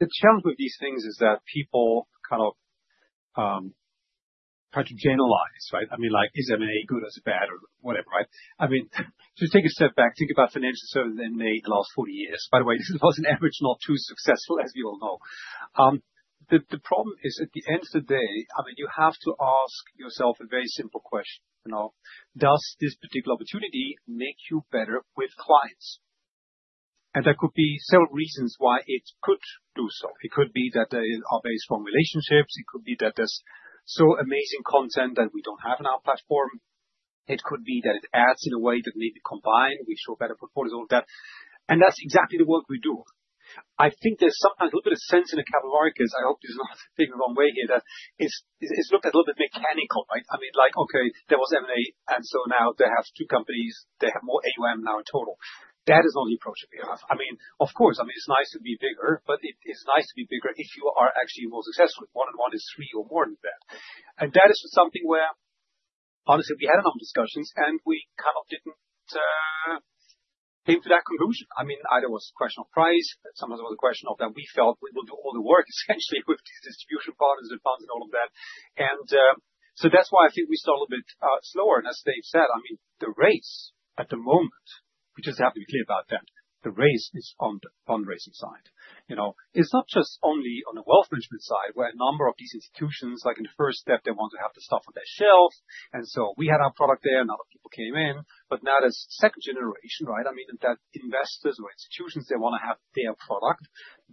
the challenge with these things is that people kind of try to generalize, right? I mean, like, is M&A good or is it bad or whatever, right? I mean, just take a step back, think about financial services M&A in the last 40 years. By the way, this was on average not too successful, as you all know. The problem is, at the end of the day, I mean, you have to ask yourself a very simple question. You know, does this particular opportunity make you better with clients? There could be several reasons why it could do so. It could be that they are based on relationships. It could be that there's so amazing content that we don't have on our platform. It could be that it adds in a way that when combined we show better portfolios, all that. That's exactly the work we do. I think there's sometimes a little bit of sense in the capital markets, I hope this is not taken the wrong way here, that it's looked at a little bit mechanical, right? I mean, like, okay, there was M&A, and so now they have two companies, they have more AUM now in total. That is only approach that we have. I mean, of course, I mean, it's nice to be bigger, but it's nice to be bigger if you are actually more successful, if one and one is three or more than that. That is something where, honestly, we had a lot of discussions, and we kind of didn't come to that conclusion. I mean, either it was a question of price, sometimes it was a question of that we felt we will do all the work essentially with these distribution partners and funds and all of that. That's why I think we saw a little bit slower. As Dave said, I mean, the race at the moment, we just have to be clear about that, the race is on the fundraising side. You know, it's not just only on the wealth management side, where a number of these institutions, like in the first step, they want to have the stuff on their shelves. We had our product there, and other people came in. Now there's second generation, right? I mean, those investors or institutions, they wanna have their product.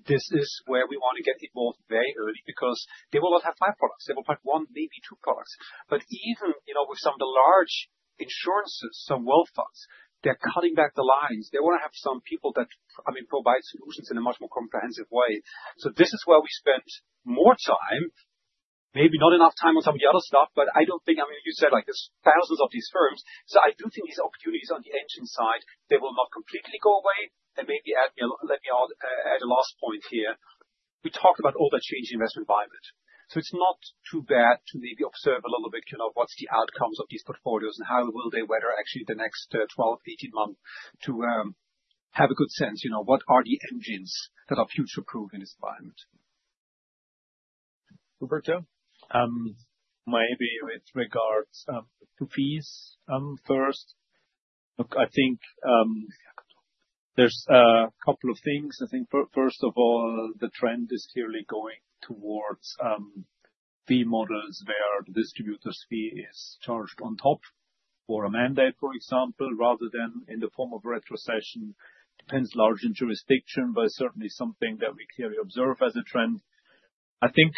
This is where we want to get involved very early because they will not have five products. They will have one, maybe two products. Even, you know, with some of the large insurances, some wealth funds, they're cutting back the lines. They wanna have some people that, I mean, provide solutions in a much more comprehensive way. This is where we spent more time, maybe not enough time on some of the other stuff, but I don't think. I mean, you said, like, there's thousands of these firms. I do think these opportunities on the engine side, they will not completely go away. Maybe add, you know, let me add a last point here. We talked about all the changing investment environment. It's not too bad to maybe observe a little bit, you know, what's the outcomes of these portfolios and how will they weather actually the next 12-18 months to have a good sense, you know, what are the engines that are future-proof in this environment. Roberto? Maybe with regards to fees first. Look, I think there's a couple of things. I think first of all, the trend is clearly going towards fee models where the distributor's fee is charged on top for a mandate, for example, rather than in the form of retrocession. Depends largely on jurisdiction, but certainly something that we clearly observe as a trend. I think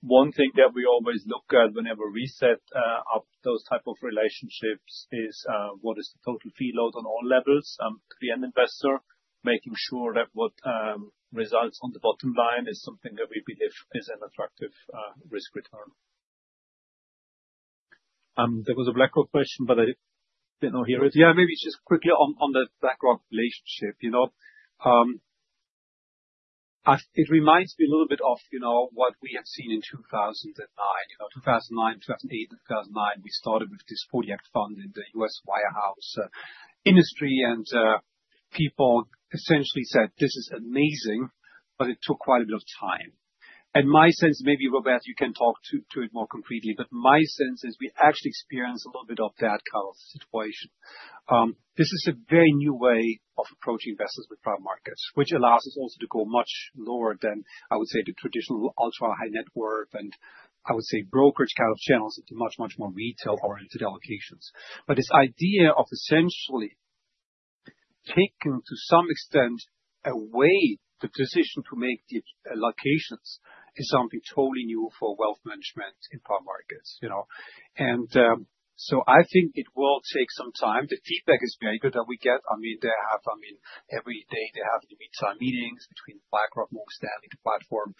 one thing that we always look at whenever we set up those type of relationships is what is the total fee load on all levels to be an investor, making sure that what results on the bottom line is something that we believe is an attractive risk return. There was a BlackRock question, but I didn't hear it. Yeah, maybe just quickly on the BlackRock relationship. You know, It reminds me a little bit of, you know, what we have seen in 2009. You know, 2009, 2008 and 2009, we started with this 1940 Act fund in the U.S. wirehouse industry. People essentially said, "This is amazing," but it took quite a bit of time. My sense, maybe Roberto, you can talk to it more completely, but my sense is we actually experienced a little bit of that kind of situation. This is a very new way of approaching investors with private markets, which allows us also to go much lower than, I would say, the traditional ultra-high net worth, and I would say brokerage kind of channels into much, much more retail-oriented allocations. This idea of essentially taking, to some extent, away the decision to make the allocations is something totally new for wealth management in private markets, you know. I think it will take some time. The feedback is very good that we get. I mean, every day, they have meetings between BlackRock and Standard platform.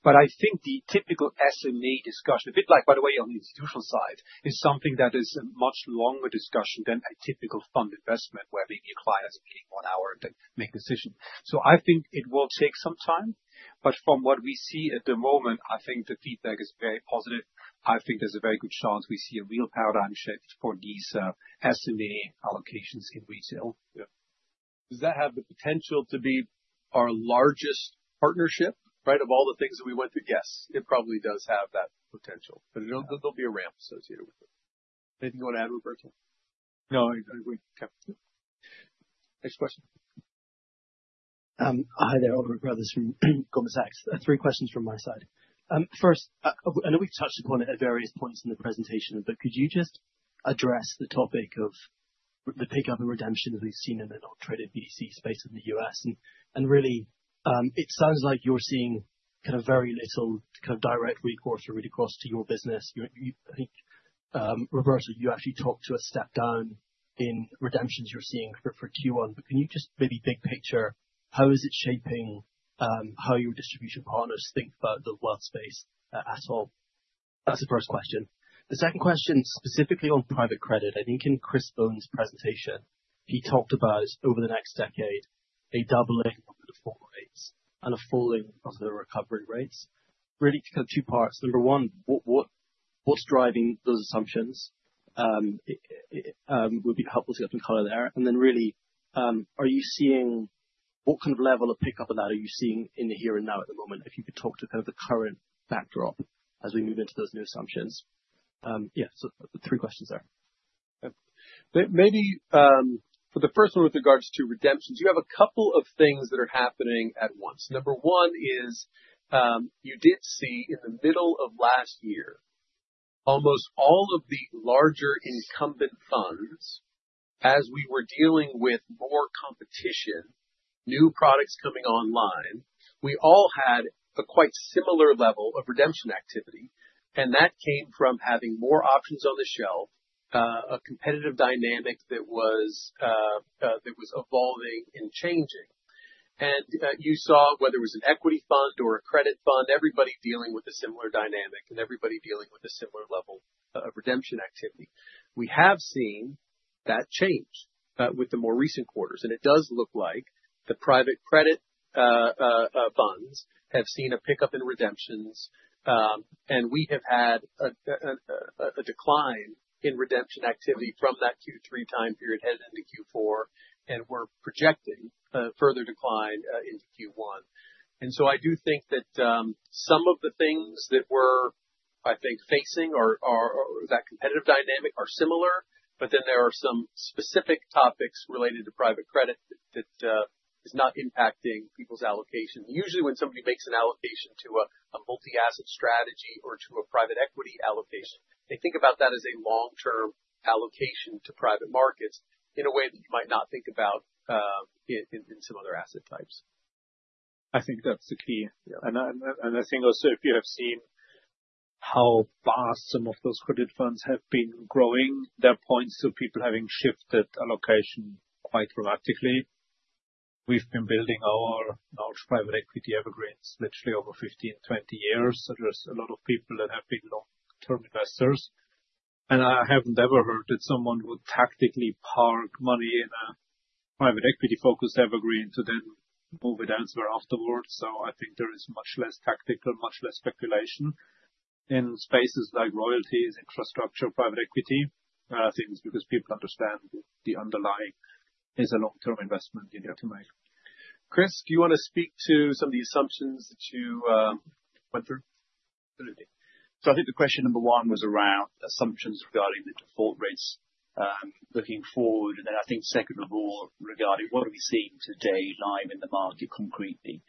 I think the typical SMA discussion, a bit like, by the way, on the institutional side, is something that is a much longer discussion than a typical fund investment, where maybe a client is paying one hour to make a decision. I think it will take some time, but from what we see at the moment, I think the feedback is very positive. I think there's a very good chance we see a real paradigm shift for these SMA allocations in retail. Yeah. Does that have the potential to be our largest partnership, right? Of all the things that we went through, yes, it probably does have that potential. But there'll be a ramp associated with it. Anything you wanna add, Roberto? No, I agree. Okay. Next question. Hi there. Oliver Carruthers from Goldman Sachs. Three questions from my side. First, I know we've touched upon it at various points in the presentation, but could you just address the topic of the pickup and redemption that we've seen in the non-traded BDC space in the U.S.? And really, it sounds like you're seeing kind of very little kind of direct recourse or really cross to your business. You I think, Roberto, you actually talked to a step down in redemptions you're seeing for Q1, but can you just maybe big picture, how is it shaping how your distribution partners think about the wealth space at all? That's the first question. The second question, specifically on private credit, I think in Chris Bone's presentation, he talked about over the next decade, a doubling of the default rates and a falling of the recovery rates. Really kind of two parts. Number 1, what's driving those assumptions? It would be helpful to get some color there. Really, what kind of level of pickup of that are you seeing in the here and now at the moment? If you could talk to kind of the current backdrop as we move into those new assumptions. Three questions there. Maybe, for the first one with regards to redemptions, you have a couple of things that are happening at once. Number 1 is, you did see in the middle of last year, almost all of the larger incumbent funds as we were dealing with more competition, new products coming online, we all had a quite similar level of redemption activity, and that came from having more options on the shelf, a competitive dynamic that was evolving and changing. You saw whether it was an equity fund or a credit fund, everybody dealing with a similar dynamic and everybody dealing with a similar level of redemption activity. We have seen that change with the more recent quarters, and it does look like the private credit funds have seen a pickup in redemptions, and we have had a decline in redemption activity from that Q3 time period heading into Q4, and we're projecting a further decline into Q1. I do think that some of the things that we're facing or that competitive dynamic are similar, but then there are some specific topics related to private credit that is not impacting people's allocation. Usually, when somebody makes an allocation to a multi-asset strategy or to a private equity allocation, they think about that as a long-term allocation to private markets in a way that you might not think about in some other asset types. I think that's the key. Yeah. I think also, if you have seen how fast some of those credit funds have been growing, there are plenty of people having shifted allocation quite dramatically. We've been building our large private equity Evergreens literally over 15, 20 years. There's a lot of people that have been long-term investors. I have never heard that someone would tactically park money in a private equity focus Evergreen to then move it elsewhere afterwards. I think there is much less tactical, much less speculation in spaces like royalties, infrastructure, private equity, things, because people understand the underlying is a long-term investment in there to make. Chris, do you wanna speak to some of the assumptions that you went through? Absolutely. I think the question number one was around assumptions regarding the default rates, looking forward, and then I think second of all, regarding what are we seeing today live in the market concretely.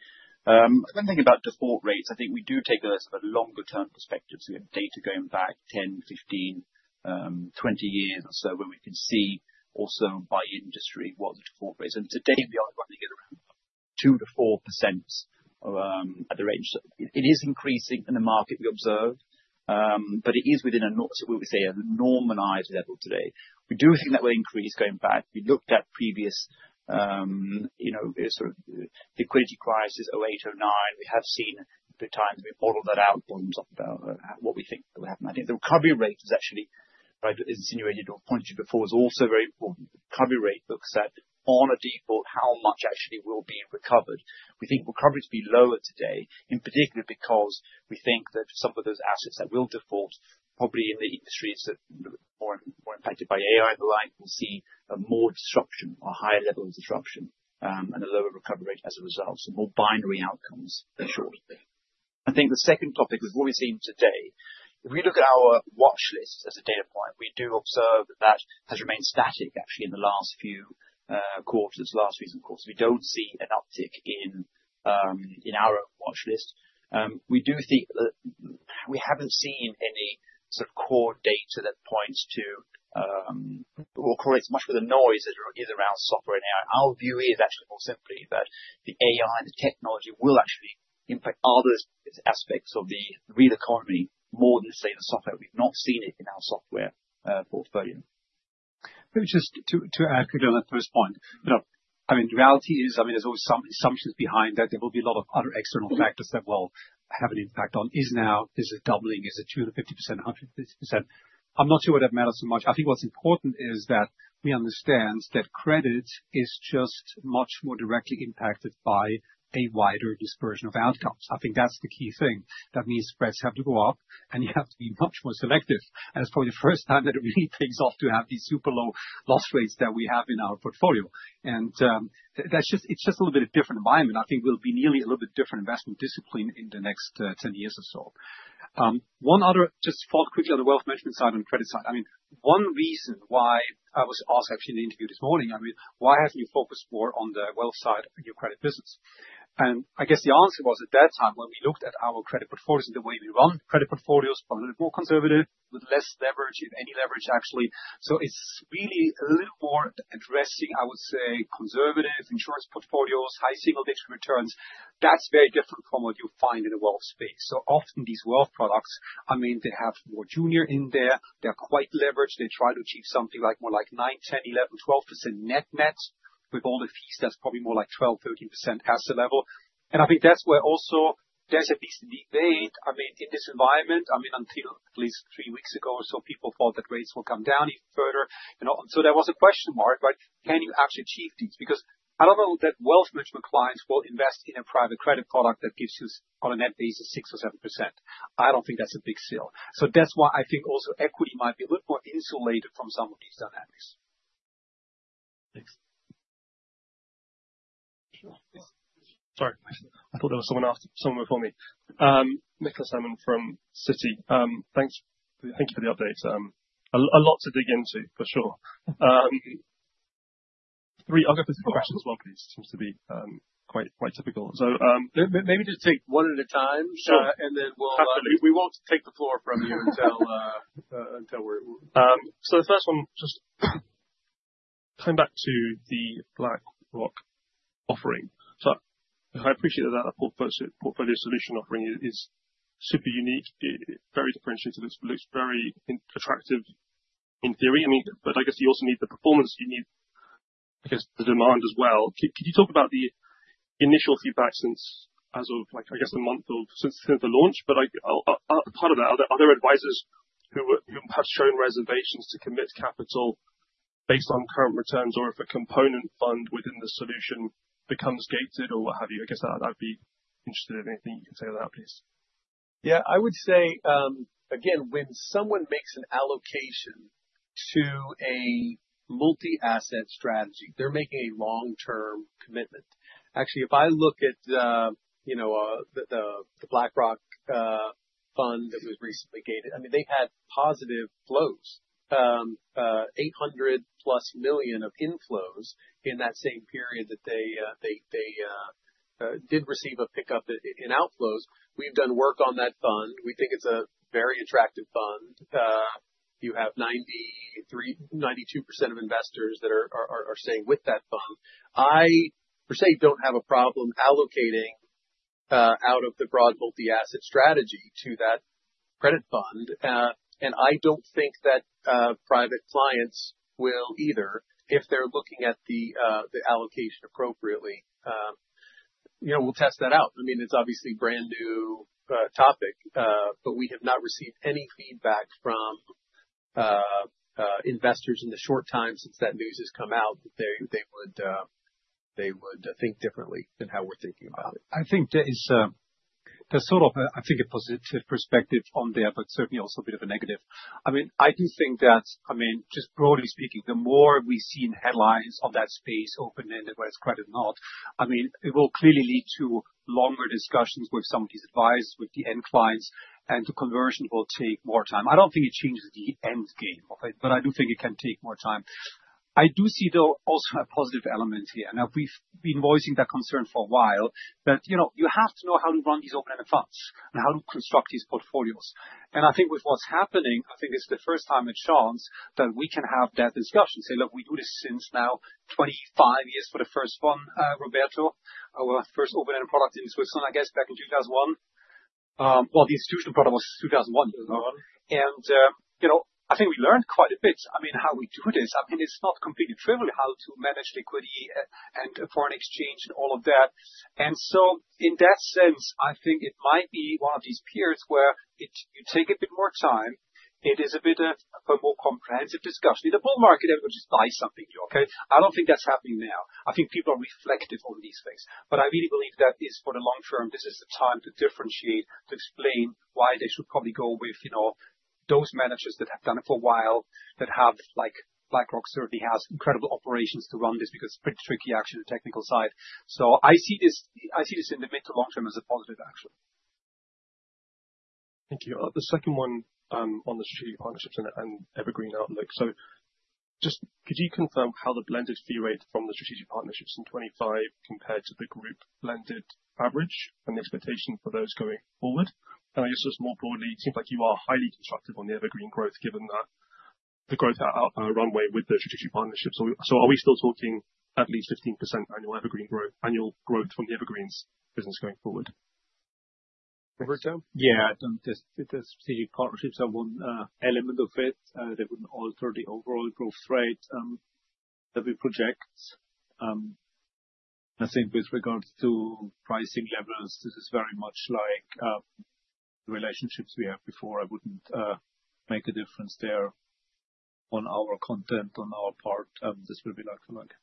When thinking about default rates, I think we do take a sort of longer term perspective, so we have data going back 10, 15, 20 years or so, where we can see also by industry what the default rate is. Today we are running at around 2%-4% range. It is increasing in the market we observed, but it is within a normal—we would say a normalized level today. We do think that will increase going back. We looked at previous, you know, sort of the equity crisis, 2008, 2009. We have seen the times. We've modeled that out on top of what we think will happen. I think the recovery rate is actually, right, as insinuated or pointed before, is also very important. The recovery rate looks at, on a default, how much actually will be recovered. We think recovery will be lower today, in particular because we think that some of those assets that will default probably in the industries that More impacted by AI which I can see more disruption or higher level of disruption, and a lower recovery as a result, so more binary outcomes than short-term. I think the second topic is what we've seen today. If we look at our watch list as a data point, we do observe that has remained static actually in the last few quarters. We don't see an uptick in our watch list. We do think that we haven't seen any sort of core data that points to or correlates much with the noise that is around software now. Our view is actually more simply that the AI and the technology will actually impact other aspects of the real economy more than, say, the software. We've not seen it in our software portfolio. Maybe just to add quickly on that first point. You know, I mean, the reality is, I mean, there's always some assumptions behind that. There will be a lot of other external factors that will have an impact on, is now, is it doubling? Is it 250%, 150%? I'm not sure that matters so much. I think what's important is that we understand that credit is just much more directly impacted by a wider dispersion of outcomes. I think that's the key thing. That means spreads have to go up, and you have to be much more selective. As for the first time that it really pays off to have these super low loss rates that we have in our portfolio. That's just a little bit different environment. I think we'll be needing a little bit different investment discipline in the next 10 years or so. One other just follow quickly on the wealth management side and credit side. I mean, one reason why I was asked actually in the interview this morning, I mean, why have you focused more on the wealth side of your credit business? I guess the answer was, at that time, when we looked at our credit portfolios, the way we run credit portfolios, probably a little more conservative with less leverage, if any leverage, actually. It's really a little more addressing, I would say, conservative insurance portfolios, high single-digit returns. That's very different from what you'll find in the wealth space. Often these wealth products, I mean, they have more junior in there. They're quite leveraged. They try to achieve something like more like 9, 10, 11, 12% net nets. With all the fees, that's probably more like 12, 13% asset level. I think that's where also there's at least debate. I mean, in this environment, I mean, until at least three weeks ago or so, people thought that rates will come down even further. You know, so there was a question mark, like, can you actually achieve these? Because I don't know that wealth management clients will invest in a private credit product that gives us on a net basis 6 or 7%. I don't think that's a big sell. That's why I think also equity might be a little more insulated from some of these dynamics. Thanks. Sorry. I thought there was someone else, someone before me. Nicholas Herman from Citi. Thanks, thank you for the update. A lot to dig into, for sure. I'll go for some questions, one piece seems to be quite typical. Maybe just take one at a time. Sure. Uh, and then we'll- Absolutely. We won't take the floor from you until we're. The first one, just coming back to the BlackRock offering. I appreciate that a portfolio solution offering is super unique. It's very differentiated. It looks very attractive in theory. I mean, but I guess you also need the performance, the demand as well. Could you talk about the initial feedback as of, like, I guess, a month or since the launch? But part of that, are there other advisors who have shown reservations to commit capital based on current returns or if a component fund within the solution becomes gated or what have you? I guess I'd be interested in anything you can say on that, please. Yeah, I would say again, when someone makes an allocation to a multi-asset strategy, they're making a long-term commitment. Actually, if I look at you know, the BlackRock fund that was recently gated, I mean, they had positive flows $800+ million of inflows in that same period that they did receive a pickup in outflows. We've done work on that fund. We think it's a very attractive fund. You have 92% of investors that are staying with that fund. I per se don't have a problem allocating out of the broad multi-asset strategy to that credit fund. I don't think that private clients will either if they're looking at the allocation appropriately. You know, we'll test that out. I mean, it's obviously brand new topic, but we have not received any feedback from investors in the short time since that news has come out that they would think differently than how we're thinking about it. I think there is, there's sort of a, I think, a positive perspective on that, but certainly also a bit of a negative. I mean, I do think that, I mean, just broadly speaking, the more we've seen headlines on that space, open-ended, whether it's credit or not, I mean, it will clearly lead to longer discussions with some of these advisors, with the end clients, and the conversion will take more time. I don't think it changes the end game of it, but I do think it can take more time. I do see, though, also a positive element here. Now, we've been voicing that concern for a while, that, you know, you have to know how to run these open-end funds and how to construct these portfolios. I think with what's happening, I think it's the first time at Sean's that we can have that discussion. Say, look, we do this since now 25 years for the first one, Roberto, our first open-end product in Switzerland, I guess, back in 2001. Well, the institutional product was 2001 years ago. You know, I think we learned quite a bit, I mean, how we do this. I mean, it's not completely trivial how to manage liquidity and foreign exchange and all of that. In that sense, I think it might be one of these periods where you take a bit more time. It is a bit more comprehensive discussion. In a bull market, everyone just buys something new, okay? I don't think that's happening now. I think people are reflective on these things. I really believe that is for the long term. This is the time to differentiate, to explain why they should probably go with, you know, those managers that have done it for a while, that have like BlackRock certainly has incredible operations to run this because it's pretty tricky actually, the technical side. I see this in the mid to long term as a positive action. Thank you. The second one on the strategic partnerships and evergreen outlook. Just could you confirm how the blended fee rate from the strategic partnerships in 2025 compared to the group blended average and the expectation for those going forward? I guess just more broadly, it seems like you are highly constructive on the evergreen growth given that the growth on runway with the strategic partnerships. Are we still talking at least 15% annual evergreen growth, annual growth from the evergreens business going forward? Roberto? Yeah. The partnerships are one element of it. They wouldn't alter the overall growth rate that we project. I think with regards to pricing levels, this is very much like the relationships we had before. I wouldn't make a difference there on our content on our part. This will be like for market.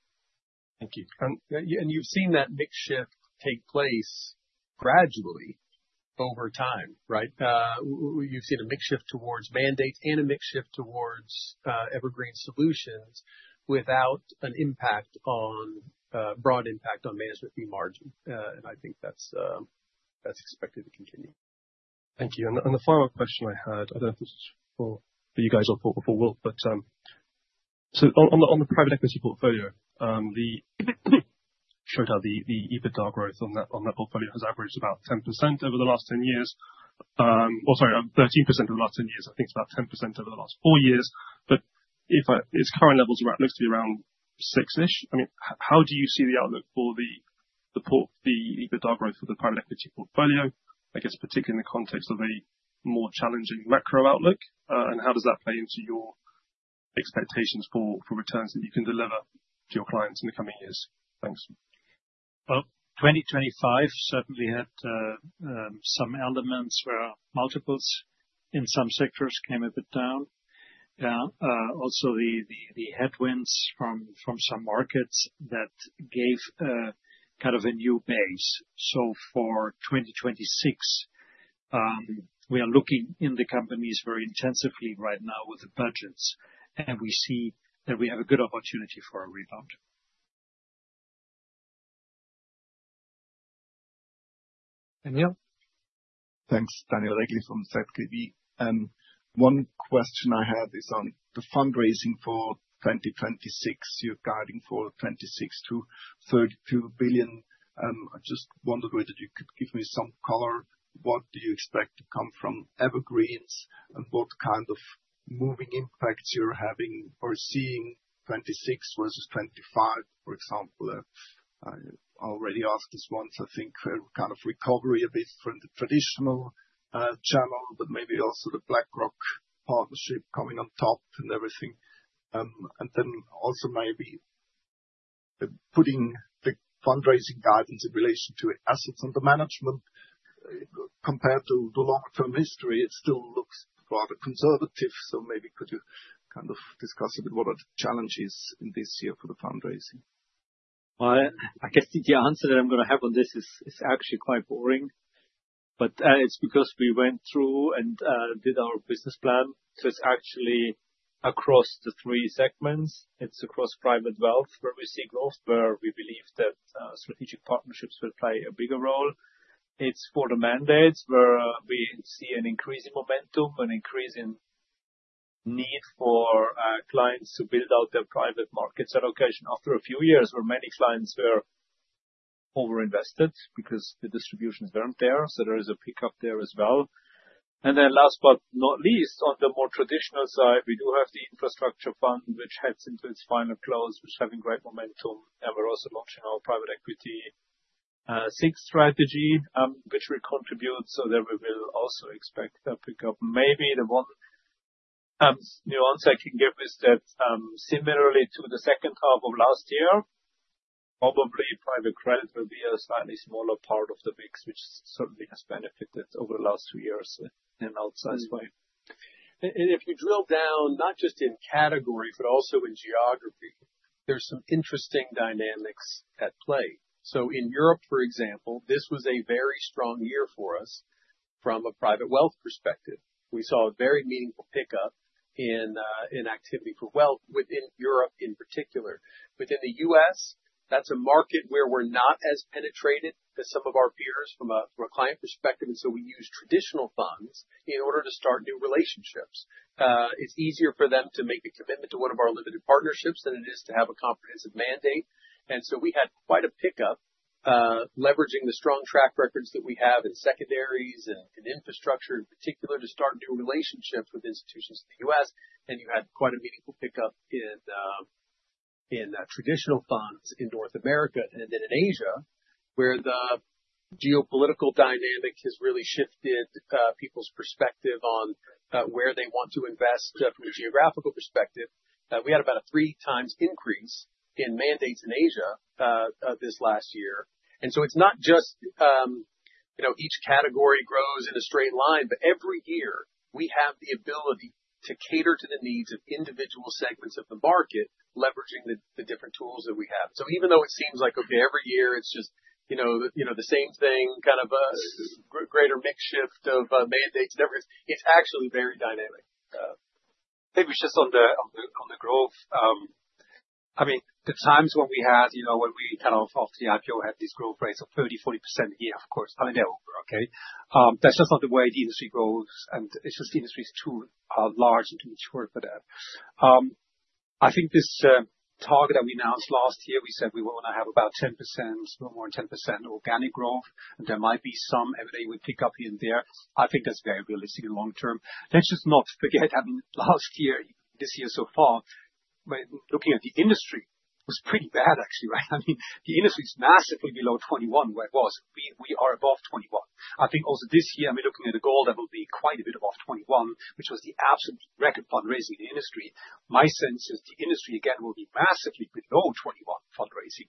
Thank you. You've seen that mix shift take place gradually over time, right? You've seen a mix shift towards mandate and a mix shift towards evergreen solutions without a broad impact on management fee margin. I think that's expected to continue. Thank you. The final question I had, I don't know if this is for you guys or for Will, but so on the private equity portfolio, it showed how the EBITDA growth on that portfolio has averaged about 10% over the last 10 years. Or sorry, 13% over the last 10 years. I think it's about 10% over the last four years. Its current levels are at mostly around 6%. I mean, how do you see the outlook for the EBITDA growth for the private equity portfolio? I guess particularly in the context of a more challenging macro outlook. How does that play into your expectations for returns that you can deliver to your clients in the coming years? Thanks. Well, 2025 certainly had some elements where multiples in some sectors came a bit down. Also the headwinds from some markets that gave kind of a new base. For 2026, we are looking in the companies very intensively right now with the budgets, and we see that we have a good opportunity for a rebound. Daniel? Thanks. Daniel Regli from ZKB. One question I have is on the fundraising for 2026. You're guiding for $26 billion-$32 billion. I just wondered whether you could give me some color, what do you expect to come from evergreens and what kind of moving parts you're having or seeing 2026 versus 2025, for example. I already asked this once, I think kind of recovery a bit from the traditional channel, but maybe also the BlackRock partnership coming on top and everything. And then also maybe putting the fundraising guidance in relation to assets under management. Compared to the long-term history, it still looks rather conservative. Maybe could you kind of discuss a bit what are the challenges in this year for the fundraising? Well, I guess the answer that I'm gonna have on this is actually quite boring, but it's because we went through and did our business plan. It's actually across the three segments. It's across private wealth where we see growth, where we believe that strategic partnerships will play a bigger role. It's for the mandates where we see an increase in momentum, an increase in need for clients to build out their private markets allocation after a few years where many clients were over-invested because the distributions weren't there. There is a pickup there as well. Last but not least, on the more traditional side, we do have the infrastructure fund, which heads into its final close. It's having great momentum, and we're also launching our private equity sixth strategy, which will contribute. There we will also expect a pickup. Maybe the one nuance I can give is that, similarly to the second half of last year, probably private credit will be a slightly smaller part of the mix, which certainly has benefited over the last two years in an outsized way. If you drill down, not just in category, but also in geography, there's some interesting dynamics at play. In Europe, for example, this was a very strong year for us from a private wealth perspective. We saw a very meaningful pickup in activity for wealth within Europe in particular. Within the U.S., that's a market where we're not as penetrated as some of our peers from a client perspective, and we use traditional funds in order to start new relationships. It's easier for them to make a commitment to one of our limited partnerships than it is to have a comprehensive mandate. We had quite a pickup, leveraging the strong track records that we have in secondaries and in infrastructure in particular, to start new relationships with institutions in the U.S. You had quite a meaningful pickup in traditional funds in North America and then in Asia, where the geopolitical dynamic has really shifted people's perspective on where they want to invest from a geographical perspective. We had about a 3x increase in mandates in Asia this last year. It's not just you know each category grows in a straight line, but every year we have the ability to cater to the needs of individual segments of the market, leveraging the different tools that we have. Even though it seems like okay every year it's just you know the same thing, kind of a greater mix shift of mandates and everything, it's actually very dynamic. Maybe just on the growth. I mean, the times when we had, you know, when we kind of, off the IPO, had these growth rates of 30%, 40% a year, of course, kind of get over, okay? That's just not the way the industry grows, and it's just the industry is too large and too mature for that. I think this target that we announced last year, we said we wanna have about 10%, no more than 10% organic growth, and there might be some M&A we pick up here and there. I think that's very realistic in the long term. Let's just not forget, I mean, last year, this year so far, I mean, looking at the industry, was pretty bad actually, right? I mean, the industry is massively below 2021, where it was. We are above 2021. I think also this year, I mean, looking at the goal, that will be quite a bit above 2021, which was the absolute record fundraising in the industry. My sense is the industry, again, will be massively below 2021 fundraising.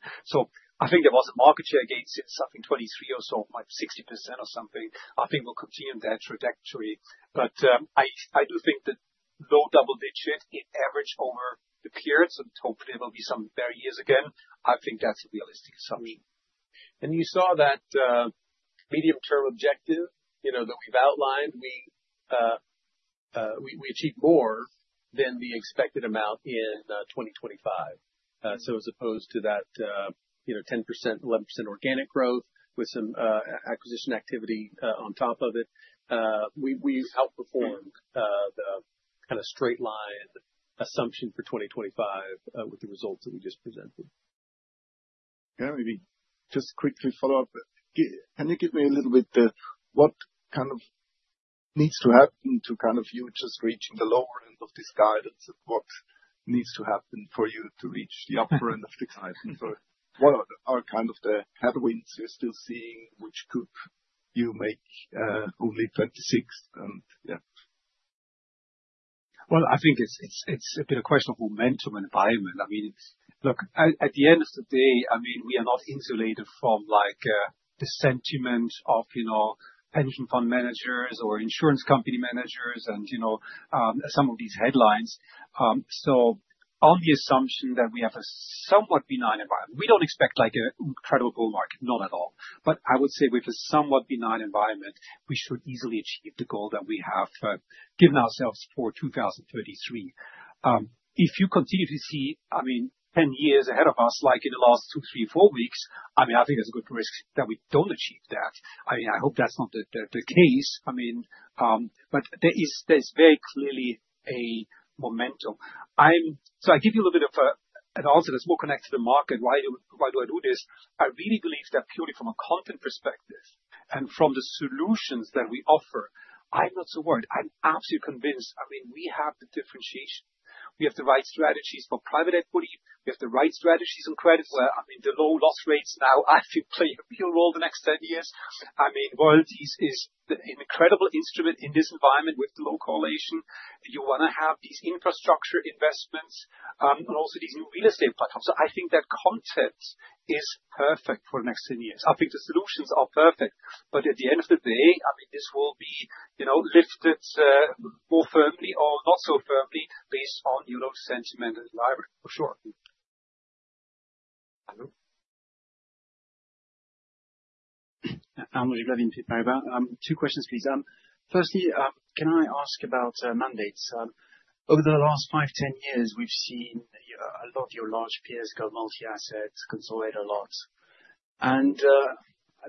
I think there was a market share gain since something 2023 or so, like 60% or something. I think we'll continue on that trajectory. I do think that low double digit in average over the periods, and hopefully there will be some better years again. I think that's a realistic summary. You saw that medium-term objective, you know, that we've outlined. We achieved more than the expected amount in 2025. As opposed to that, you know, 10%, 11% organic growth with some acquisition activity on top of it, we outperformed the kinda straight line assumption for 2025 with the results that we just presented. [inaudible] just quickly follow up. Can you give me a little bit what needs to happen to kind of just reach the lower end of this guidance, and what needs to happen for you to reach the upper end of the guidance? Or what are kind of the headwinds you're still seeing which could make you only 26%? Well, I think it's a bit of a question of momentum environment. I mean, it's. Look at the end of the day, I mean, we are not insulated from, like, the sentiment of, you know, pension fund managers or insurance company managers and, you know, some of these headlines. On the assumption that we have a somewhat benign environment, we don't expect like an incredible market. Not at all. I would say with a somewhat benign environment, we should easily achieve the goal that we have given ourselves for 2033. If you continue to see, I mean, 10 years ahead of us, like in the last 2, 3, 4 weeks, I mean, I think there's a good risk that we don't achieve that. I mean, I hope that's not the case. I mean, there is, there's very clearly a momentum. Let's connect more to the market. Why do I do this? I really believe that purely from a content perspective and from the solutions that we offer, I'm not so worried. I'm absolutely convinced. I mean, we have the differentiation. We have the right strategies for private equity. We have the right strategies on credit, where, I mean, the low loss rates now I think play a real role the next 10 years. I mean, vol is an incredible instrument in this environment with low correlation. You wanna have these infrastructure investments, and also these new real estate platforms. I think that content is perfect for the next 10 years. I think the solutions are perfect. At the end of the day, I mean, this will be, you know, lifted more firmly or not so firmly based on, you know, sentiment environment. For sure. Hello? [André Frei, Paribas]. Two questions, please. First, can I ask about mandates? Over the last 5, 10 years, we've seen a lot of your large peers go multi-assets, consolidate a lot.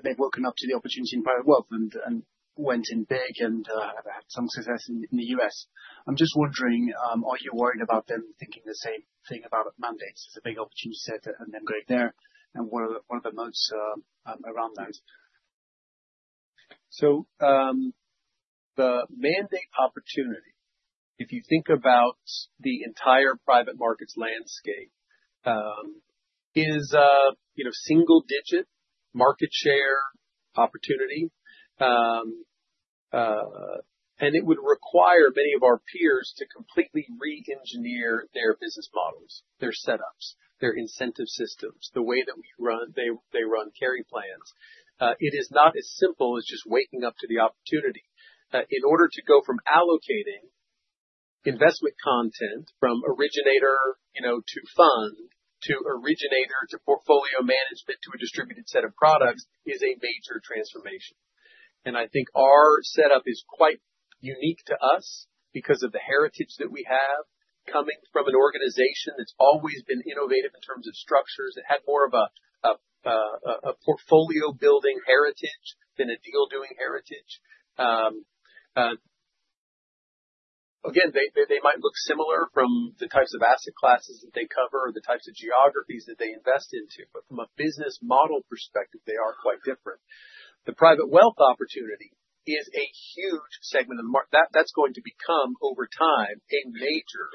They've woken up to the opportunity in private wealth and went in big and have had some success in the U.S. I'm just wondering, are you worried about them thinking the same thing about mandates as a big opportunity set and then going there? What are the moats around those? The mandate opportunity, if you think about the entire private markets landscape, is a you know single digit market share opportunity. It would require many of our peers to completely re-engineer their business models, their setups, their incentive systems, the way that they run carry plans. It is not as simple as just waking up to the opportunity. In order to go from allocating investment content from originator, you know, to fund, to originator, to portfolio management, to a distributed set of products, is a major transformation. I think our setup is quite unique to us because of the heritage that we have coming from an organization that's always been innovative in terms of structures. It had more of a portfolio building heritage than a deal doing heritage. Again, they might look similar from the types of asset classes that they cover or the types of geographies that they invest into. From a business model perspective, they are quite different. The private wealth opportunity is a huge segment of the market. That's going to become, over time, a major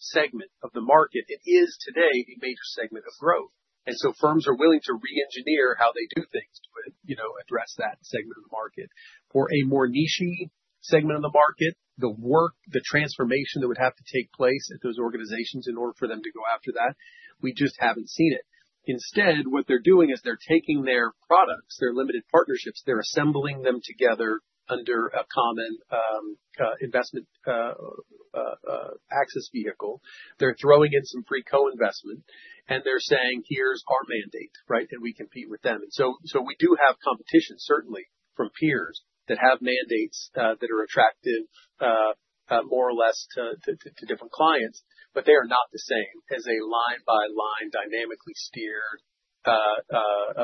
segment of the market. It is today a major segment of growth, and so firms are willing to re-engineer how they do things to, you know, address that segment of the market. For a more niche-y segment of the market, the work, the transformation that would have to take place at those organizations in order for them to go after that, we just haven't seen it. Instead, what they're doing is they're taking their products, their limited partnerships, they're assembling them together under a common investment access vehicle. They're throwing in some free co-investment, and they're saying, "Here's our mandate," right? We compete with them. So we do have competition, certainly from peers that have mandates that are attractive, more or less to different clients. But they are not the same as a line-by-line dynamically steered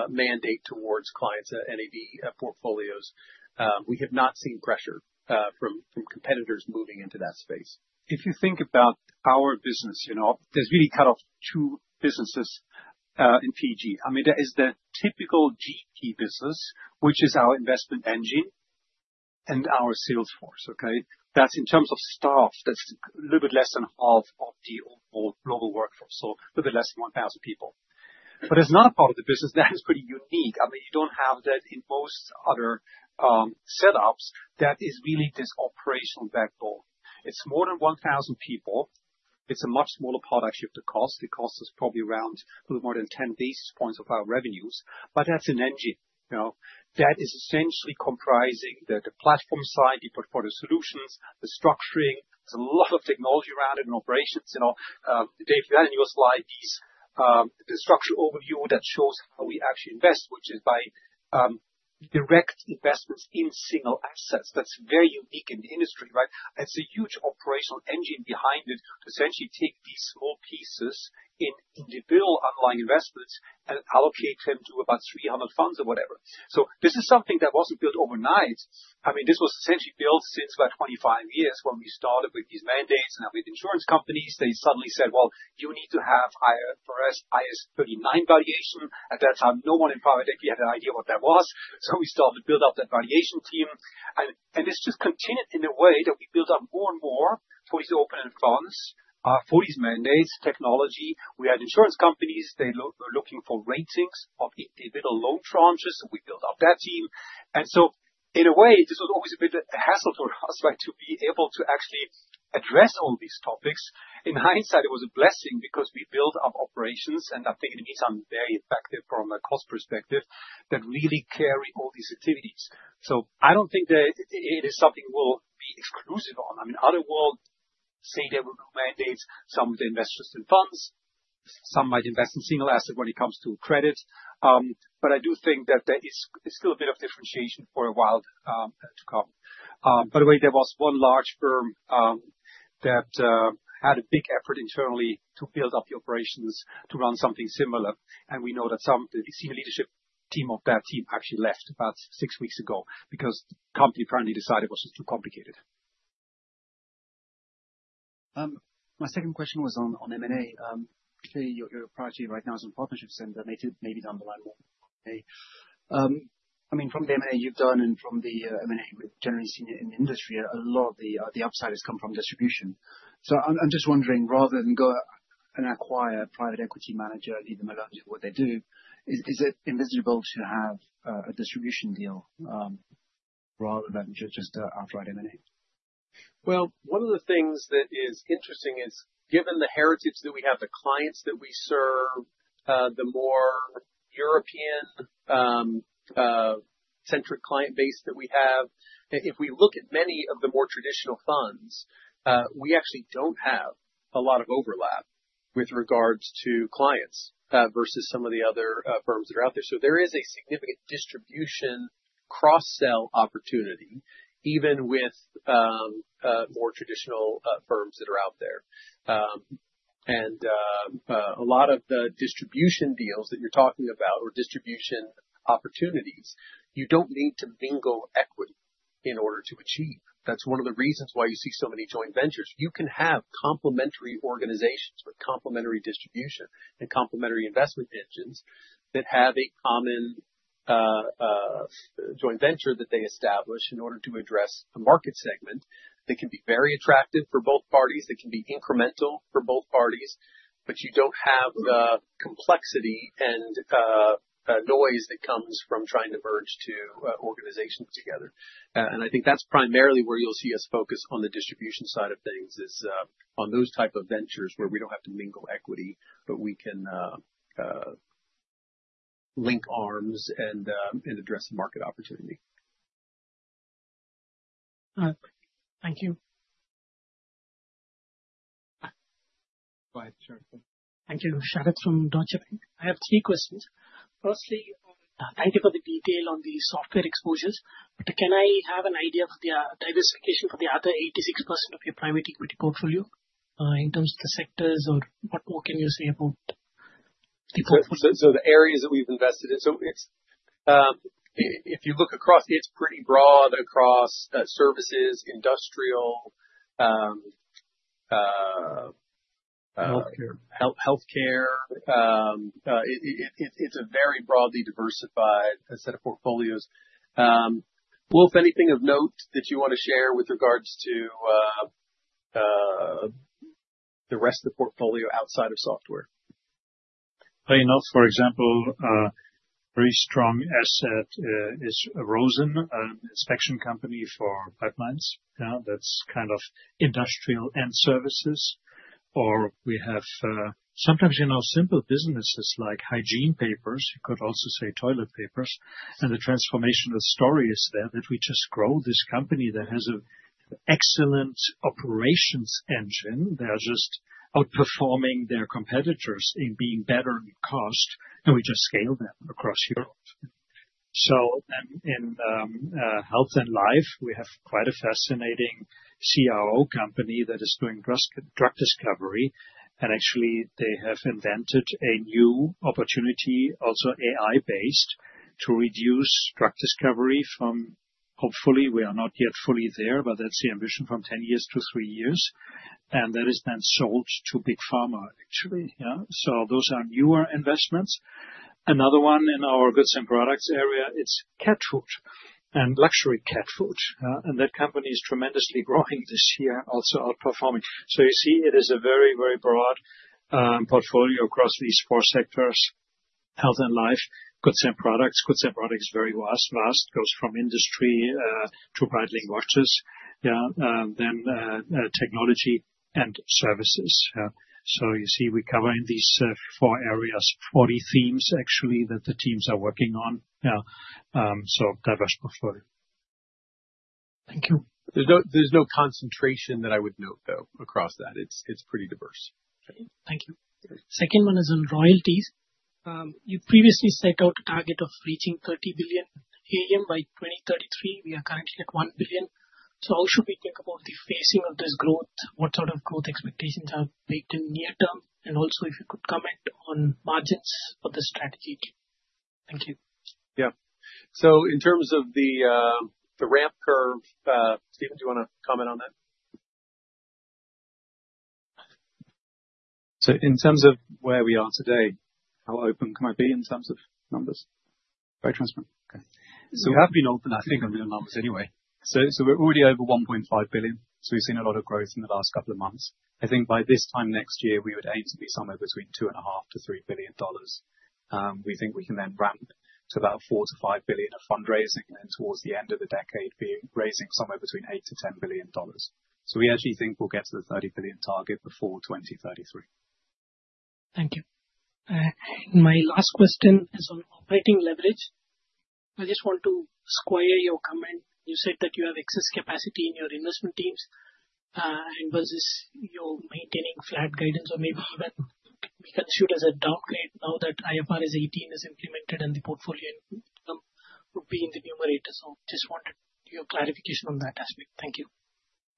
mandate towards clients' NAV portfolios. We have not seen pressure from competitors moving into that space. If you think about our business, you know, there's really kind of two businesses in PG. I mean, there is the typical GP business, which is our investment engine and our sales force, okay? That's in terms of staff, that's a little bit less than half of the overall global workforce. Little bit less than 1,000 people. There's another part of the business that is pretty unique. I mean, you don't have that in most other setups. That is really this operational backbone. It's more than 1,000 people. It's a much smaller product-to-ship cost. It costs us probably around a little more than ten basis points of our revenues. That's an engine, you know, that is essentially comprising the platform side, the portfolio solutions, the structuring. There's a lot of technology around it and operations, you know. Dave, in your slide, please, the structure overview that shows how we actually invest, which is by direct investments in single assets. That's very unique in the industry, right? That's a huge operational engine behind it to essentially take these small pieces in individual online investments and allocate them to about 300 funds or whatever. This is something that wasn't built overnight. I mean, this was essentially built since about 25 years when we started with these mandates and with insurance companies, they suddenly said, "Well, you need to have higher for IAS 39 valuation." At that time, no one in private equity had an idea what that was. This just continued in a way that we built up more and more towards the open-end funds for these mandates, technology. We had insurance companies, they were looking for ratings of individual loan tranches, and we built up that team. In a way, this was always a bit of a hassle for us, right? To be able to actually address all these topics. In hindsight, it was a blessing because we built up operations, and I think in some ways very effective from a cost perspective that really carries all these activities. I don't think that it is something we'll be exclusive on. I mean, others will say they will mandate some of the investors in funds, some might invest in single asset when it comes to credit. I do think that there is still a bit of differentiation for a while, to come. By the way, there was one large firm that had a big effort internally to build up the operations to run something similar. We know that some of the senior leadership team of that team actually left about six weeks ago because company apparently decided it was just too complicated. My second question was on M&A. Clearly you're approaching right now some partnerships and they may be down the line more. I mean, from the M&A you've done and from the M&A that's generally seen in the industry, a lot of the upside has come from distribution. I'm just wondering, rather than go and acquire a private equity manager and leave them alone to do what they do, is it viable to have a distribution deal rather than just outright M&A? Well, one of the things that is interesting is given the heritage that we have, the clients that we serve, the more European centric client base that we have, if we look at many of the more traditional funds, we actually don't have a lot of overlap with regards to clients versus some of the other firms that are out there. There is a significant distribution cross-sell opportunity even with more traditional firms that are out there. A lot of the distribution deals that you're talking about or distribution opportunities, you don't need to mingle equity in order to achieve. That's one of the reasons why you see so many joint ventures. You can have complementary organizations or complementary distribution and complementary investment engines that have a common joint venture that they establish in order to address the market segment that can be very attractive for both parties. That can be incremental for both parties. You don't have the complexity and noise that comes from trying to merge two organizations together. I think that's primarily where you'll see us focus on the distribution side of things is on those type of ventures where we don't have to mingle equity, but we can link arms and address the market opportunity. Thank you. Go ahead, Sharath. Thank you. Sharath from Deutsche Bank. I have three questions. Firstly, thank you for the detail on the software exposures, but can I have an idea of the diversification for the other 86% of your private equity portfolio, in terms of the sectors or what more can you say about the portfolio? The areas that we've invested in. If you look across, it's pretty broad across services, industrial. Healthcare. Healthcare. It's a very broadly diversified set of portfolios. Wolf, anything of note that you want to share with regards to the rest of the portfolio outside of software? I know, for example, a very strong asset is ROSEN, an inspection company for pipelines. That's kind of industrial and services. We have, sometimes, you know, simple businesses like hygiene papers. You could also say toilet papers. The transformational story is that if we just grow this company that has an excellent operations engine, they are just outperforming their competitors in being better in cost, and we just scale that across Europe. In health and life, we have quite a fascinating CRO company that is doing drug discovery. They have invented a new opportunity, also AI-based, to reduce drug discovery from hopefully we are not yet fully there, but that's the ambition from 10 years to three years, and that is then sold to Big Pharma, actually. Those are newer investments. Another one in our goods and products area, it's cat food and luxury cat food. That company is tremendously growing this year, also outperforming. You see it is a very, very broad portfolio across these four sectors, health and life, goods and products. Goods and products is very vast. Goes from industry to Breitling watches. Technology and services. You see we cover in these four areas 40 themes actually that the teams are working on. Diverse portfolio. Thank you. There's no concentration that I would note, though, across that. It's pretty diverse. Thank you. Second one is on royalties. You previously set out a target of reaching $30 billion AUM by 2033. We are currently at $1 billion. How should we think about the phasing of this growth? What sort of growth expectations are baked in near term? Also if you could comment on margins for the strategy. Thank you. In terms of the ramp curve, Stephen, do you wanna comment on that? In terms of where we are today, how open can I be in terms of numbers? Very transparent. Okay. We have been open, I think, on the numbers anyway. We're already over $1.5 billion. We've seen a lot of growth in the last couple of months. I think by this time next year, we would aim to be somewhere between $2.5 billion-$3 billion. We think we can then ramp to about $4 billion -$5 billion of fundraising and towards the end of the decade, be raising somewhere between $8 billion-$10 billion. We actually think we'll get to the $30 billion target before 2033. Thank you. My last question is on operating leverage. I just want to square your comment. You said that you have excess capacity in your investment teams, and versus you maintaining flat guidance or maybe even we can shoot for a higher rate now that IFRS 18 is implemented in the portfolio would be in the numerator. Just wanted your clarification on that aspect. Thank you.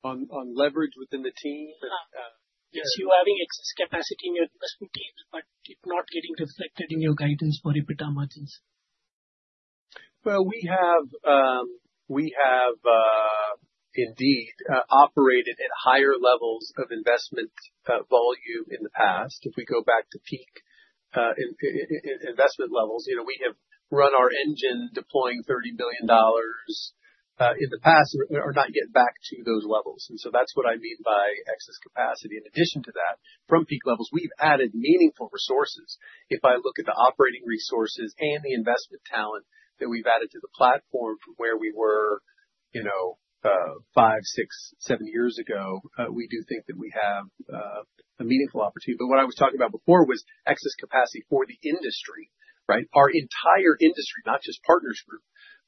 On leverage within the team? Yes. You're having excess capacity in your investment teams, but it's not getting reflected in your guidance for EBITDA margins. Well, we have indeed operated at higher levels of investment volume in the past. If we go back to peak in investment levels, you know, we have run our engine deploying $30 billion in the past. We're not yet back to those levels, and so that's what I mean by excess capacity. In addition to that, from peak levels, we've added meaningful resources. If I look at the operating resources and the investment talent that we've added to the platform from where we were, you know, 5, 6, 7 years ago, we do think that we have a meaningful opportunity. But what I was talking about before was excess capacity for the industry, right? Our entire industry, not just Partners Group,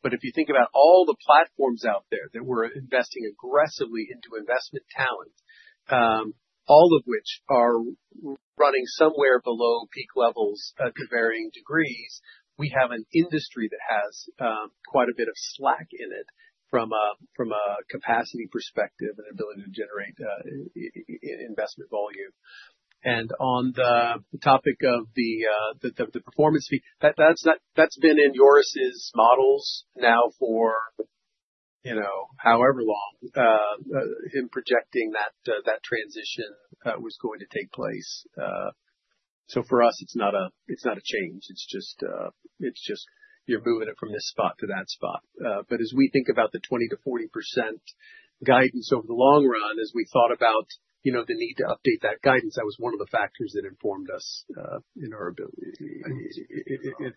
but if you think about all the platforms out there that we're investing aggressively into investment talent, all of which are running somewhere below peak levels, to varying degrees. We have an industry that has quite a bit of slack in it from a capacity perspective and ability to generate investment volume. On the topic of the performance fee, that's been in Joris's models now for, you know, however long, him projecting that that transition was going to take place. For us, it's not a change. It's just you're moving it from this spot to that spot. As we think about the 20%-40% guidance over the long run, as we thought about, you know, the need to update that guidance, that was one of the factors that informed us in our ability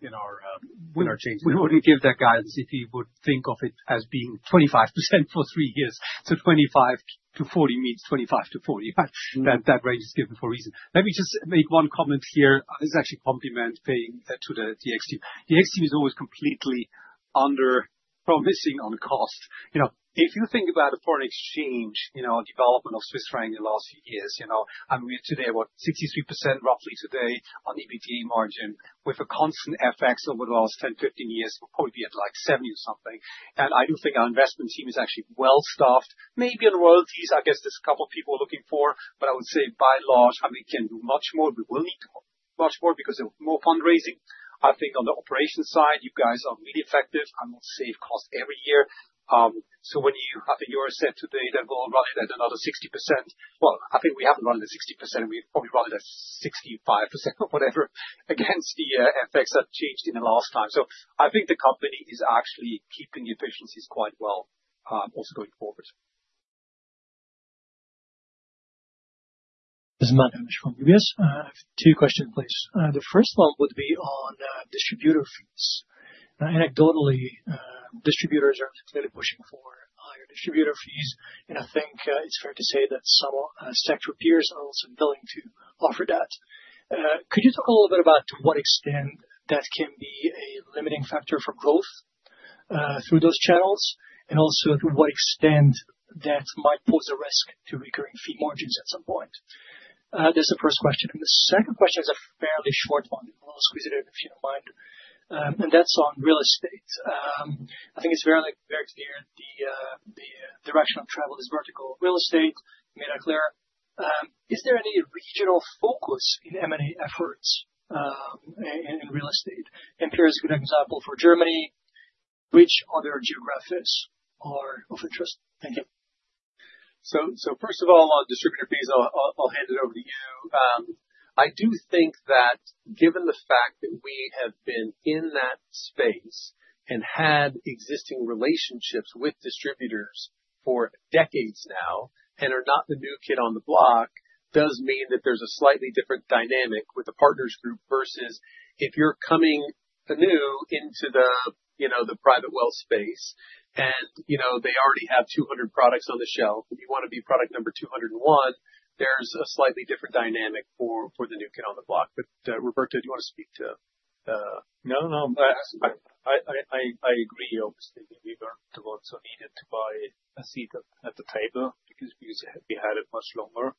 in our change- We wouldn't give that guidance if you would think of it as being 25% for three years. 25%-40% means 25%-40%. That range is given for a reason. Let me just make one comment here. This is actually a compliment to the Ops team. Ops team is always completely under promising on cost. You know, if you think about a foreign exchange, you know, development of Swiss franc in the last few years, you know, and we're today roughly 63% on EBITDA margin. With a constant FX over the last 10, 15 years, we'd probably be at, like, 70-something. I do think our investment team is actually well staffed. Maybe in royalties, I guess there's a couple people looking for, but I would say by and large, I mean, we can do much more. We will need to go much more because of more fundraising. I think on the operations side, you guys are really effective in saving costs every year. I think you already said today the goal roughly at another 60%. Well, I think we have it around the 60%. We probably run it at 65% or whatever against the FX that changed in the last time. I think the company is actually keeping efficiencies quite well, also going forward. This is Matthew Mish from UBS. Two questions, please. The first one would be on distributor fees. Now, anecdotally, distributors are clearly pushing for higher distributor fees, and I think it's fair to say that some sector peers are also willing to offer that. Could you talk a little bit about to what extent that can be a limiting factor for growth through those channels, and also to what extent that might pose a risk to recurring fee margins at some point? That's the first question. The second question is a fairly short one, a little inquisitive, if you don't mind. And that's on real estate. I think it's fairly very clear the direction of travel is vertical real estate, you made that clear. Is there any regional focus in M&A efforts in real estate? Here is a good example for Germany, which other geographies are of interest? Thank you. First of all, on distributor fees, I'll hand it over to you. I do think that given the fact that we have been in that space and had existing relationships with distributors for decades now and are not the new kid on the block, does mean that there's a slightly different dynamic with the Partners Group versus if you're coming anew into the, you know, the private wealth space, and, you know, they already have 200 products on the shelf, and you wanna be product number 201, there's a slightly different dynamic for the new kid on the block. But, Roberto, do you wanna speak to- No, no. I agree, obviously, that we weren't the ones who needed to buy a seat at the table because we used to have behind it much longer.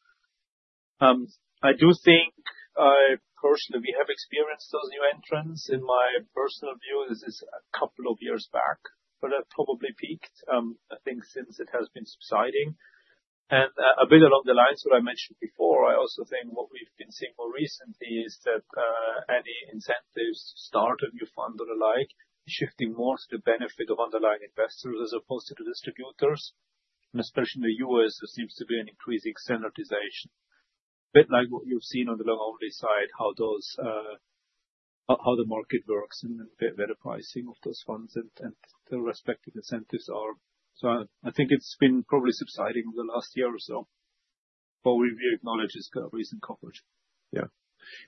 I do think, personally, we have experienced those new entrants. In my personal view, this is a couple of years back, but have probably peaked, I think since it has been subsiding. A bit along the lines what I mentioned before, I also think what we've been seeing more recently is that any incentives start a new fund or the like, shifting more to the benefit of underlying investors as opposed to the distributors. Especially in the U.S., there seems to be an increasing standardization. Bit like what you've seen on the loan only side, how those, how the market works and the better pricing of those funds and the respective incentives are. I think it's been probably subsiding in the last year or so, but we acknowledge it's got a recent coverage.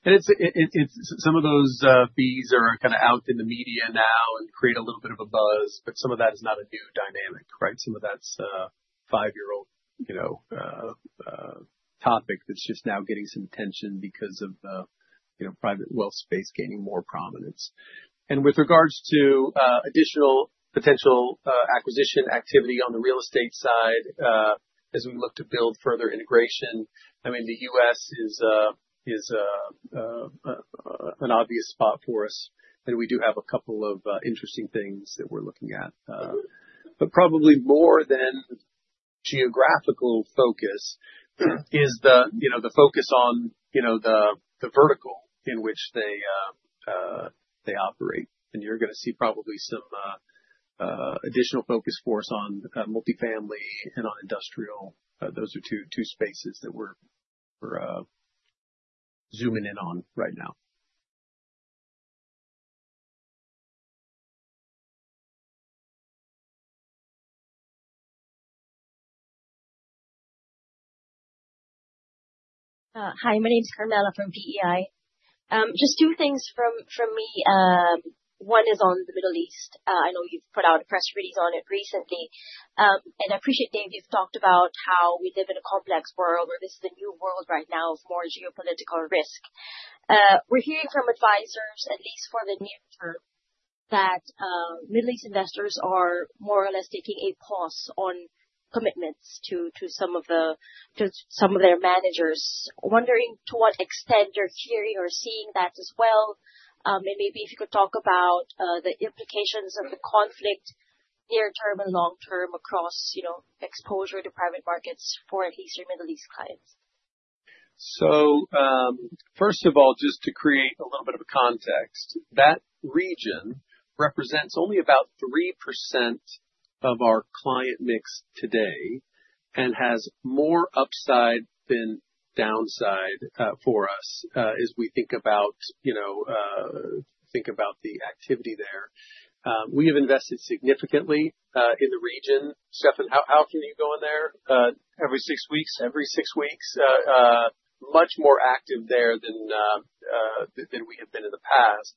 It's some of those fees are kinda out in the media now and create a little bit of a buzz, but some of that is not a new dynamic, right? Some of that's a five-year-old, you know, topic that's just now getting some attention because of, you know, private wealth space gaining more prominence. With regards to additional potential acquisition activity on the real estate side, as we look to build further integration, I mean, the U.S. is an obvious spot for us, and we do have a couple of interesting things that we're looking at. But probably more than geographical focus is the, you know, the focus on, you know, the vertical in which they operate. You're gonna see probably some additional focus for us on multifamily and on industrial. Those are two spaces that we're zooming in on right now. Hi. My name is Carmela from PEI. Just two things from me. One is on the Middle East. I know you've put out a press release on it recently. I appreciate, Dave, you've talked about how we live in a complex world where this is the new world right now of more geopolitical risk. We're hearing from advisors, at least for the near term, that Middle East investors are more or less taking a pause on commitments to some of their managers. Wondering to what extent you're hearing or seeing that as well. Maybe if you could talk about the implications of the conflict near term and long term across, you know, exposure to private markets for at least your Middle East clients. First of all, just to create a little bit of a context, that region represents only about 3% of our client mix today and has more upside than downside for us as we think about, you know, the activity there. We have invested significantly in the region. Steffen, how often are you going there? Every six weeks. Every six weeks. Much more active there than we have been in the past.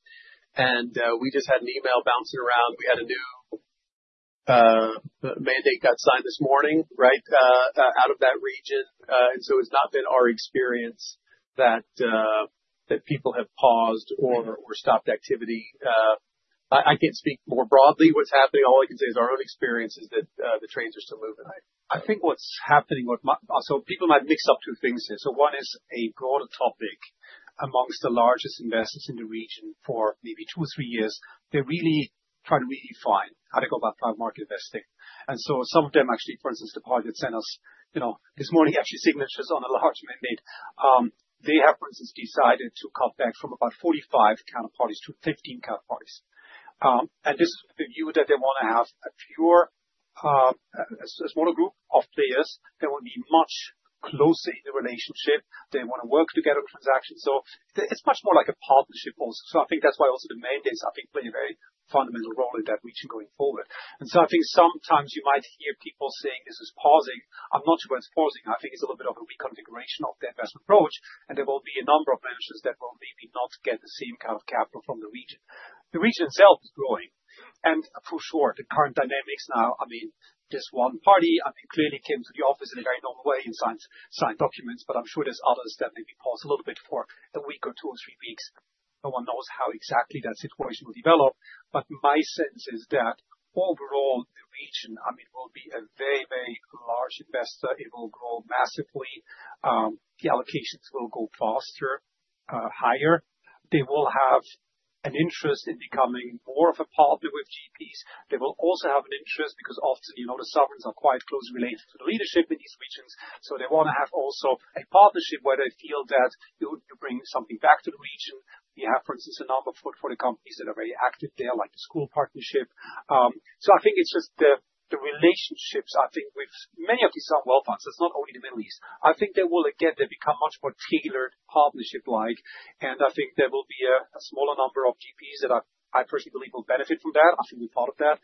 We just had an email bouncing around. We had a new mandate got signed this morning, right, out of that region. It's not been our experience that people have paused or stopped activity. I can't speak more broadly what's happening. All I can say is our own experience is that the trains are still moving. People might mix up two things here. One is a broader topic among the largest investors in the region for maybe two or three years. They're really trying to redefine how to go about private market investing. Some of them actually, for instance, the partner that sent us, you know, this morning, actually signed a large mandate. They have, for instance, decided to cut back from about 45 counterparties to 15 counterparties. This is the view that they wanna have a pure As smaller group of players, they will be much closer in the relationship. They wanna work together on transactions. It's much more like a partnership also. I think that's why also the mandates, I think, play a very fundamental role in that region going forward. I think sometimes you might hear people saying this is pausing. I'm not sure it's pausing. I think it's a little bit of a reconfiguration of their investment approach, and there will be a number of managers that will maybe not get the same kind of capital from the region. The region itself is growing. For sure, the current dynamics now, I mean, this one party, I mean, clearly came to the office in a very normal way and signed documents, but I'm sure there's others that maybe pause a little bit for a week or two or three weeks. No one knows how exactly that situation will develop, but my sense is that overall the region, I mean, will be a very, very large investor. It will grow massively. The allocations will go faster, higher. They will have an interest in becoming more of a partner with GPs. They will also have an interest because often, you know, the sovereigns are quite closely related to the leadership in these regions, so they wanna have also a partnership where they feel that they will bring something back to the region. We have, for instance, a number of footholds for the companies that are very active there, like the International Schools Partnership. I think it's just the relationships, I think, with many of these sovereign wealth funds. It's not only the Middle East. I think they will again become much more tailored partnership-like, and I think there will be a smaller number of GPs that I personally believe will benefit from that. I think we've thought of that.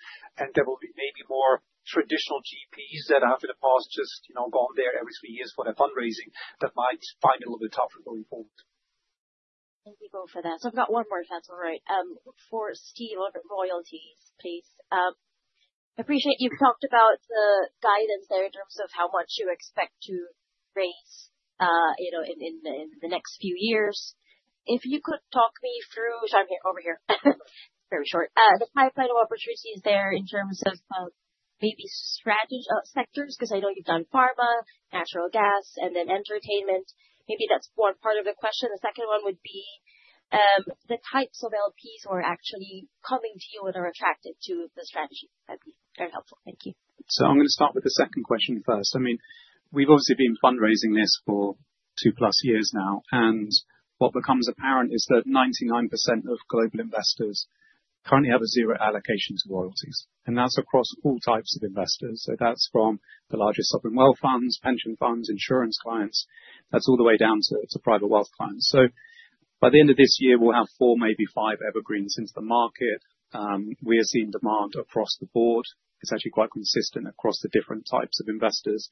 There will be maybe more traditional GPs that have in the past just, you know, gone there every three years for their fundraising that might find it a little bit tougher going forward. Thank you both for that. I've got one more if that's all right. For Stephen on royalties, please. Appreciate you've talked about the guidance there in terms of how much you expect to raise, you know, in the next few years. If you could talk me through the pipeline of opportunities there in terms of, maybe strategy, sectors, 'cause I know you've done pharma, natural gas and then entertainment. Maybe that's one part of the question. The second one would be, the types of LPs who are actually coming to you and are attracted to the strategy. That'd be very helpful. Thank you. I'm gonna start with the second question first. I mean, we've obviously been fundraising this for 2+ years now, and what becomes apparent is that 99% of global investors currently have a zero allocation to royalties, and that's across all types of investors. That's from the largest sovereign wealth funds, pension funds, insurance clients. That's all the way down to private wealth clients. By the end of this year, we'll have four, maybe five evergreens into the market. We are seeing demand across the board. It's actually quite consistent across the different types of investors.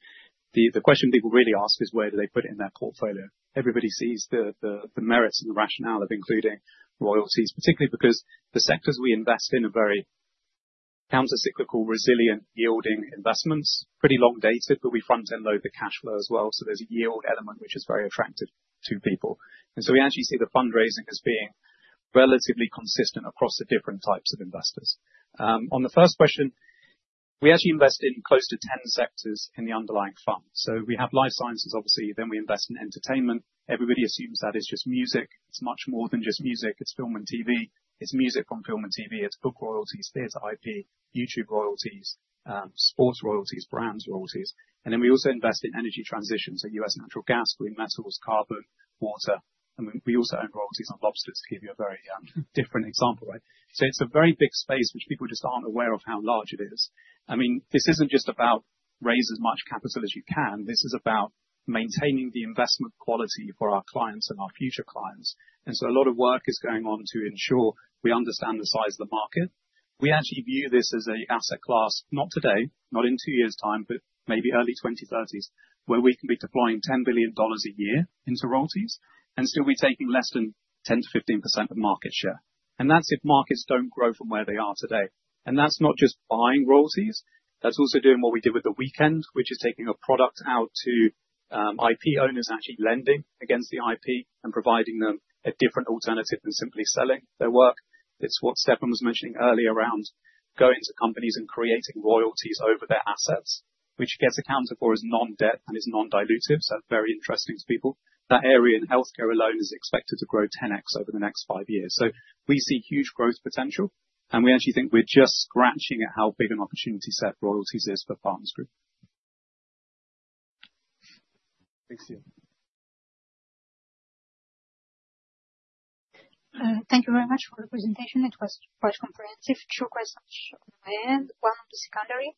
The question people really ask is where do they put it in their portfolio? Everybody sees the merits and the rationale of including royalties, particularly because the sectors we invest in are very counter-cyclical, resilient yielding investments, pretty long dated, but we front-end load the cash flow as well. There's a yield element which is very attractive to people. We actually see the fundraising as being relatively consistent across the different types of investors. On the first question, we actually invest in close to ten sectors in the underlying fund. We have life sciences, obviously, then we invest in entertainment. Everybody assumes that it's just music. It's much more than just music. It's film and TV. It's music on film and TV, it's book royalties, theater IP, YouTube royalties, sports royalties, brands royalties. We also invest in energy transitions, so U.S. natural gas, green metals, carbon, water. I mean, we also own royalties on lobsters to give you a very, different example, right? It's a very big space which people just aren't aware of how large it is. I mean, this isn't just about raising as much capital as you can. This is about maintaining the investment quality for our clients and our future clients. A lot of work is going on to ensure we understand the size of the market. We actually view this as an asset class, not today, not in two years' time, but maybe early 2030s, where we can be deploying $10 billion a year into royalties and still be taking less than 10%-15% of market share. That's if markets don't grow from where they are today. That's not just buying royalties, that's also doing what we did with The Weeknd, which is taking a product out to IP owners, actually lending against the IP and providing them a different alternative than simply selling their work. Is what Steffen was mentioning earlier around going to companies and creating royalties over their assets, which gets accounted for as non-debt and is non-dilutive, so very interesting to people. That area in healthcare alone is expected to grow 10x over the next five years. We see huge growth potential, and we actually think we're just scratching at how big an opportunity set royalties is for Partners Group. Thanks, Steve. Thank you very much for the presentation. It was quite comprehensive. Two questions on my end. One on the secondary.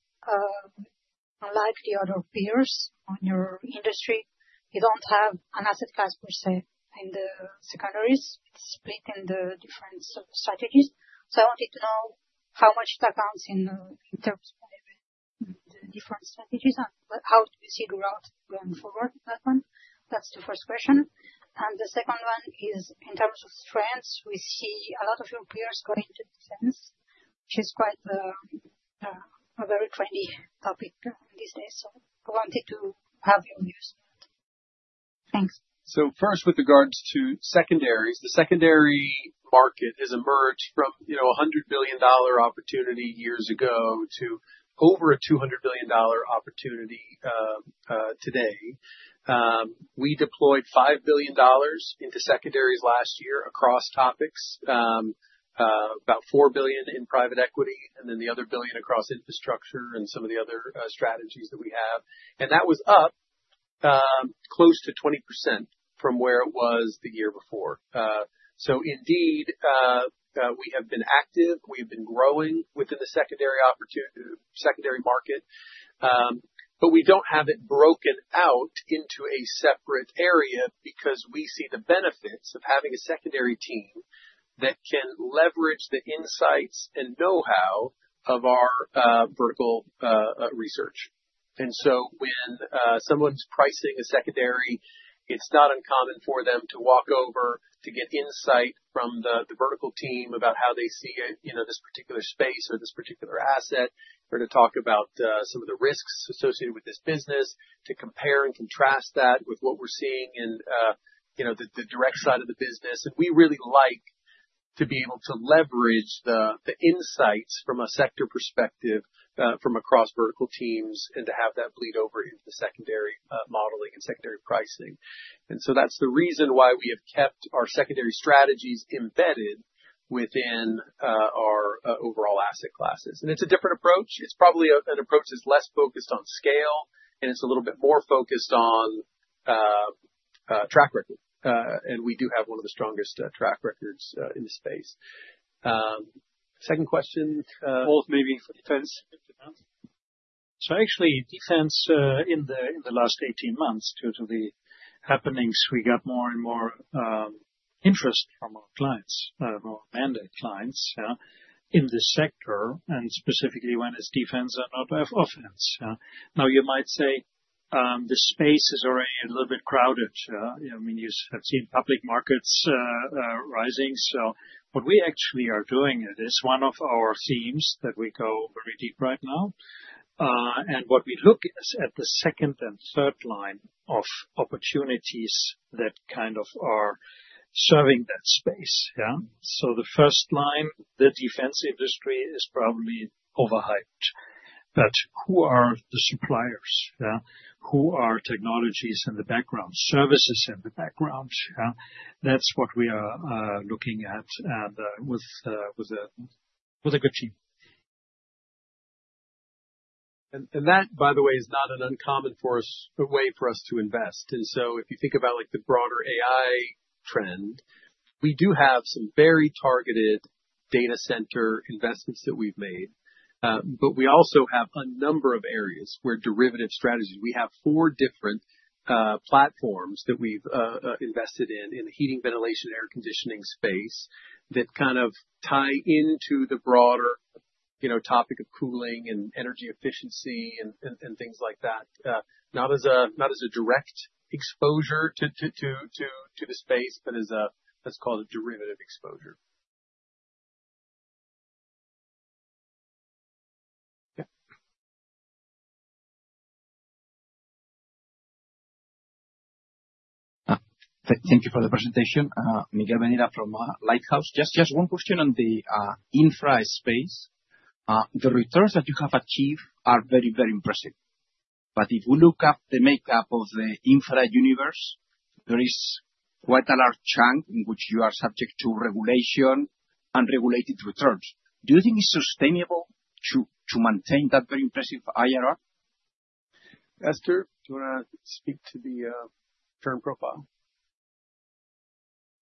Unlike the other peers on your industry, you don't have an asset class per se in the secondaries. It's split in the different sub-strategies. I wanted to know how much that accounts in in terms of maybe the different strategies and how do we see growth going forward with that one? That's the first question. The second one is in terms of trends, we see a lot of your peers going into defense, which is quite a very trendy topic these days. I wanted to have your views on it. Thanks. First, with regards to secondaries, the secondary market has emerged from, you know, a $100 billion opportunity years ago to over a $200 billion opportunity today. We deployed $5 billion into secondaries last year across topics, about $4 billion in private equity and then the other $1 billion across infrastructure and some of the other strategies that we have. That was up Close to 20% from where it was the year before. So indeed, we have been active, we've been growing within the secondary market, but we don't have it broken out into a separate area because we see the benefits of having a secondary team that can leverage the insights and know-how of our vertical research. When someone's pricing a secondary, it's not uncommon for them to walk over to get insight from the vertical team about how they see it, you know, this particular space or this particular asset, or to talk about some of the risks associated with this business to compare and contrast that with what we're seeing in, you know, the direct side of the business. We really like to be able to leverage the insights from a sector perspective from across vertical teams and to have that bleed over into the secondary modeling and secondary pricing. That's the reason why we have kept our secondary strategies embedded within our overall asset classes. It's a different approach. It's probably an approach that's less focused on scale, and it's a little bit more focused on track record. We do have one of the strongest track records in the space. Second question. Both maybe for defense. Actually, defense in the last 18 months, due to the happenings, we got more and more interest from our clients, more mandate clients in this sector, and specifically when it's defense or offense. Now, you might say the space is already a little bit crowded. I mean, you have seen public markets rising. What we actually are doing, it is one of our themes that we go very deep right now. And what we look at is the second and third line of opportunities that kind of are serving that space. The first line, the defense industry, is probably overhyped. Who are the suppliers? Who are technologies in the background, services in the background? That's what we are looking at with a good team. That, by the way, is not an uncommon way for us to invest. If you think about, like, the broader AI trend, we do have some very targeted data center investments that we've made, but we also have a number of areas where derivative strategies. We have four different platforms that we've invested in the heating, ventilation, and air conditioning space that kind of tie into the broader, you know, topic of cooling and energy efficiency and things like that. Not as a direct exposure to the space, but as a, that's called a derivative exposure. Yeah. Thank you for the presentation. [Miguel Benavides] from Lighthouse. Just one question on the infra space. The returns that you have achieved are very, very impressive. If you look up the makeup of the infra universe, there is quite a large chunk in which you are subject to regulation and regulated returns. Do you think it's sustainable to maintain that very impressive IRR? Esther, do you wanna speak to the term profile?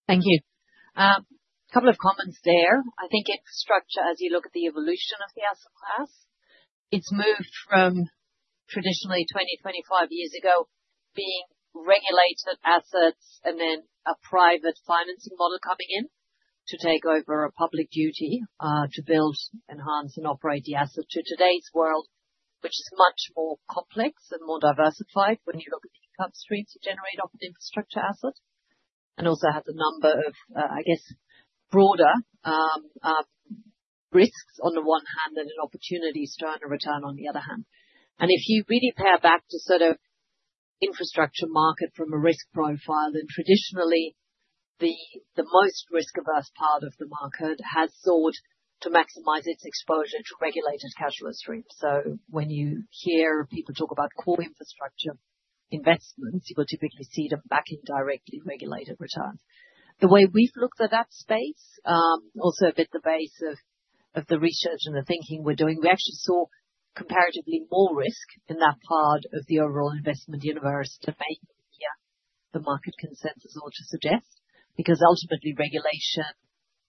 Thank you. Couple of comments there. I think infrastructure, as you look at the evolution of the asset class, it's moved from traditionally 20, 25 years ago being regulated assets and then a private financing model coming in to take over a public duty to build, enhance, and operate the asset to today's world, which is much more complex and more diversified when you look at the income streams you generate off infrastructure assets, and also has a number of, I guess, broader risks on the one hand and opportunities to earn a return on the other hand. If you really pare back to sort of infrastructure market from a risk profile, then traditionally the most risk-averse part of the market has sought to maximize its exposure to regulated cash flow streams. When you hear people talk about core infrastructure investments, you will typically see them backing directly regulated returns. The way we've looked at that space, also a bit the basis of the research and the thinking we're doing, we actually saw comparatively more risk in that part of the overall investment universe than maybe the market consensus ought to suggest. Because ultimately regulation,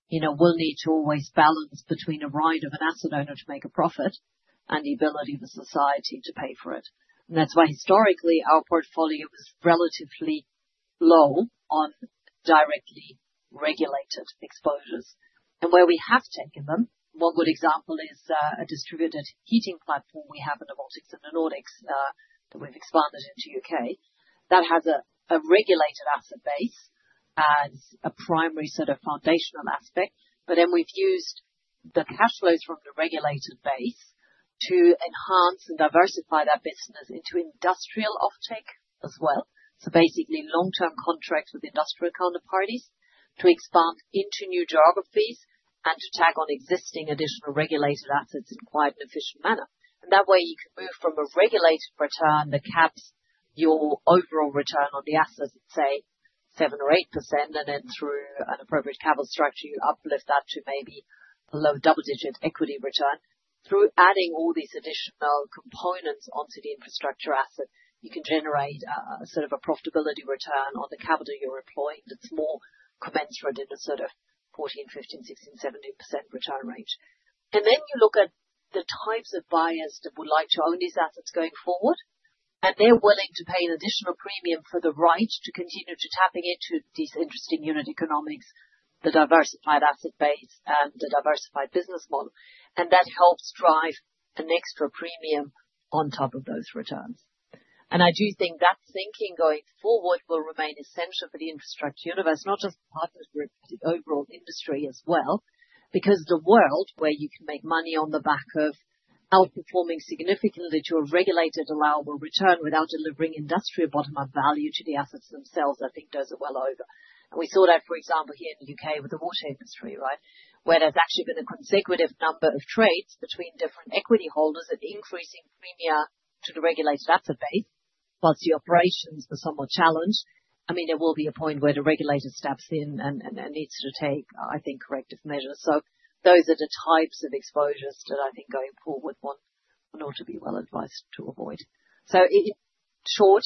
you know, will need to always balance between a right of an asset owner to make a profit and the ability of a society to pay for it. That's why historically, our portfolio was relatively low on directly regulated exposures. Where we have taken them, one good example is a distributed heating platform we have in the Baltics and the Nordics that we've expanded into U.K.. That has a regulated asset base as a primary sort of foundational aspect, but then we've used the cash flows from the regulated base to enhance and diversify that business into industrial offtake as well. Basically long-term contracts with industrial counterparties to expand into new geographies and to tag on existing additional regulated assets in quite an efficient manner. That way you can move from a regulated return that caps your overall return on the assets, let's say 7% or 8%, and then through an appropriate capital structure, you uplift that to maybe a low double-digit equity return. Through adding all these additional components onto the infrastructure asset, you can generate sort of a profitability return on the capital you're employing that's more commensurate in the sort of 14%-17% return range. You look at the types of buyers that would like to own these assets going forward, and they're willing to pay an additional premium for the right to continue tapping into these interesting unit economics, the diversified asset base and the diversified business model. That helps drive an extra premium on top of those returns. I do think that thinking going forward will remain essential for the infrastructure universe, not just Partners Group, but the overall industry as well, because the world where you can make money on the back of outperforming significantly to a regulated allowable return without delivering industrial bottom-up value to the assets themselves, I think those are well over. We saw that, for example, here in the U.K. with the water industry, right? Where there's actually been a consecutive number of trades between different equity holders and increasing premia to the regulated asset base whilst the operations are somewhat challenged. I mean, there will be a point where the regulator steps in and needs to take, I think, corrective measures. Those are the types of exposures that I think going forward one ought to be well advised to avoid. In short,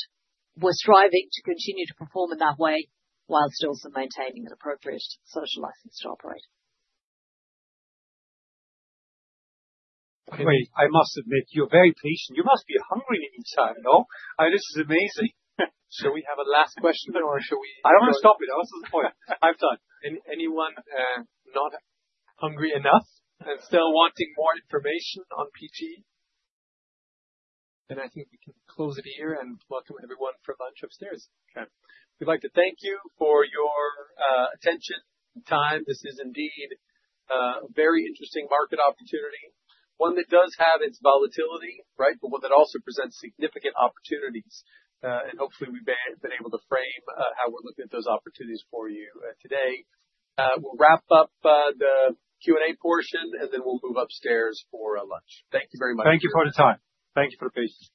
we're striving to continue to perform in that way whilst also maintaining an appropriate social license to operate. By the way, I must admit, you're very patient. You must be hungry by this time, no? This is amazing. Shall we have a last question or should we? I don't wanna stop it. What's the point? I'm done. Anyone not hungry enough and still wanting more information on PG? I think we can close it here and welcome everyone for lunch upstairs. Okay. We'd like to thank you for your attention and time. This is indeed a very interesting market opportunity, one that does have its volatility, right? One that also presents significant opportunities. Hopefully we've been able to frame how we're looking at those opportunities for you today. We'll wrap up the Q&A portion, and then we'll move upstairs for lunch. Thank you very much. Thank you for the time. Thank you for the patience.